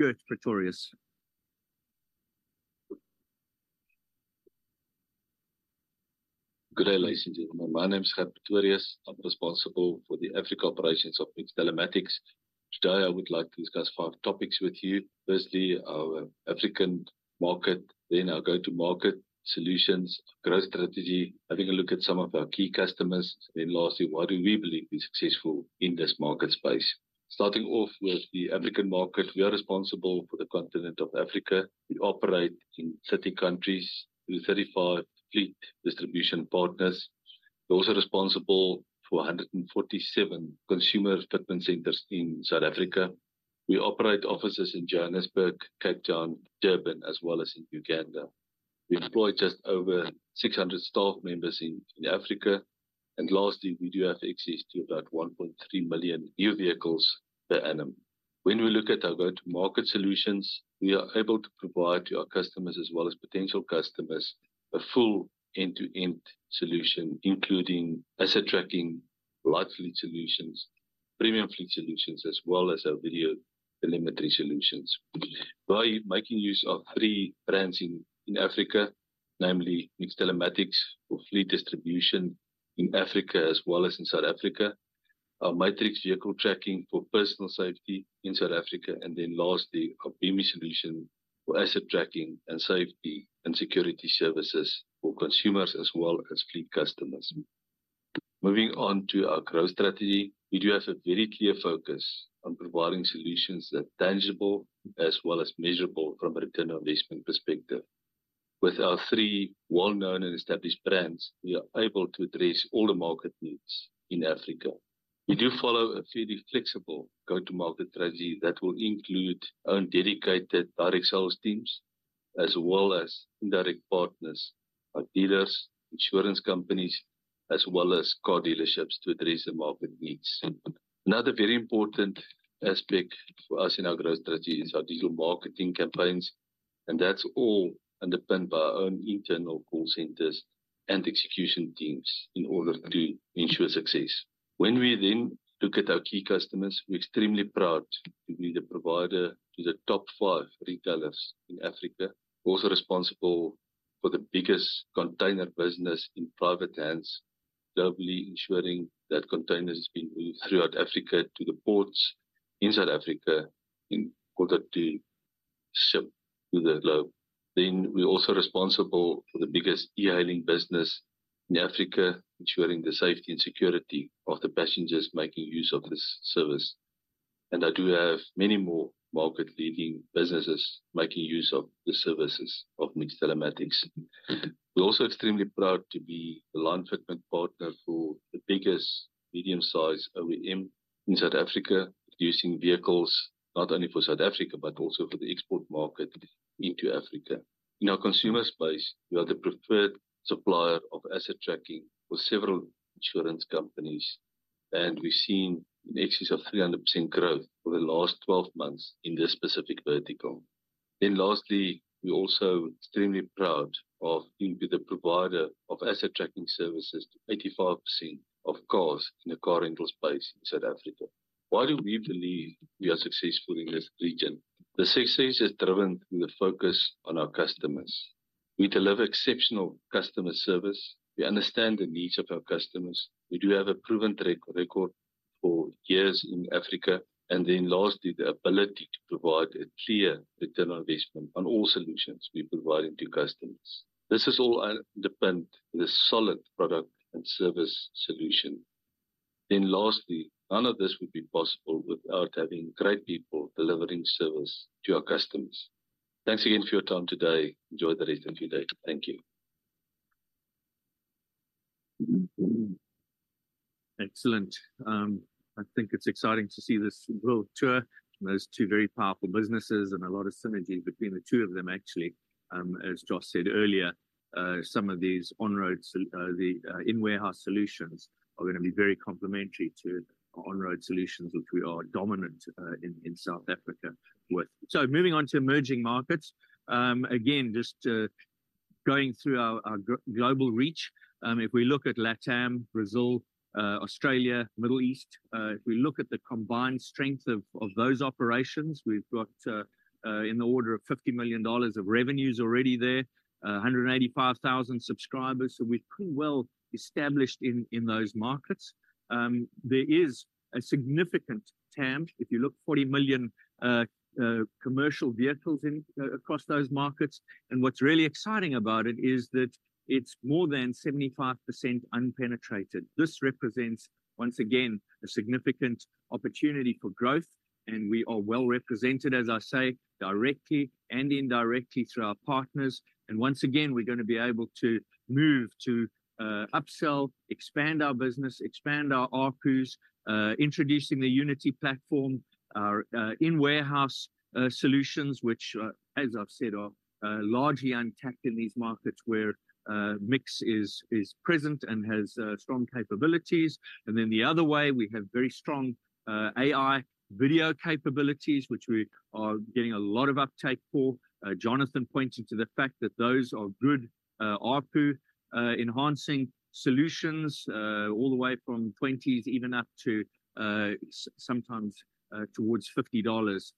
Gert Pretorius. Good day, ladies and gentlemen. My name is Gert Pretorius. I'm responsible for the Africa operations of MiX Telematics. Today, I would like to discuss five topics with you. Firstly, our African market, then our go-to-market solutions, growth strategy, having a look at some of our key customers, then lastly, why do we believe we're successful in this market space? Starting off with the African market, we are responsible for the continent of Africa. We operate in 30 countries through 35 fleet distribution partners. We're also responsible for 147 consumer fitment centers in South Africa. We operate offices in Johannesburg, Cape Town, Durban, as well as in Uganda. We employ just over 600 staff members in Africa, and lastly, we do have access to about 1.3 million new vehicles per annum. When we look at our go-to-market solutions, we are able to provide to our customers as well as potential customers a full end-to-end solution, including asset tracking, light fleet solutions, premium fleet solutions, as well as our video telemetry solutions. By making use of three brands in Africa, namely MiX Telematics for fleet distribution in Africa as well as in South Africa, our Matrix Vehicle Tracking for personal safety in South Africa, and then lastly, our Beame solution for asset tracking and safety and security services for consumers as well as fleet customers. Moving on to our growth strategy, we do have a very clear focus on providing solutions that are tangible as well as measurable from a return on investment perspective. With our three well-known and established brands, we are able to address all the market needs in Africa. We do follow a fairly flexible go-to-market strategy that will include our own dedicated direct sales teams, as well as indirect partners, our dealers, insurance companies, as well as car dealerships to address the market needs. Another very important aspect for us in our growth strategy is our digital marketing campaigns, and that's all underpinned by our own internal call centers and execution teams in order to ensure success. When we then look at our key customers, we're extremely proud to be the provider to the top five retailers in Africa. We're also responsible for the biggest container business in private hands, globally ensuring that containers is being moved throughout Africa to the ports in South Africa in order to ship to the globe. We're also responsible for the biggest e-hailing business in Africa, ensuring the safety and security of the passengers making use of this service. I do have many more market-leading businesses making use of the services of MiX Telematics. We're also extremely proud to be the launch equipment partner for the medium-sized OEM in South Africa, producing vehicles not only for South Africa, but also for the export market into Africa. In our consumer space, we are the preferred supplier of asset tracking for several insurance companies, and we've seen in excess of 300% growth over the last 12 months in this specific vertical. Then lastly, we're also extremely proud of being the provider of asset tracking services to 85% of cars in the car rental space in South Africa. Why do we believe we are successful in this region? The success is driven through the focus on our customers. We deliver exceptional customer service, we understand the needs of our customers, we do have a proven record for years in Africa, and then lastly, the ability to provide a clear return on investment on all solutions we're providing to customers. This is all dependent on the solid product and service solution. Then lastly, none of this would be possible without having great people delivering service to our customers. Thanks again for your time today. Enjoy the rest of your day. Thank you. Excellent. I think it's exciting to see this little tour. Those two very powerful businesses, and a lot of synergy between the two of them, actually. As Josh said earlier, the in-warehouse solutions are gonna be very complementary to our on-road solutions, which we are dominant in South Africa with. So moving on to emerging markets, again, just going through our global reach, if we look at LATAM, Brazil, Australia, Middle East, if we look at the combined strength of those operations, we've got in the order of $50 million of revenues already there, 185,000 subscribers, so we're pretty well established in those markets. There is a significant TAM, if you look 40 million commercial vehicles across those markets, and what's really exciting about it is that it's more than 75% unpenetrated. This represents, once again, a significant opportunity for growth, and we are well represented, as I say, directly and indirectly through our partners. Once again, we're gonna be able to move to upsell, expand our business, expand our ARPU introducing the Unity platform, our in-warehouse solutions, which, as I've said, are largely untapped in these markets where MiX is present and has strong capabilities. Then the other way, we have very strong AI video capabilities, which we are getting a lot of uptake for. Jonathan pointed to the fact that those are good ARPU enhancing solutions all the way from $20s, even up to sometimes towards $50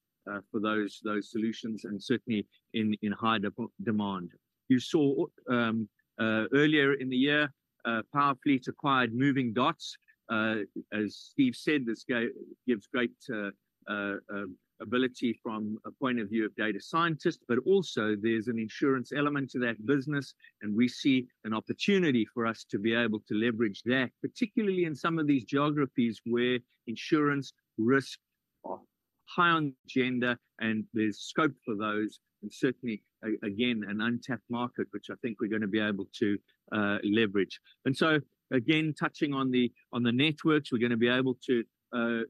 for those solutions, and certainly in high demand. You saw earlier in the year Powerfleet acquired Movingdots. As Steve said, this gives great ability from a point of view of data scientists, but also there's an insurance element to that business, and we see an opportunity for us to be able to leverage that, particularly in some of these geographies where insurance risk are high on the agenda and there's scope for those, and certainly again an untapped market, which I think we're gonna be able to leverage. And so, again, touching on the networks, we're gonna be able to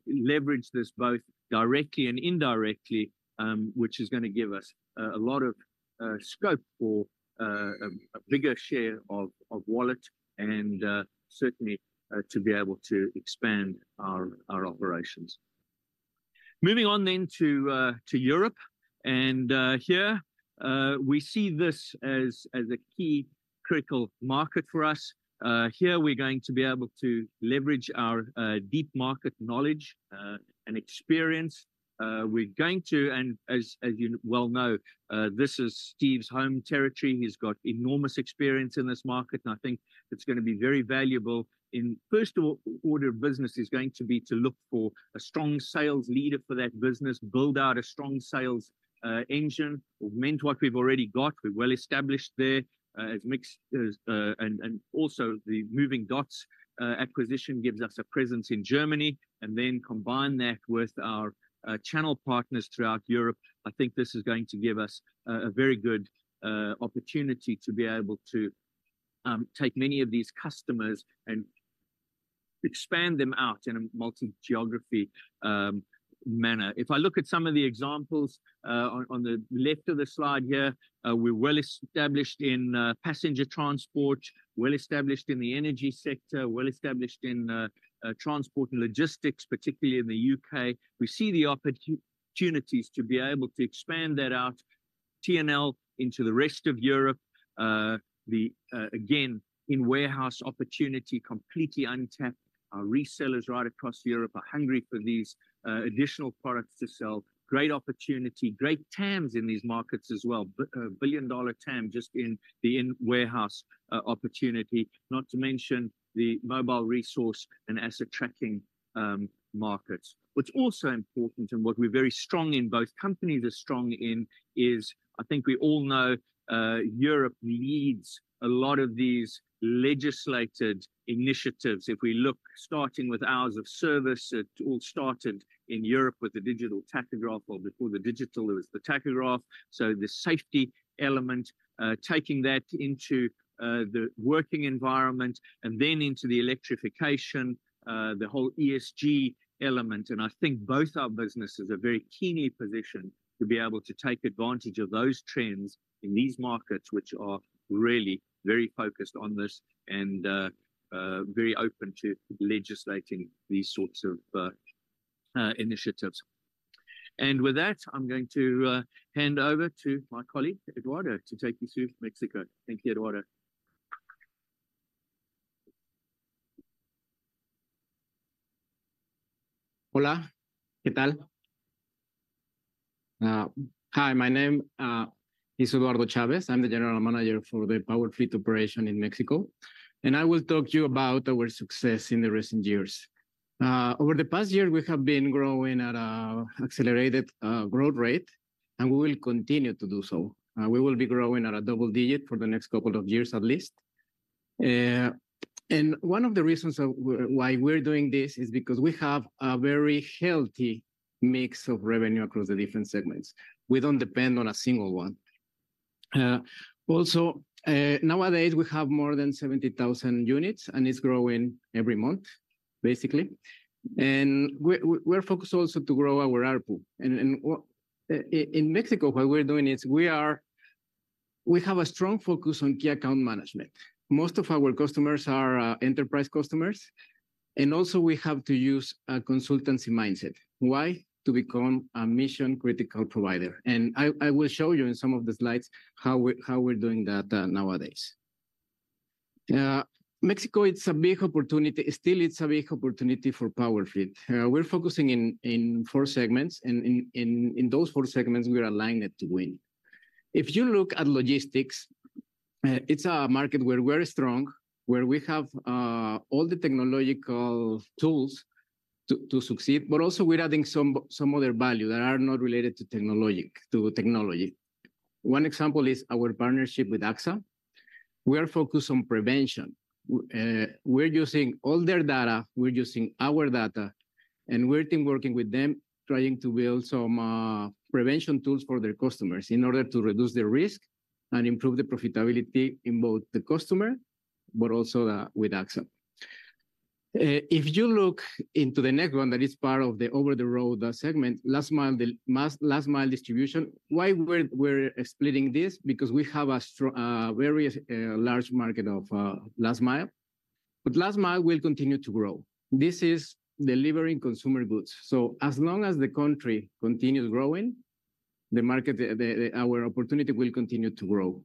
leverage this both directly and indirectly, which is gonna give us a lot of scope for a bigger share of wallet and certainly to be able to expand our operations. Moving on then to Europe, and here we see this as a key critical market for us. Here we're going to be able to leverage our deep market knowledge and experience. And as you well know, this is Steve's home territory. He's got enormous experience in this market, and I think it's gonna be very valuable. The first order of business is going to be to look for a strong sales leader for that business, build out a strong sales engine. Augment what we've already got, we're well established there, as MiX, and also the Movingdots acquisition gives us a presence in Germany, and then combine that with our channel partners throughout Europe. I think this is going to give us a very good opportunity to be able to take many of these customers and expand them out in a multi-geography manner. If I look at some of the examples on the left of the slide here, we're well established in passenger transport, well established in the energy sector, well established in transport and logistics, particularly in the U.K. We see the opportunities to be able to expand that out, T&L into the rest of Europe. The again, in-warehouse opportunity, completely untapped. Our resellers right across Europe are hungry for these additional products to sell. Great opportunity, great TAMs in these markets as well. A billion-dollar TAM just in the in-warehouse opportunity, not to mention the mobile resource and asset tracking markets. What's also important, and what we're very strong in, both companies are strong in, is, I think we all know, Europe leads a lot of these legislated initiatives. If we look, starting with hours of service, it all started in Europe with the digital tachograph, or before the digital, it was the tachograph. So the safety element, taking that into the working environment, and then into the electrification, the whole ESG element. I think both our businesses are very keenly positioned to be able to take advantage of those trends in these markets, which are really very focused on this and very open to legislating these sorts of initiatives. And with that, I'm going to hand over to my colleague, Eduardo, to take you through Mexico. Thank you, Eduardo. Hola. ¿Qué tal? Hi, my name is Eduardo Chavez. I'm the General Manager for the Powerfleet operation in Mexico, and I will talk to you about our success in the recent years. Over the past year, we have been growing at a accelerated growth rate, and we will continue to do so. We will be growing at a double digit for the next couple of years at least. One of the reasons why we're doing this is because we have a very healthy mix of revenue across the different segments. We don't depend on a single one. Also, nowadays, we have more than 70,000 units, and it's growing every month, basically. We're focused also to grow our ARPU. In Mexico, what we're doing is we have a strong focus on key account management. Most of our customers are enterprise customers, and also we have to use a consultancy mindset. Why? To become a mission-critical provider, and I will show you in some of the slides how we're doing that nowadays. Mexico, it's a big opportunity. Still, it's a big opportunity for Powerfleet. We're focusing in four segments, and in those four segments, we are aligned to win. If you look at logistics, it's a market where we're strong, where we have all the technological tools to succeed, but also we're adding some other value that are not related to technology. One example is our partnership with AXA. We are focused on prevention. We're using all their data, we're using our data, and we're team working with them, trying to build some prevention tools for their customers in order to reduce the risk and improve the profitability in both the customer, but also with AXA. If you look into the next one, that is part of the over-the-road segment, last mile, the last mile distribution. Why we're splitting this? Because we have a strong, a very large market of last mile, but last mile will continue to grow. This is delivering consumer goods, so as long as the country continues growing, the market, our opportunity will continue to grow.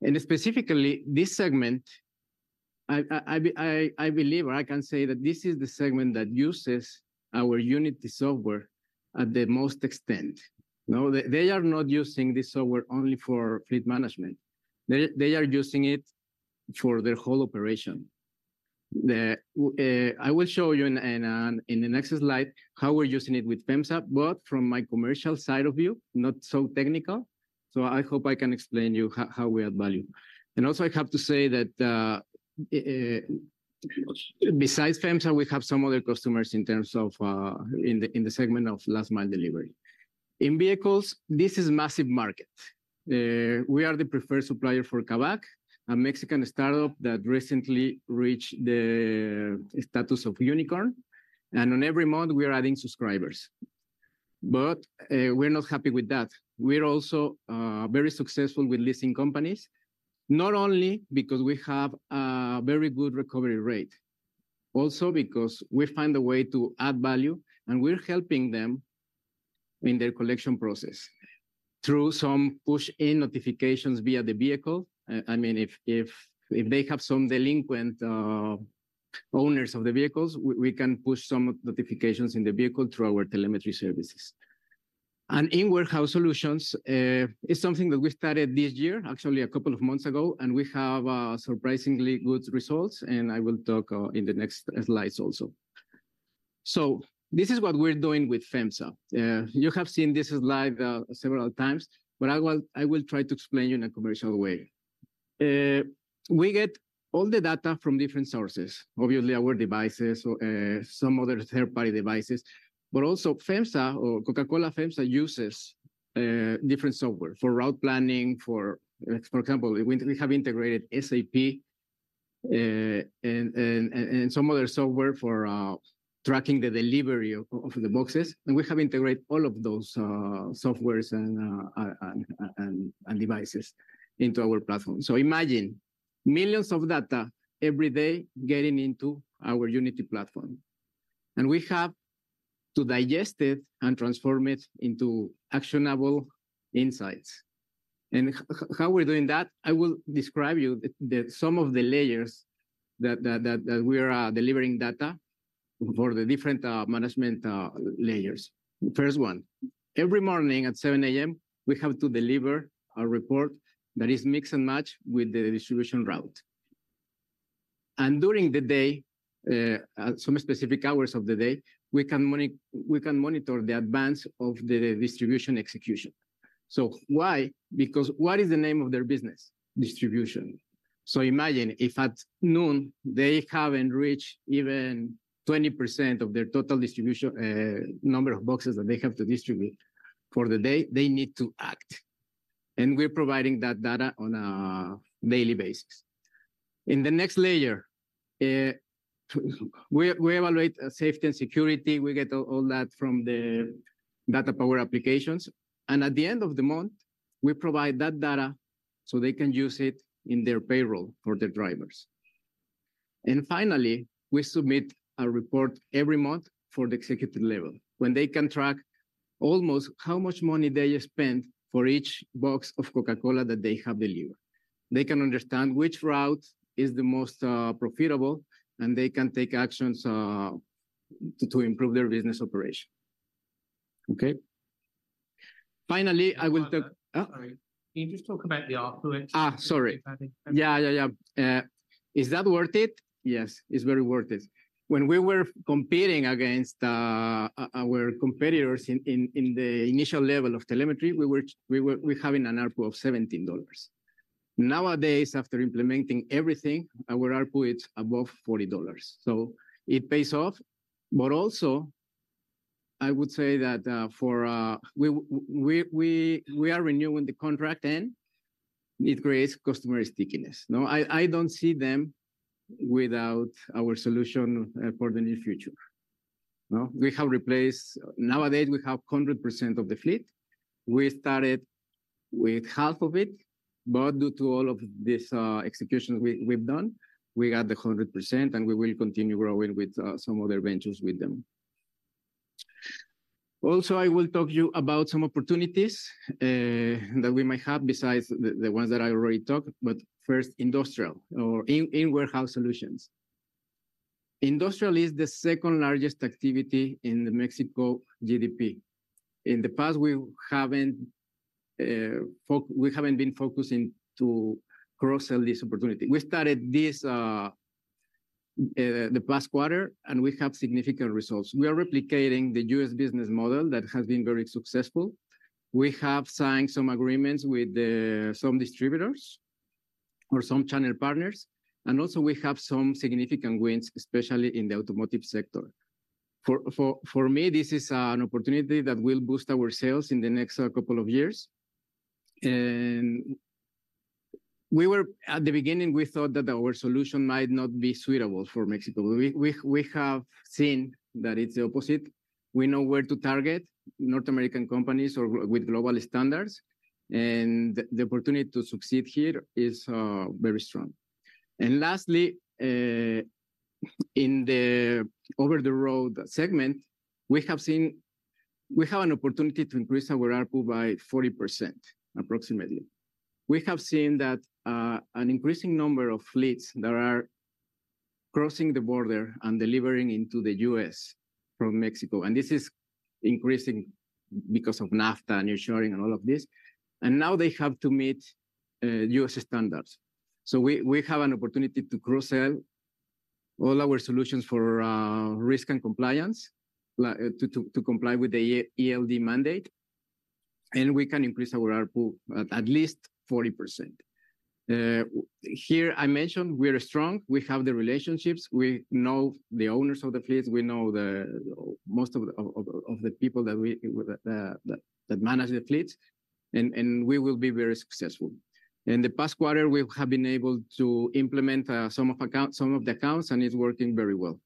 And specifically, this segment, I believe, or I can say that this is the segment that uses our Unity software at the most extent. No, they are not using this software only for fleet management. They are using it for their whole operation. I will show you in the next slide how we're using it with FEMSA, but from my commercial side of view, not so technical, so I hope I can explain you how we add value. Also, I have to say that, besides FEMSA, we have some other customers in terms of, in the segment of last mile delivery. In vehicles, this is massive market. We are the preferred supplier for Kavak, a Mexican start-up that recently reached the status of unicorn, and on every month, we are adding subscribers. But, we're not happy with that. We're also very successful with leasing companies, not only because we have a very good recovery rate, also because we find a way to add value, and we're helping them in their collection process through some push notifications via the vehicle. I mean, if they have some delinquent owners of the vehicles, we can push some notifications in the vehicle through our telemetry services. And in warehouse solutions, it's something that we started this year, actually a couple of months ago, and we have surprisingly good results, and I will talk in the next slides also. So this is what we're doing with FEMSA. You have seen this live several times, but I will try to explain you in a commercial way. We get all the data from different sources, obviously our devices or some other third-party devices, but also FEMSA or Coca-Cola FEMSA uses different software for route planning, for example, we have integrated SAP and some other software for tracking the delivery of the boxes, and we have integrated all of those softwares and devices into our platform. So imagine, millions of data every day getting into our Unity platform, and we have to digest it and transform it into actionable insights. And how we're doing that? I will describe you the some of the layers that we are delivering data for the different management layers. First one, every morning at 7 A.M., we have to deliver a report that is mix and match with the distribution route. During the day, at some specific hours of the day, we can monitor the advance of the distribution execution. So why? Because what is the name of their business? Distribution. So imagine if at noon they haven't reached even 20% of their total distribution, number of boxes that they have to distribute for the day, they need to act, and we're providing that data on a daily basis. In the next layer, we evaluate safety and security. We get all that from the data-powered applications. At the end of the month, we provide that data so they can use it in their payroll for their drivers. Finally, we submit a report every month for the executive level, when they can track almost how much money they spent for each box of Coca-Cola that they have delivered. They can understand which route is the most profitable, and they can take actions to improve their business operation. Okay? Finally, I will talk- Sorry. Uh? Can you just talk about the ARPU? Ah, sorry. Yeah. Yeah, yeah, yeah. Is that worth it? Yes, it's very worth it. When we were competing against our competitors in the initial level of telemetry, we were having an ARPU of $17. Nowadays, after implementing everything, our ARPU is above $40, so it pays off. But also, I would say that we are renewing the contract, and it creates customer stickiness. No, I don't see them without our solution for the near future. No, we have replaced. Nowadays, we have 100% of the fleet. We started with half of it, but due to all of this execution we've done, we got the 100%, and we will continue growing with some other ventures with them. Also, I will talk to you about some opportunities that we might have besides the ones that I already talked. But first, industrial or in warehouse solutions. Industrial is the second largest activity in the Mexico GDP. In the past, we haven't been focusing to cross-sell this opportunity. We started this the past quarter, and we have significant results. We are replicating the U.S. business model that has been very successful. We have signed some agreements with some distributors or some channel partners, and also we have some significant wins, especially in the automotive sector. For me, this is an opportunity that will boost our sales in the next couple of years. And at the beginning, we thought that our solution might not be suitable for Mexico. We have seen that it's the opposite. We know where to target North American companies or with global standards, and the opportunity to succeed here is very strong. And lastly, in the over-the-road segment, we have an opportunity to increase our ARPU by 40%, approximately. We have seen that an increasing number of fleets that are crossing the border and delivering into the U.S. from Mexico, and this is increasing because of NAFTA and nearshoring and all of this. And now they have to meet U.S. standards. So we have an opportunity to cross-sell all our solutions for risk and compliance to comply with the ELD mandate, and we can increase our ARPU at least 40%. Here I mentioned we're strong. We have the relationships. We know the owners of the fleets. We know most of the people that manage the fleets, and we will be very successful. In the past quarter, we have been able to implement some of the accounts, and it's working very well.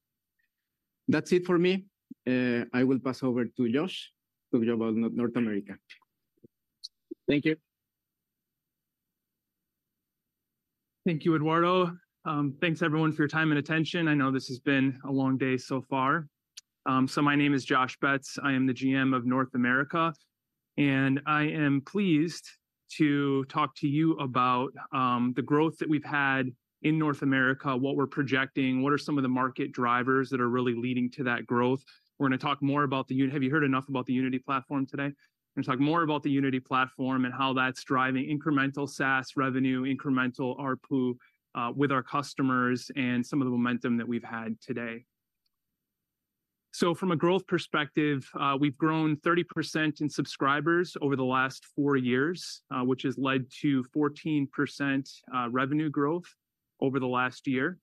That's it for me. I will pass over to Josh to talk about North America. Thank you. Thank you, Eduardo. Thanks everyone for your time and attention. I know this has been a long day so far. So my name is Josh Betts. I am the GM of North America, and I am pleased to talk to you about the growth that we've had in North America, what we're projecting, what are some of the market drivers that are really leading to that growth. We're gonna talk more about the Uni- have you heard enough about the Unity platform today? I'm gonna talk more about the Unity platform and how that's driving incremental SaaS revenue, incremental ARPU, with our customers and some of the momentum that we've had today. So from a growth perspective, we've grown 30% in subscribers over the last four years, which has led to 14%, revenue growth over the last year.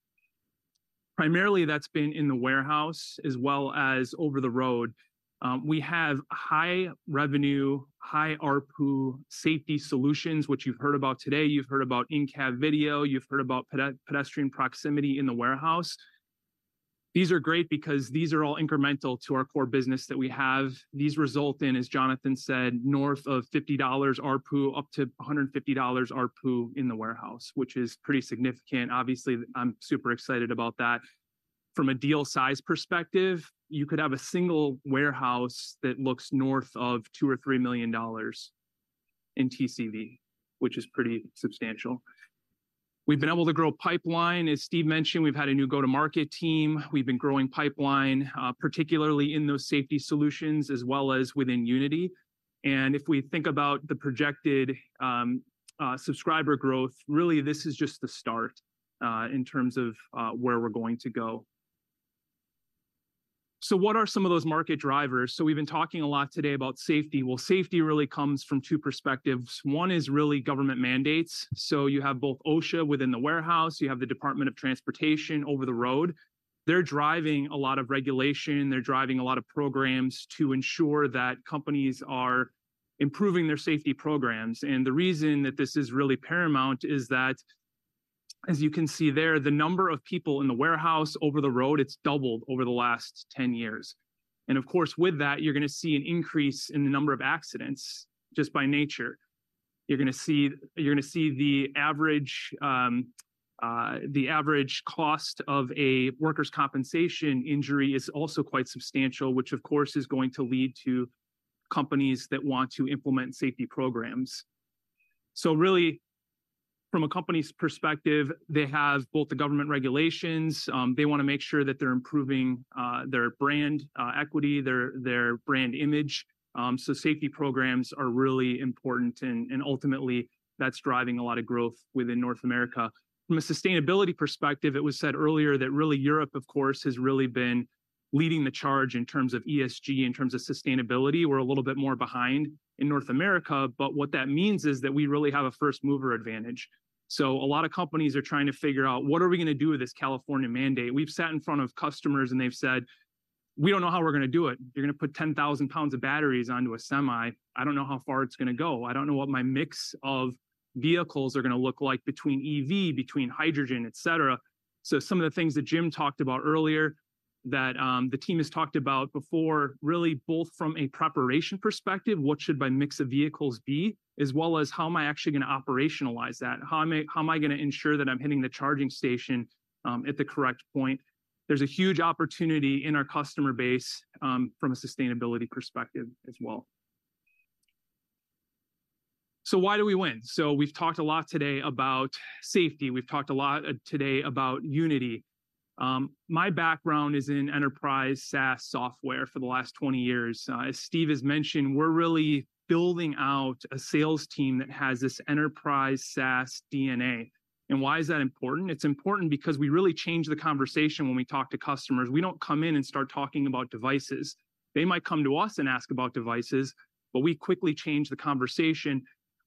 Primarily, that's been in the warehouse as well as over-the-road. We have high revenue, high ARPU safety solutions, which you've heard about today. You've heard about in-cab video, you've heard about pedestrian proximity in the warehouse. These are great because these are all incremental to our core business that we have. These result in, as Jonathan said, north of $50 ARPU, up to $150 ARPU in the warehouse, which is pretty significant. Obviously, I'm super excited about that. From a deal size perspective, you could have a single warehouse that looks north of $2-$3 million in TCV, which is pretty substantial. We've been able to grow pipeline. As Steve mentioned, we've had a new go-to-market team. We've been growing pipeline, particularly in those safety solutions, as well as within Unity. And if we think about the projected subscriber growth, really, this is just the start in terms of where we're going to go. So what are some of those market drivers? So we've been talking a lot today about safety. Well, safety really comes from two perspectives. One is really government mandates. So you have both OSHA within the warehouse, you have the Department of Transportation over the road. They're driving a lot of regulation, they're driving a lot of programs to ensure that companies are improving their safety programs. And the reason that this is really paramount is that, as you can see there, the number of people in the warehouse over the road, it's doubled over the last 10 years. And of course, with that, you're gonna see an increase in the number of accidents just by nature. You're gonna see, you're gonna see the average, the average cost of a workers' compensation injury is also quite substantial, which of course, is going to lead to companies that want to implement safety programs. So really, from a company's perspective, they have both the government regulations, they wanna make sure that they're improving, their brand, equity, their, their brand image. So safety programs are really important, and, and ultimately, that's driving a lot of growth within North America. From a sustainability perspective, it was said earlier that really Europe, of course, has really been leading the charge in terms of ESG, in terms of sustainability. We're a little bit more behind in North America, but what that means is that we really have a first-mover advantage. So a lot of companies are trying to figure out, "What are we gonna do with this California mandate?" We've sat in front of customers, and they've said, "We don't know how we're gonna do it. You're gonna put 10,000 pounds of batteries onto a semi. I don't know how far it's gonna go. I don't know what my mix of vehicles are gonna look like between EV, between hydrogen, et cetera." So some of the things that Jim talked about earlier, that, the team has talked about before, really both from a preparation perspective, what should my mix of vehicles be, as well as how am I actually gonna operationalize that? How am I, how am I gonna ensure that I'm hitting the charging station, at the correct point? There's a huge opportunity in our customer base, from a sustainability perspective as well. So why do we win? We've talked a lot today about safety. We've talked a lot today about unity. My background is in enterprise SaaS software for the last 20 years. As Steve has mentioned, we're really building out a sales team that has this enterprise SaaS DNA. And why is that important? It's important because we really change the conversation when we talk to customers. We don't come in and start talking about devices. They might come to us and ask about devices, but we quickly change the conversation.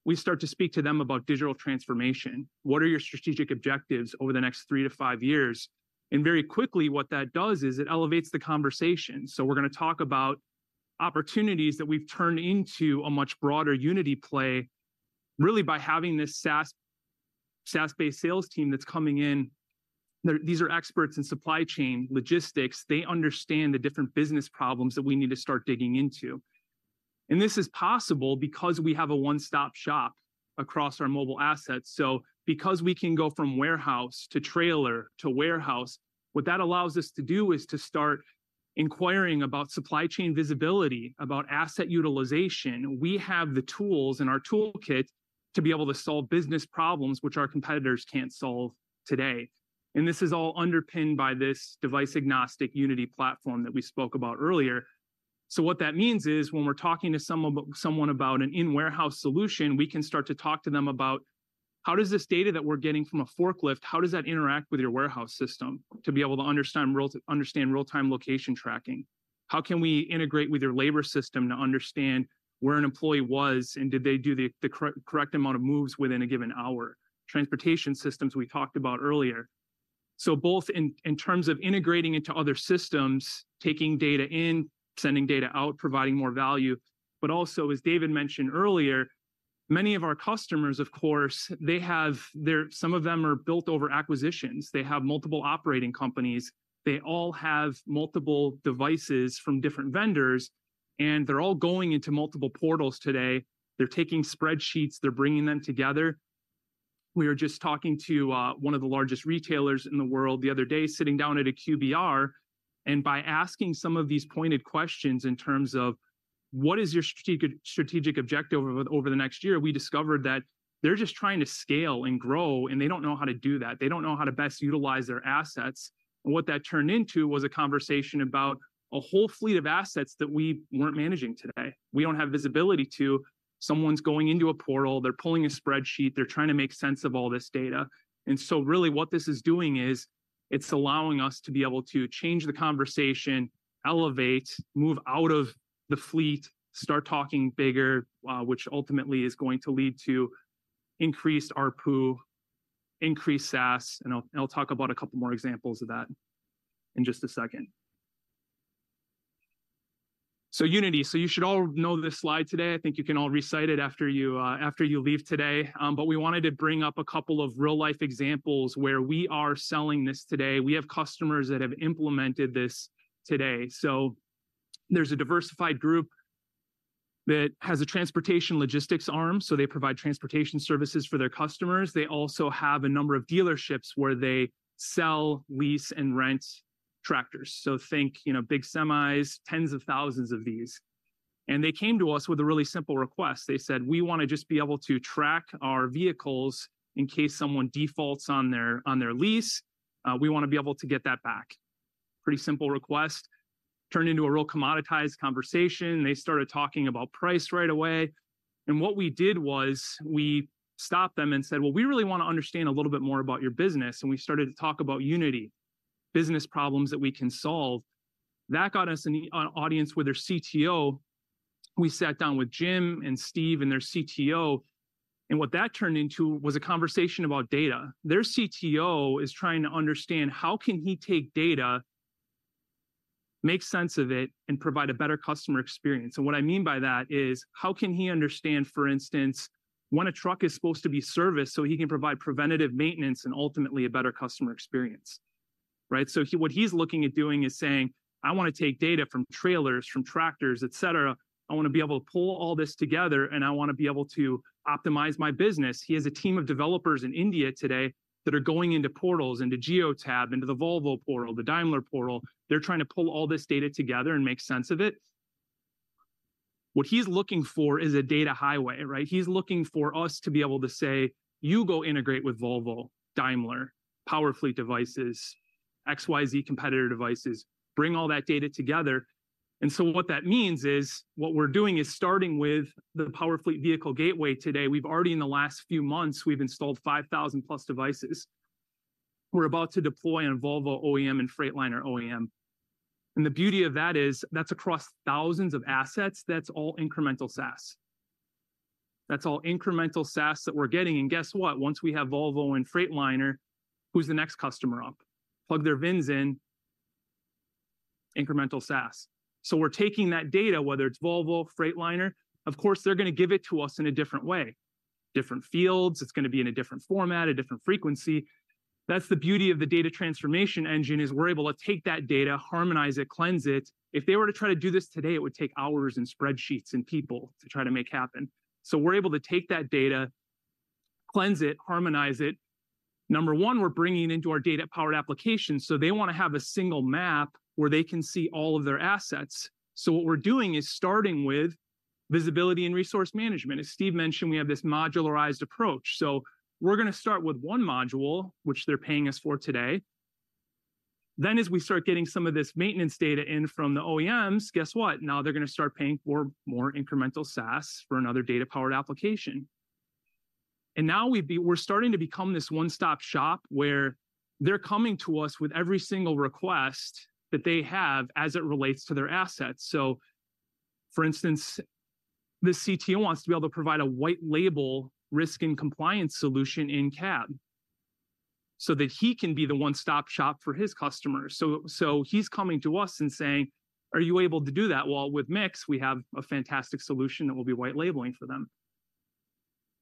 We start to speak to them about digital transformation. What are your strategic objectives over the next 3-5 years? And very quickly, what that does is it elevates the conversation. So we're gonna talk about opportunities that we've turned into a much broader unity play, really by having this SaaS, SaaS-based sales team that's coming in. These are experts in supply chain, logistics. They understand the different business problems that we need to start digging into. And this is possible because we have a one-stop shop across our mobile assets. So because we can go from warehouse to trailer to warehouse, what that allows us to do is to start inquiring about supply chain visibility, about asset utilization. We have the tools in our toolkit to be able to solve business problems which our competitors can't solve today. And this is all underpinned by this device-agnostic unity platform that we spoke about earlier. So what that means is when we're talking to someone about an in-warehouse solution, we can start to talk to them about: how does this data that we're getting from a forklift, how does that interact with your warehouse system to be able to understand real-time location tracking? How can we integrate with your labor system to understand where an employee was, and did they do the correct amount of moves within a given hour? Transportation systems, we talked about earlier. So both in terms of integrating into other systems, taking data in, sending data out, providing more value, but also, as David mentioned earlier, many of our customers, of course, they have their... Some of them are built over acquisitions. They all have multiple operating companies. They all have multiple devices from different vendors, and they're all going into multiple portals today. They're taking spreadsheets, they're bringing them together. We were just talking to one of the largest retailers in the world the other day, sitting down at a QBR, and by asking some of these pointed questions in terms of: what is your strategic, strategic objective over, over the next year? We discovered that they're just trying to scale and grow, and they don't know how to do that. They don't know how to best utilize their assets. And what that turned into was a conversation about a whole fleet of assets that we weren't managing today. We don't have visibility to. Someone's going into a portal, they're pulling a spreadsheet, they're trying to make sense of all this data. And so really, what this is doing is, it's allowing us to be able to change the conversation, elevate, move out of the fleet, start talking bigger, which ultimately is going to lead to increased ARPU, increased SaaS, and I'll, I'll talk about a couple more examples of that in just a second. So Unity. So you should all know this slide today. I think you can all recite it after you, after you leave today. But we wanted to bring up a couple of real-life examples where we are selling this today. We have customers that have implemented this today. So there's a diversified group that has a transportation logistics arm, so they provide transportation services for their customers. They also have a number of dealerships where they sell, lease, and rent tractors. So think, you know, big semis, tens of thousands of these. And they came to us with a really simple request. They said, "We wanna just be able to track our vehicles in case someone defaults on their, on their lease. We wanna be able to get that back." Pretty simple request. Turned into a real commoditized conversation. They started talking about price right away, and what we did was, we stopped them and said, "Well, we really want to understand a little bit more about your business." And we started to talk about unity, business problems that we can solve. That got us an audience with their CTO. We sat down with Jim and Steve and their CTO, and what that turned into was a conversation about data. Their CTO is trying to understand how can he take data, make sense of it, and provide a better customer experience. And what I mean by that is, how can he understand, for instance, when a truck is supposed to be serviced so he can provide preventative maintenance and ultimately a better customer experience, right? So he-- what he's looking at doing is saying, "I wanna take data from trailers, from tractors, et cetera. I wanna be able to pull all this together, and I wanna be able to optimize my business." He has a team of developers in India today that are going into portals, into Geotab, into the Volvo portal, the Daimler portal. They're trying to pull all this data together and make sense of it. What he's looking for is a data highway, right? He's looking for us to be able to say, "You go integrate with Volvo, Daimler, Powerfleet devices, XYZ competitor devices. “Bring all that data together.” And so what that means is, what we're doing is starting with the Powerfleet vehicle gateway today. We've already, in the last few months, we've installed 5,000+ devices. We're about to deploy on Volvo OEM and Freightliner OEM. And the beauty of that is, that's across thousands of assets. That's all incremental SaaS. That's all incremental SaaS that we're getting, and guess what? Once we have Volvo and Freightliner, who's the next customer up? Plug their VINs in, incremental SaaS. So we're taking that data, whether it's Volvo, Freightliner. Of course, they're gonna give it to us in a different way, different fields. It's gonna be in a different format, a different frequency. That's the beauty of the data transformation engine, is we're able to take that data, harmonize it, cleanse it. If they were to try to do this today, it would take hours, and spreadsheets, and people to try to make happen. So we're able to take that data, cleanse it, harmonize it. Number one, we're bringing into our data-powered application, so they wanna have a single map where they can see all of their assets. So what we're doing is starting with visibility and resource management. As Steve mentioned, we have this modularized approach. So we're gonna start with one module, which they're paying us for today. Then, as we start getting some of this maintenance data in from the OEMs, guess what? Now they're gonna start paying for more incremental SaaS for another data-powered application. And now we're starting to become this one-stop shop, where they're coming to us with every single request that they have as it relates to their assets. So, for instance, this CTO wants to be able to provide a white label risk and compliance solution in cab, so that he can be the one-stop shop for his customers. So, so he's coming to us and saying, "Are you able to do that?" Well, with MiX, we have a fantastic solution that we'll be white labeling for them.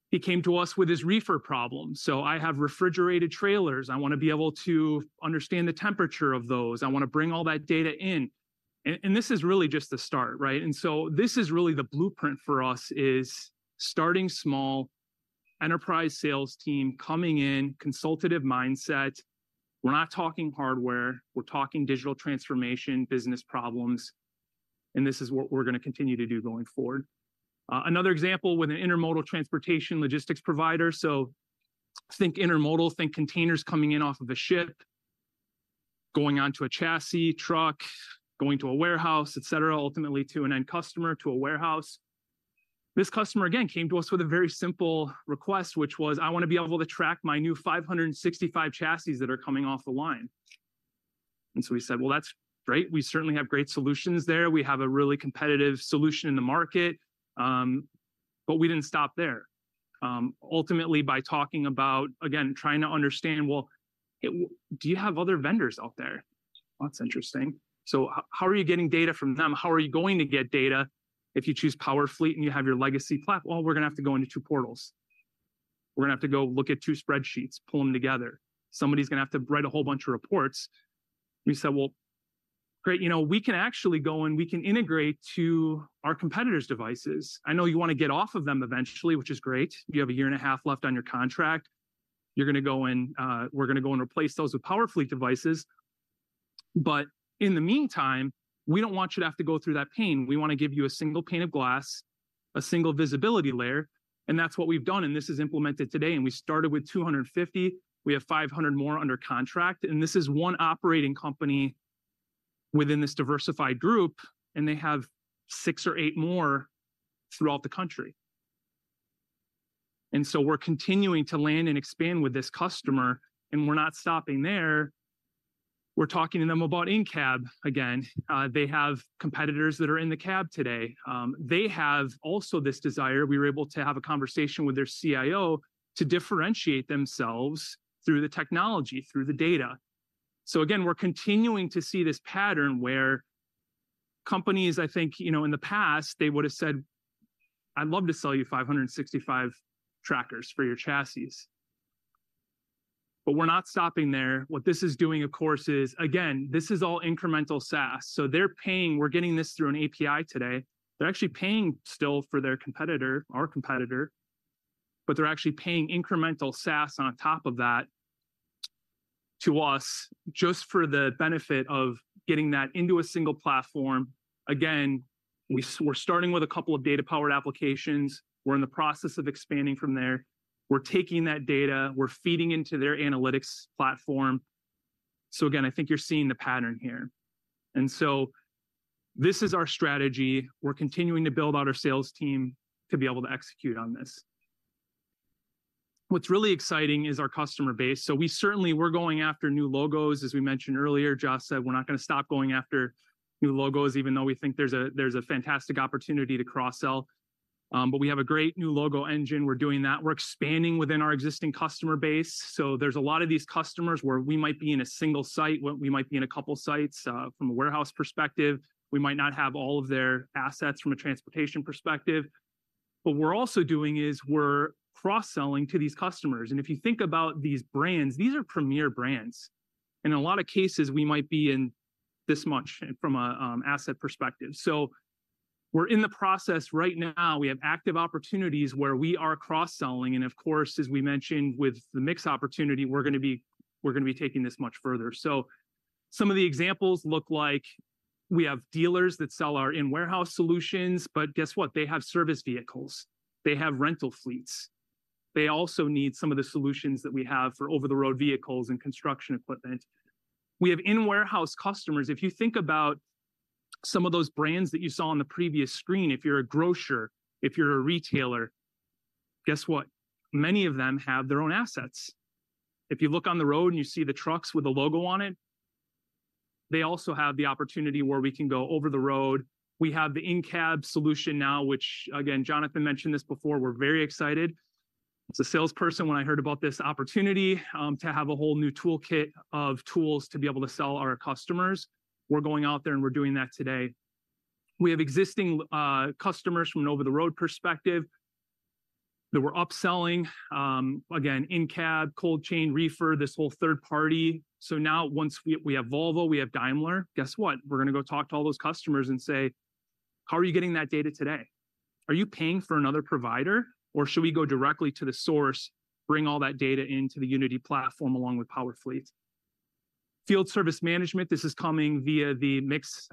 He came to us with his reefer problem. "So I have refrigerated trailers. I wanna be able to understand the temperature of those. I wanna bring all that data in." And, and this is really just the start, right? And so this is really the blueprint for us, is starting small, enterprise sales team coming in, consultative mindset. We're not talking hardware, we're talking digital transformation, business problems, and this is what we're gonna continue to do going forward. Another example with an intermodal transportation logistics provider. So think intermodal, think containers coming in off of a ship, going onto a chassis truck, going to a warehouse, et cetera, ultimately to an end customer, to a warehouse. This customer, again, came to us with a very simple request, which was, "I wanna be able to track my new 565 chassis that are coming off the line." And so we said: Well, that's great. We certainly have great solutions there. We have a really competitive solution in the market, but we didn't stop there. Ultimately, by talking about... Again, trying to understand, "Well, do you have other vendors out there? Well, that's interesting. So how are you getting data from them? How are you going to get data if you choose Powerfleet and you have your legacy platform?" "Well, we're gonna have to go into two portals. We're gonna have to go look at two spreadsheets, pull them together. Somebody's gonna have to write a whole bunch of reports." We said, "Well, great, you know, we can actually go and we can integrate to our competitor's devices. I know you wanna get off of them eventually, which is great. You have a year and a half left on your contract. You're gonna go and, We're gonna go and replace those with Powerfleet devices. But in the meantime, we don't want you to have to go through that pain. We wanna give you a single pane of glass, a single visibility layer," and that's what we've done, and this is implemented today. And we started with 250. We have 500 more under contract, and this is one operating company within this diversified group, and they have six or eight more throughout the country. We're continuing to land and expand with this customer, and we're not stopping there. We're talking to them about in-cab again. They have competitors that are in the cab today. They have also this desire; we were able to have a conversation with their CIO to differentiate themselves through the technology, through the data. So again, we're continuing to see this pattern where companies, I think, you know, in the past, they would've said, "I'd love to sell you 565 trackers for your chassis." But we're not stopping there. What this is doing, of course, is... Again, this is all incremental SaaS. So they're paying; we're getting this through an API today. They're actually paying still for their competitor, our competitor, but they're actually paying incremental SaaS on top of that to us, just for the benefit of getting that into a single platform. Again, we're starting with a couple of data-powered applications. We're in the process of expanding from there. We're taking that data, we're feeding into their analytics platform. So again, I think you're seeing the pattern here. So this is our strategy. We're continuing to build out our sales team to be able to execute on this. What's really exciting is our customer base. So we certainly, we're going after new logos, as we mentioned earlier. Josh said we're not gonna stop going after new logos, even though we think there's a fantastic opportunity to cross-sell. But we have a great new logo engine. We're doing that. We're expanding within our existing customer base. So there's a lot of these customers where we might be in a single site, where we might be in a couple sites, from a warehouse perspective. We might not have all of their assets from a transportation perspective. What we're also doing is we're cross-selling to these customers. And if you think about these brands, these are premier brands. In a lot of cases, we might be in this much from a, asset perspective. So we're in the process right now, we have active opportunities where we are cross-selling. And of course, as we mentioned with the MiX opportunity, we're gonna be, we're gonna be taking this much further. So some of the examples look like we have dealers that sell our in-warehouse solutions, but guess what? They have service vehicles. They have rental fleets. They also need some of the solutions that we have for over-the-road vehicles and construction equipment. We have in-warehouse customers. If you think about some of those brands that you saw on the previous screen, if you're a grocer, if you're a retailer, guess what? Many of them have their own assets. If you look on the road and you see the trucks with the logo on it, they also have the opportunity where we can go over the road. We have the in-cab solution now, which again, Jonathan mentioned this before. We're very excited. As a salesperson, when I heard about this opportunity, to have a whole new toolkit of tools to be able to sell our customers, we're going out there, and we're doing that today. We have existing customers from an over-the-road perspective that we're upselling. Again, in-cab, cold chain, reefer, this whole third party. So now, once we have Volvo, we have Daimler, guess what? We're gonna go talk to all those customers and say: "How are you getting that data today? Are you paying for another provider, or should we go directly to the source, bring all that data into the Unity platform along with Powerfleet?" Field service management, this is coming via the Mix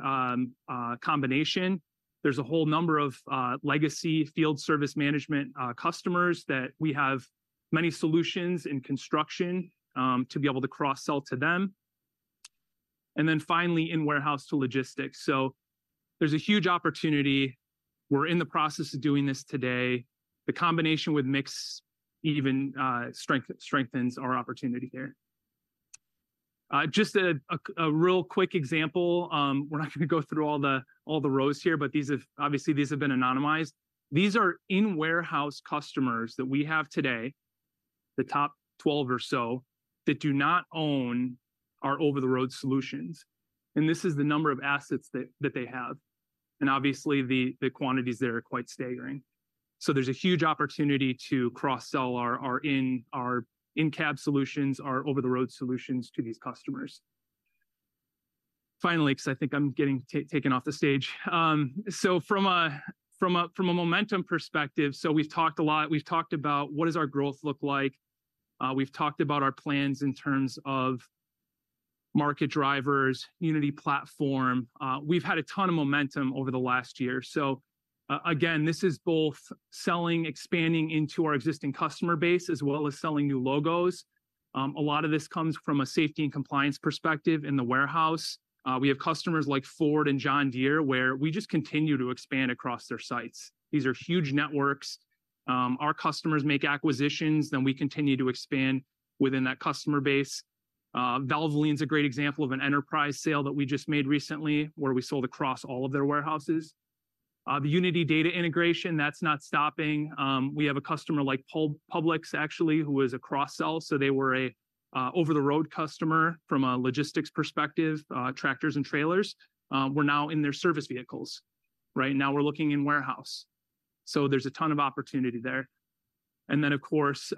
combination. There's a whole number of legacy field service management customers that we have many solutions in construction to be able to cross-sell to them. And then finally, in warehouse to logistics. So there's a huge opportunity. We're in the process of doing this today. The combination with Mix even strengthens our opportunity here. Just a real quick example. We're not gonna go through all the rows here, but these have, obviously, been anonymized. These are in-warehouse customers that we have today, the top 12 or so, that do not own our over-the-road solutions. And this is the number of assets that they have, and obviously, the quantities there are quite staggering. So there's a huge opportunity to cross-sell our in-cab solutions, our over-the-road solutions to these customers. Finally, 'cause I think I'm getting taken off the stage. So from a momentum perspective, so we've talked a lot. We've talked about what does our growth look like? We've talked about our plans in terms of market drivers, Unity platform. We've had a ton of momentum over the last year. So, again, this is both selling, expanding into our existing customer base, as well as selling new logos. A lot of this comes from a safety and compliance perspective in the warehouse. We have customers like Ford and John Deere, where we just continue to expand across their sites. These are huge networks. Our customers make acquisitions, then we continue to expand within that customer base. Valvoline's a great example of an enterprise sale that we just made recently, where we sold across all of their warehouses. The Unity data integration, that's not stopping. We have a customer like Publix, actually, who is a cross-sell, so they were a over-the-road customer from a logistics perspective, tractors and trailers. We're now in their service vehicles. Right now, we're looking in warehouse, so there's a ton of opportunity there. And then, of course,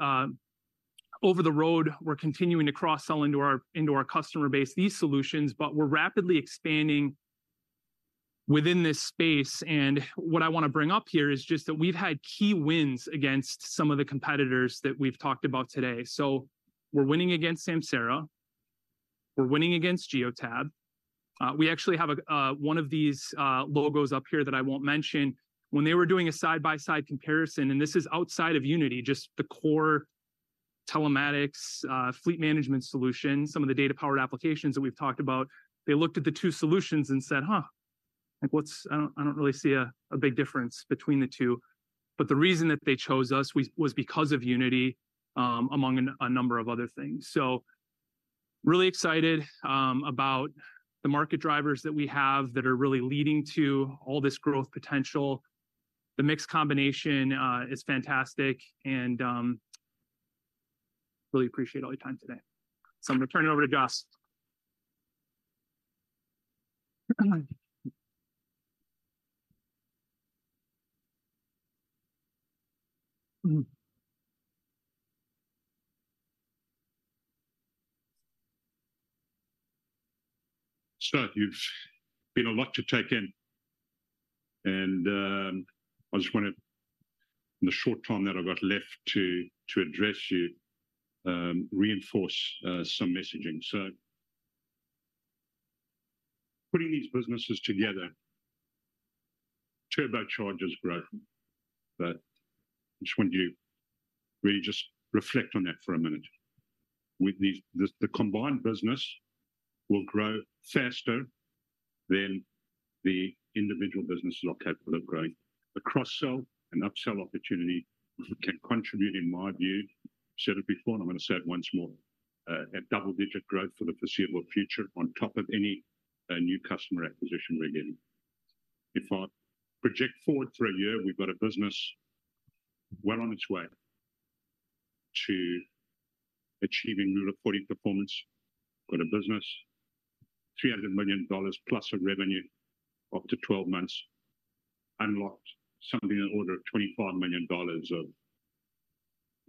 over-the-road, we're continuing to cross-sell into our, into our customer base, these solutions, but we're rapidly expanding within this space. And what I wanna bring up here is just that we've had key wins against some of the competitors that we've talked about today. So we're winning against Samsara. We're winning against Geotab. We actually have a one of these logos up here that I won't mention. When they were doing a side-by-side comparison, and this is outside of Unity, just the core telematics, fleet management solution, some of the data-powered applications that we've talked about, they looked at the two solutions and said, "Huh, like, what's-- I don't, I don't really see a, a big difference between the two." But the reason that they chose us was, was because of Unity, among a number of other things. So really excited about the market drivers that we have that are really leading to all this growth potential. The MiX combination is fantastic, and really appreciate all your time today. So I'm gonna turn it over to joss. So you've been a lot to take in, and I just wanna, in the short time that I've got left to address you, reinforce some messaging. So putting these businesses together turbocharges growth, but I just want you to really just reflect on that for a minute. With these, the combined business will grow faster than the individual businesses are capable of growing. The cross-sell and up-sell opportunity can contribute, in my view. I've said it before, and I'm gonna say it once more at double-digit growth for the foreseeable future on top of any new customer acquisition we're getting. If I project forward for a year, we've got a business well on its way to achieving Rule of 40 performance. Got a business, $300 million plus of revenue up to 12 months, unlocked something in the order of $25 million of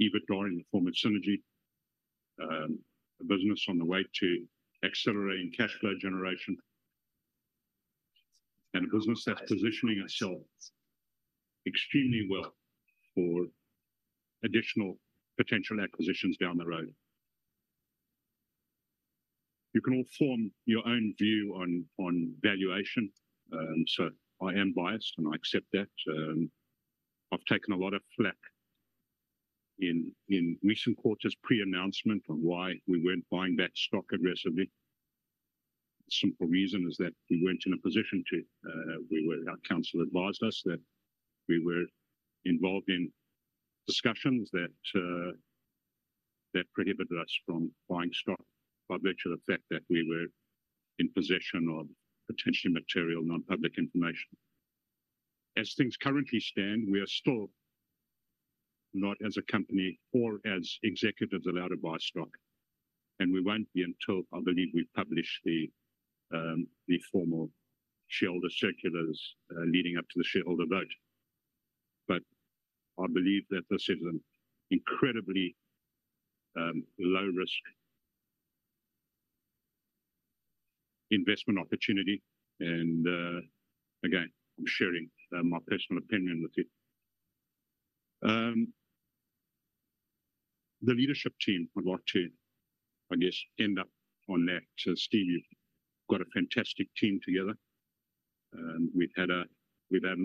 EBITDA in the form of synergy. A business on the way to accelerating cash flow generation, and a business that's positioning itself extremely well for additional potential acquisitions down the road. You can all form your own view on, on valuation, so I am biased, and I accept that. I've taken a lot of flak in, in recent quarters, pre-announcement on why we weren't buying back stock aggressively. Simple reason is that we weren't in a position to. Our counsel advised us that we were involved in discussions that, that prohibited us from buying stock by virtue of the fact that we were in possession of potentially material, non-public information. As things currently stand, we are still not, as a company or as executives, allowed to buy stock, and we won't be until I believe we've published the formal shareholder circulars leading up to the shareholder vote. But I believe that this is an incredibly low-risk investment opportunity, and again, I'm sharing my personal opinion with you. The leadership team, I'd like to, I guess, end up on that. So, Steve, you've got a fantastic team together, and we've had an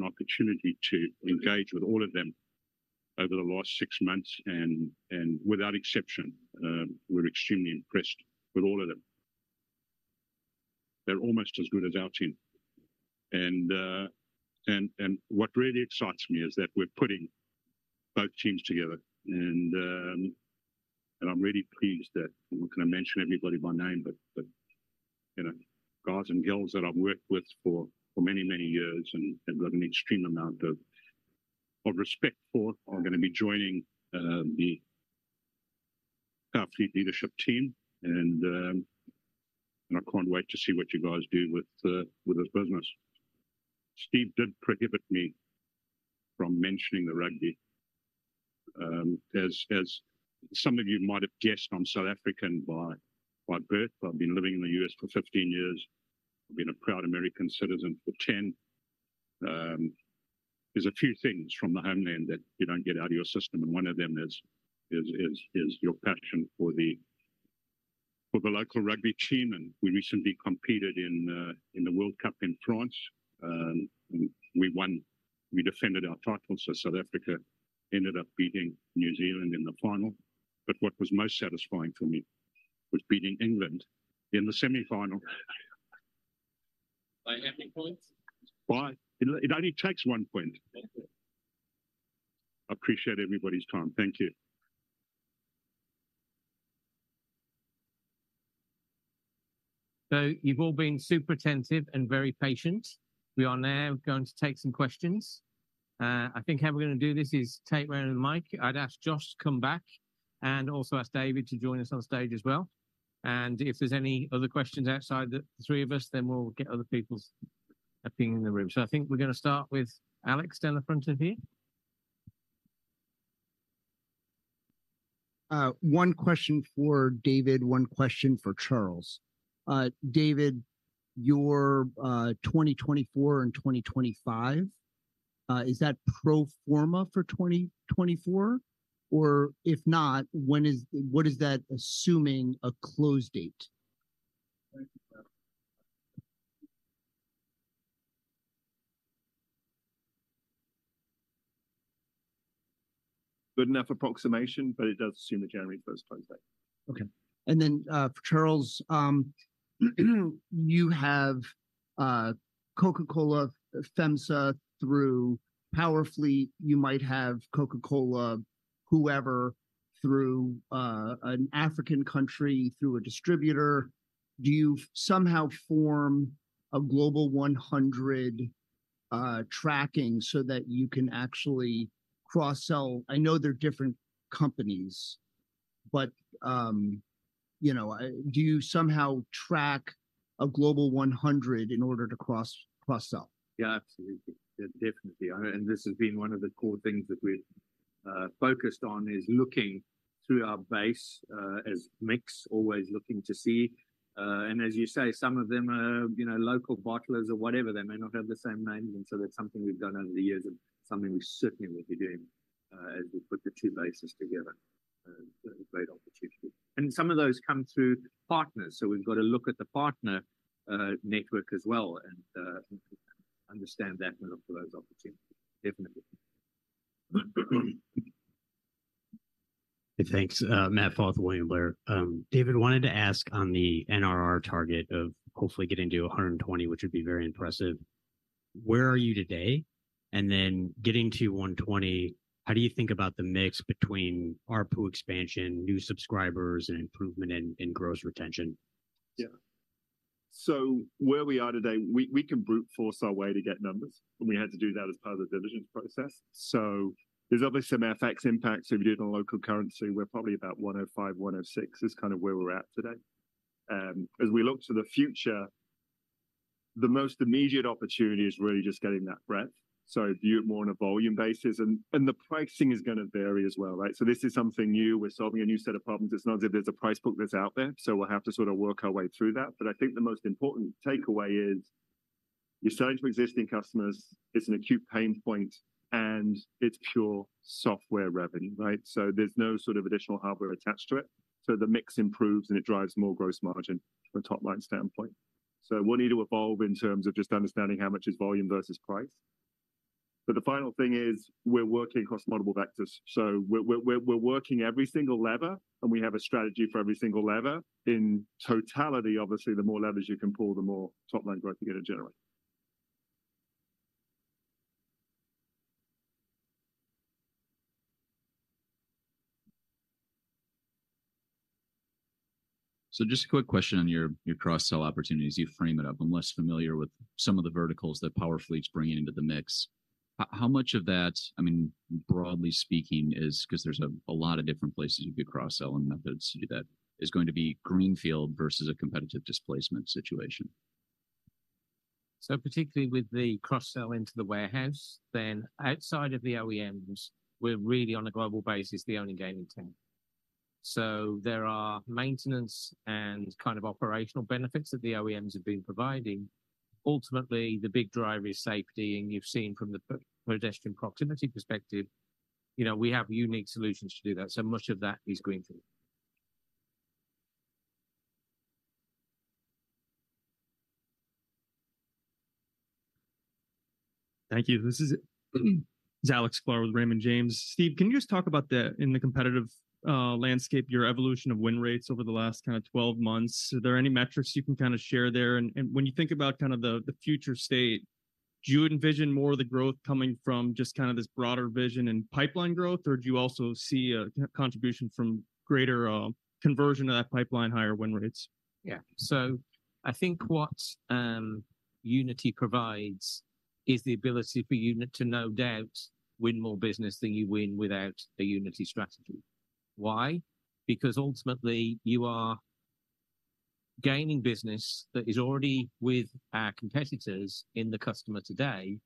opportunity to engage with all of them over the last six months, and without exception, we're extremely impressed with all of them. They're almost as good as our team. And what really excites me is that we're putting both teams together, and I'm really pleased that... I'm not gonna mention everybody by name, you know, guys and girls that I've worked with for many, many years and have got an extreme amount of respect for, are gonna be joining the Powerfleet leadership team, and I can't wait to see what you guys do with this business. Steve did prohibit me from mentioning the rugby. As some of you might have guessed, I'm South African by birth. I've been living in the US for 15 years. I've been a proud American citizen for 10. There's a few things from the homeland that you don't get out of your system, and one of them is your passion for the local rugby team. And we recently competed in the World Cup in France, and we won. We defended our title, so South Africa ended up beating New Zealand in the final. But what was most satisfying for me was beating England in the semifinal. By how many points? It only takes one point. Thank you. I appreciate everybody's time. Thank you. So you've all been super attentive and very patient. We are now going to take some questions. I think how we're gonna do this is take round the mic. I'd ask Josh to come back and also ask David to join us on stage as well. And if there's any other questions outside the three of us, then we'll get other people's opinion in the room. So I think we're gonna start with Alex, down the front over here. One question for David, one question for Charles. David, your 2024 and 2025, is that pro forma for 2024? Or if not, when is—what is that assuming a close date? Good enough approximation, but it does assume a January first close date. Okay. And then, for Charles, you have Coca-Cola FEMSA through Powerfleet. You might have Coca-Cola, whoever, through an African country, through a distributor. Do you somehow form tracking so that you can actually cross-sell? I know they're different companies, but, you know, do you somehow track a Global 100 in order to cross, cross-sell? Yeah, absolutely. Definitely. And this has been one of the core things that we've focused on, is looking through our base as MiX, always looking to see. And as you say, some of them are, you know, local bottlers or whatever. They may not have the same name, and so that's something we've done over the years and something we certainly will be doing as we put the two bases together. A great opportunity. And some of those come through partners, so we've got to look at the partner network as well and understand that and look for those opportunities, definitely. Hey, thanks. Matt Pfau, William Blair. David, wanted to ask on the NRR target of hopefully getting to 120, which would be very impressive.... Where are you today? Then getting to 120, how do you think about the mix between ARPU expansion, new subscribers, and improvement in gross retention? Yeah. So where we are today, we, we can brute force our way to get numbers, and we had to do that as part of the diligence process. So there's obviously some FX impacts if you did on local currency, we're probably about $105-$106 is kind of where we're at today. And as we look to the future, the most immediate opportunity is really just getting that breadth, so view it more on a volume basis, and, and the pricing is gonna vary as well, right? So this is something new. We're solving a new set of problems. It's not as if there's a price book that's out there, so we'll have to sort of work our way through that. But I think the most important takeaway is you're selling to existing customers, it's an acute pain point, and it's pure software revenue, right? There's no sort of additional hardware attached to it. The mix improves, and it drives more gross margin from a top-line standpoint. We'll need to evolve in terms of just understanding how much is volume versus price. But the final thing is we're working across multiple vectors, so we're working every single lever, and we have a strategy for every single lever. In totality, obviously, the more levers you can pull, the more top-line growth you're gonna generate. So just a quick question on your cross-sell opportunities. You frame it up. I'm less familiar with some of the verticals that Powerfleet's bringing into the mix. How much of that, I mean, broadly speaking, is—'cause there's a lot of different places you could cross-sell and methods that is going to be greenfield versus a competitive displacement situation. So particularly with the cross-sell into the warehouse, then outside of the OEMs, we're really, on a global basis, the only game in town. So there are maintenance and kind of operational benefits that the OEMs have been providing. Ultimately, the big driver is safety, and you've seen from the pedestrian proximity perspective, you know, we have unique solutions to do that, so much of that is greenfield. Thank you. This is, this is Alexander Sklar with Raymond James. Steve, can you just talk about the, in the competitive landscape, your evolution of win rates over the last kind of 12 months? Are there any metrics you can kind of share there? And, and when you think about kind of the, the future state, do you envision more of the growth coming from just kind of this broader vision and pipeline growth, or do you also see a k- contribution from greater, conversion to that pipeline, higher win rates? Yeah. So I think what Unity provides is the ability for Unity to no doubt win more business than you win without a Unity strategy. Why? Because ultimately, you are gaining business that is already with our competitors in the customer today,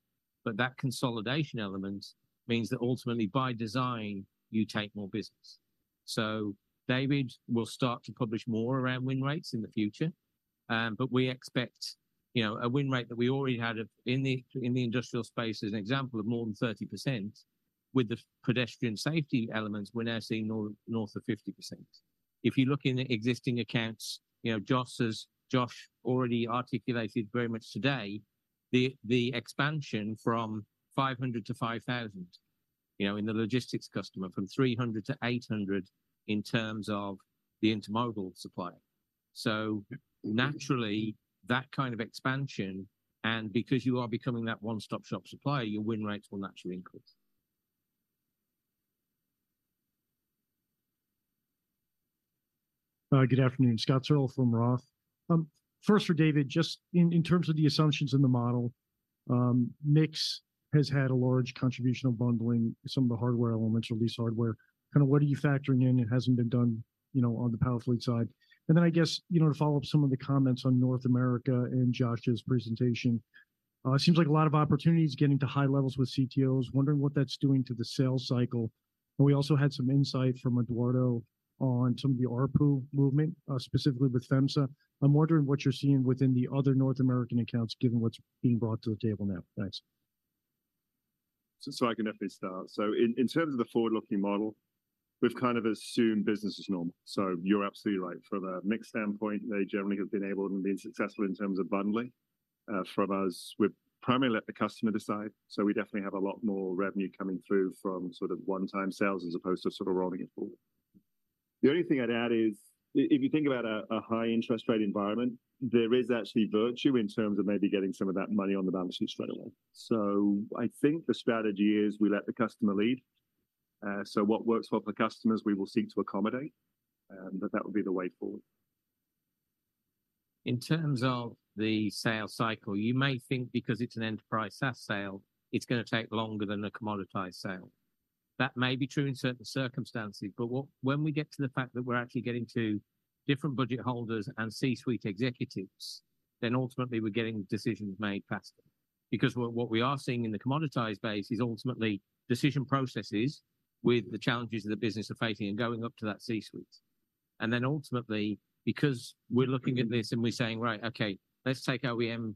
but that consolidation element means that ultimately, by design, you take more business. So David will start to publish more around win rates in the future, but we expect, you know, a win rate that we already had of in the industrial space as an example of more than 30% with the pedestrian safety elements, we're now seeing north, north of 50%. If you look in the existing accounts, you know, Josh has, Josh already articulated very much today, the expansion from 500 to 5,000, you know, in the logistics customer, from 300 to 800 in terms of the intermodal supply. So naturally, that kind of expansion, and because you are becoming that one-stop-shop supplier, your win rates will naturally increase. Good afternoon, Scott Searle from Roth. First for David, just in terms of the assumptions in the model, MiX has had a large contribution of bundling some of the hardware elements or lease hardware. Kind of what are you factoring in that hasn't been done, you know, on the Powerfleet side? And then, I guess, you know, to follow up some of the comments on North America in Joss's presentation, it seems like a lot of opportunities getting to high levels with CTOs, wondering what that's doing to the sales cycle. And we also had some insight from Eduardo on some of the ARPU movement, specifically with FEMSA. I'm wondering what you're seeing within the other North American accounts, given what's being brought to the table now. Thanks. So I can definitely start. So in terms of the forward-looking model, we've kind of assumed business as normal. So you're absolutely right. From a mix standpoint, they generally have been able and been successful in terms of bundling from us. We've primarily let the customer decide, so we definitely have a lot more revenue coming through from sort of one-time sales as opposed to sort of rolling it forward. The only thing I'd add is if you think about a high interest rate environment, there is actually virtue in terms of maybe getting some of that money on the balance sheet straight away. So I think the strategy is we let the customer lead, so what works well for customers, we will seek to accommodate, but that would be the way forward. In terms of the sales cycle, you may think because it's an enterprise SaaS sale, it's gonna take longer than a commoditized sale. That may be true in certain circumstances, but when we get to the fact that we're actually getting to different budget holders and C-suite executives, then ultimately we're getting decisions made faster. Because what, what we are seeing in the commoditized base is ultimately decision processes with the challenges that the business are facing and going up to that C-suite. And then ultimately, because we're looking at this and we're saying, "Right, okay, let's take our OEM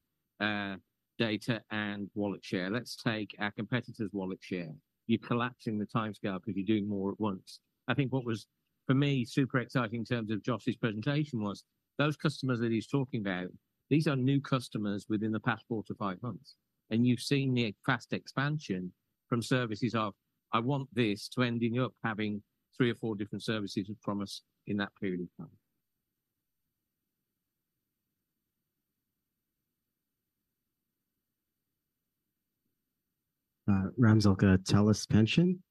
data and wallet share. Let's take our competitor's wallet share," you're collapsing the timescale because you're doing more at once. I think what was, for me, super exciting in terms of Joss's presentation was, those customers that he's talking about, these are new customers within the past 4-5 months. You've seen the fast expansion from services of, I want this, to ending up having 3 or 4 different services from us in that period of time. ... Telus Pension.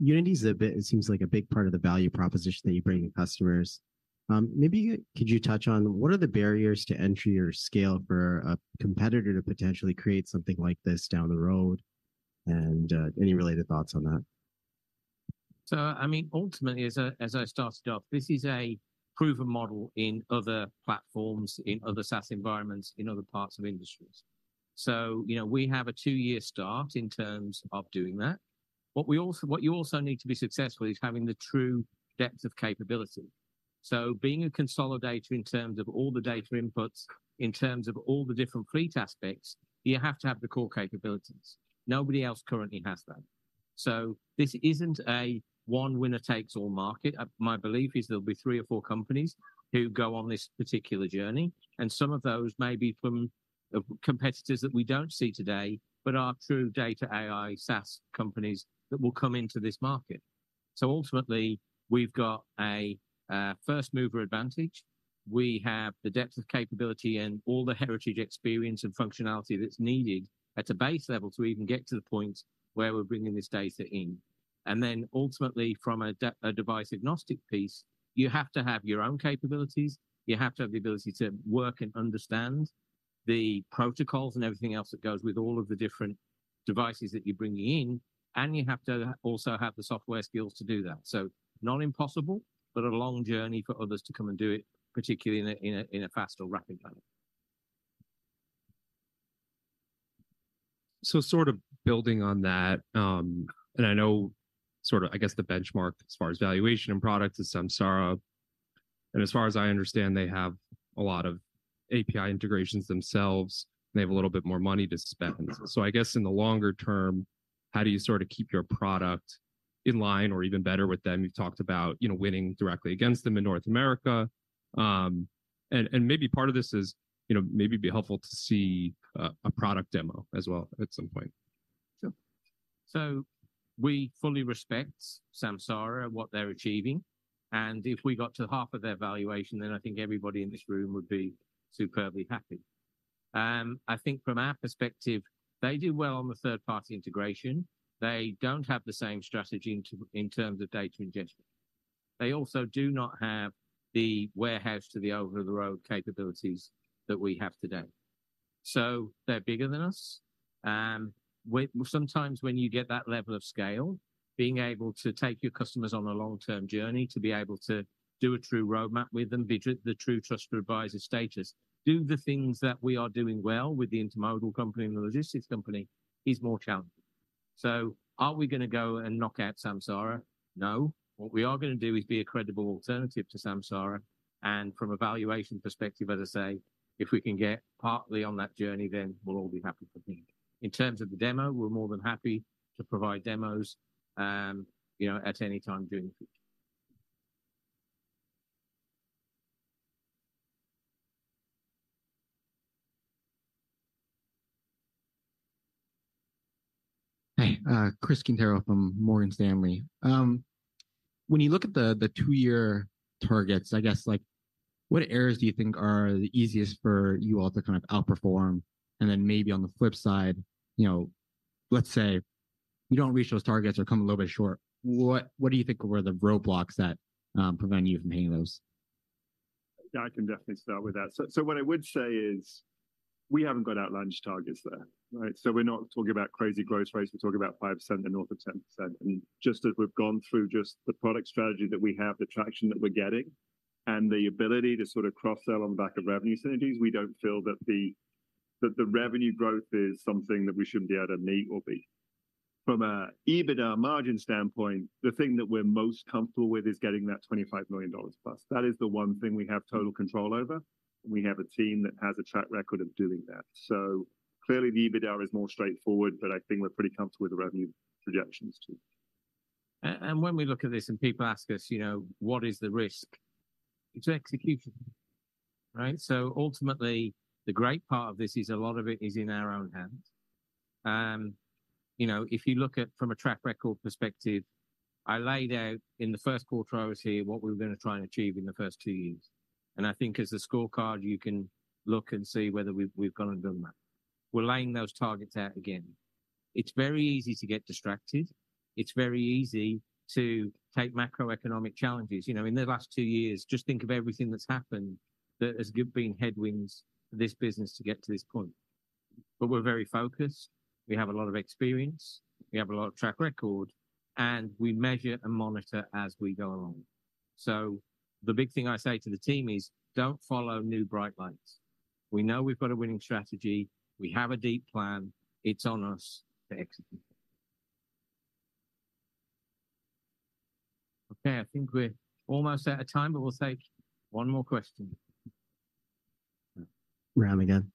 Unity is a bit, it seems like a big part of the value proposition that you bring to customers. Maybe could you touch on what are the barriers to entry or scale for a competitor to potentially create something like this down the road? Any related thoughts on that? So, I mean, ultimately, as I started off, this is a proven model in other platforms, in other SaaS environments, in other parts of industries. So, you know, we have a two-year start in terms of doing that. What you also need to be successful is having the true depth of capability. So being a consolidator in terms of all the data inputs, in terms of all the different fleet aspects, you have to have the core capabilities. Nobody else currently has that. So this isn't a one winner takes all market. My belief is there'll be three or four companies who go on this particular journey, and some of those may be from competitors that we don't see today, but are true data AI SaaS companies that will come into this market. So ultimately, we've got a first mover advantage. We have the depth of capability and all the heritage, experience, and functionality that's needed at a base level to even get to the point where we're bringing this data in. And then ultimately, from a device agnostic piece, you have to have your own capabilities. You have to have the ability to work and understand the protocols and everything else that goes with all of the different devices that you're bringing in, and you have to also have the software skills to do that. So not impossible, but a long journey for others to come and do it, particularly in a fast or rapid time. So sort of building on that, and I know sort of, I guess, the benchmark as far as valuation and product is Samsara. And as far as I understand, they have a lot of API integrations themselves, and they have a little bit more money to spend. So I guess in the longer term, how do you sort of keep your product in line or even better with them? You've talked about, you know, winning directly against them in North America. And, and maybe part of this is, you know, maybe it'd be helpful to see a product demo as well at some point. Sure. So we fully respect Samsara, what they're achieving, and if we got to half of their valuation, then I think everybody in this room would be superbly happy. I think from our perspective, they do well on the third-party integration. They don't have the same strategy in terms of data ingestion. They also do not have the warehouse to the over-the-road capabilities that we have today. So they're bigger than us. Sometimes when you get that level of scale, being able to take your customers on a long-term journey, to be able to do a true roadmap with them, be the true trusted advisor status, do the things that we are doing well with the intermodal company and the logistics company, is more challenging. So are we gonna go and knock out Samsara? No. What we are gonna do is be a credible alternative to Samsara, and from a valuation perspective, as I say, if we can get partly on that journey, then we'll all be happy for me. In terms of the demo, we're more than happy to provide demos, you know, at any time during the future. Hey, Chris Quintero from Morgan Stanley. When you look at the two-year targets, I guess, like, what areas do you think are the easiest for you all to kind of outperform? And then maybe on the flip side, you know, let's say you don't reach those targets or come a little bit short, what do you think were the roadblocks that prevent you from hitting those? Yeah, I can definitely start with that. So, so what I would say is, we haven't got outsized targets there, right? So we're not talking about crazy growth rates, we're talking about 5% to north of 10%. And just as we've gone through just the product strategy that we have, the traction that we're getting, and the ability to sort of cross-sell on the back of revenue synergies, we don't feel that the, that the revenue growth is something that we shouldn't be able to meet or beat. From a EBITDA margin standpoint, the thing that we're most comfortable with is getting that $25 million plus. That is the one thing we have total control over. We have a team that has a track record of doing that. So clearly, the EBITDA is more straightforward, but I think we're pretty comfortable with the revenue projections too. When we look at this and people ask us, you know, "What is the risk?" It's execution, right? So ultimately, the great part of this is a lot of it is in our own hands. You know, if you look at from a track record perspective, I laid out in the first quarter I was here, what we were gonna try and achieve in the first two years. And I think as a scorecard, you can look and see whether we've gone and done that. We're laying those targets out again. It's very easy to get distracted. It's very easy to take macroeconomic challenges. You know, in the last two years, just think of everything that's happened that has been headwinds for this business to get to this point. But we're very focused, we have a lot of experience, we have a lot of track record, and we measure and monitor as we go along. So the big thing I say to the team is: Don't follow new bright lights. We know we've got a winning strategy. We have a deep plan. It's on us to execute. Okay, I think we're almost out of time, but we'll take one more question. Ram again,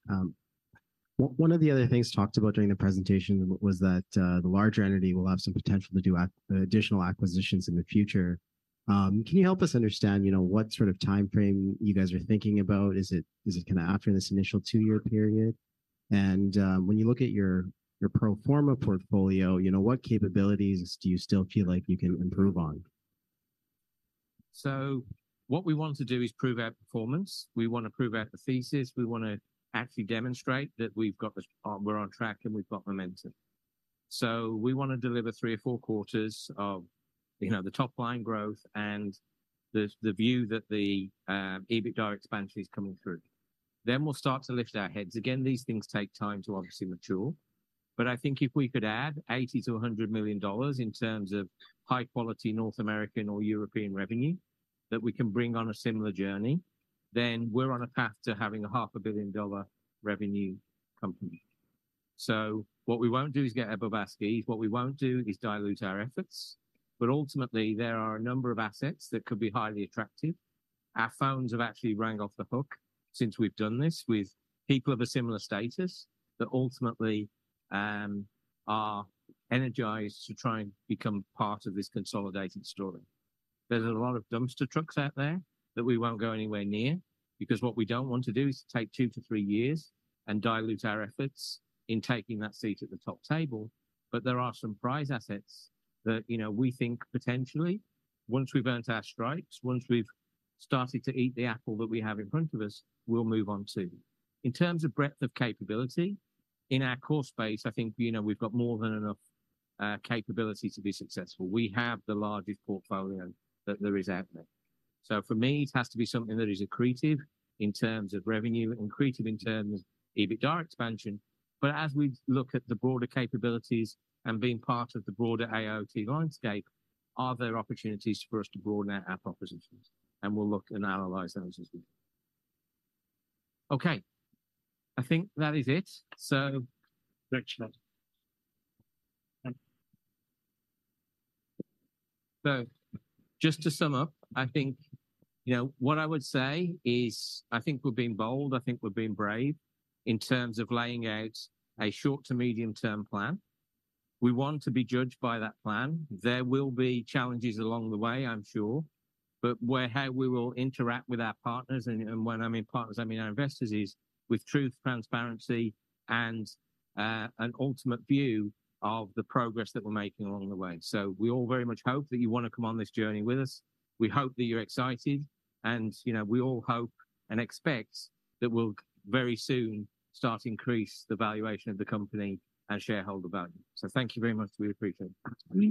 one of the other things talked about during the presentation was that, the larger entity will have some potential to do additional acquisitions in the future. Can you help us understand, you know, what sort of timeframe you guys are thinking about? Is it, is it kinda after this initial two-year period? ...when you look at your pro forma portfolio, you know, what capabilities do you still feel like you can improve on? So what we want to do is prove our performance. We wanna prove out the thesis, we wanna actually demonstrate that we've got this on, we're on track, and we've got momentum. So we wanna deliver three or four quarters of, you know, the top line growth and the, the view that the EBITDA expansion is coming through. Then we'll start to lift our heads. Again, these things take time to obviously mature, but I think if we could add $80 million-$100 million in terms of high quality North American or European revenue that we can bring on a similar journey, then we're on a path to having a $500 million revenue company. So what we won't do is get above our skis. What we won't do is dilute our efforts, but ultimately, there are a number of assets that could be highly attractive. Our phones have actually rang off the hook since we've done this with people of a similar status that ultimately are energized to try and become part of this consolidated story. There's a lot of dumpster trucks out there that we won't go anywhere near, because what we don't want to do is take 2-3 years and dilute our efforts in taking that seat at the top table. But there are some prize assets that, you know, we think potentially, once we've earned our stripes, once we've started to eat the apple that we have in front of us, we'll move on to. In terms of breadth of capability, in our core space, I think, you know, we've got more than enough capability to be successful. We have the largest portfolio that there is out there. So for me, it has to be something that is accretive in terms of revenue, accretive in terms of EBITDA expansion. But as we look at the broader capabilities and being part of the broader IoT landscape, are there opportunities for us to broaden out our propositions? And we'll look and analyze those as well. Okay, I think that is it. So, next slide. So just to sum up, I think, you know, what I would say is, I think we're being bold, I think we're being brave in terms of laying out a short to medium-term plan. We want to be judged by that plan. There will be challenges along the way, I'm sure, but how we will interact with our partners, and when I mean partners, I mean our investors, is with truth, transparency, and an ultimate view of the progress that we're making along the way. So we all very much hope that you wanna come on this journey with us. We hope that you're excited and, you know, we all hope and expect that we'll very soon start to increase the valuation of the company and shareholder value. So thank you very much. We appreciate it.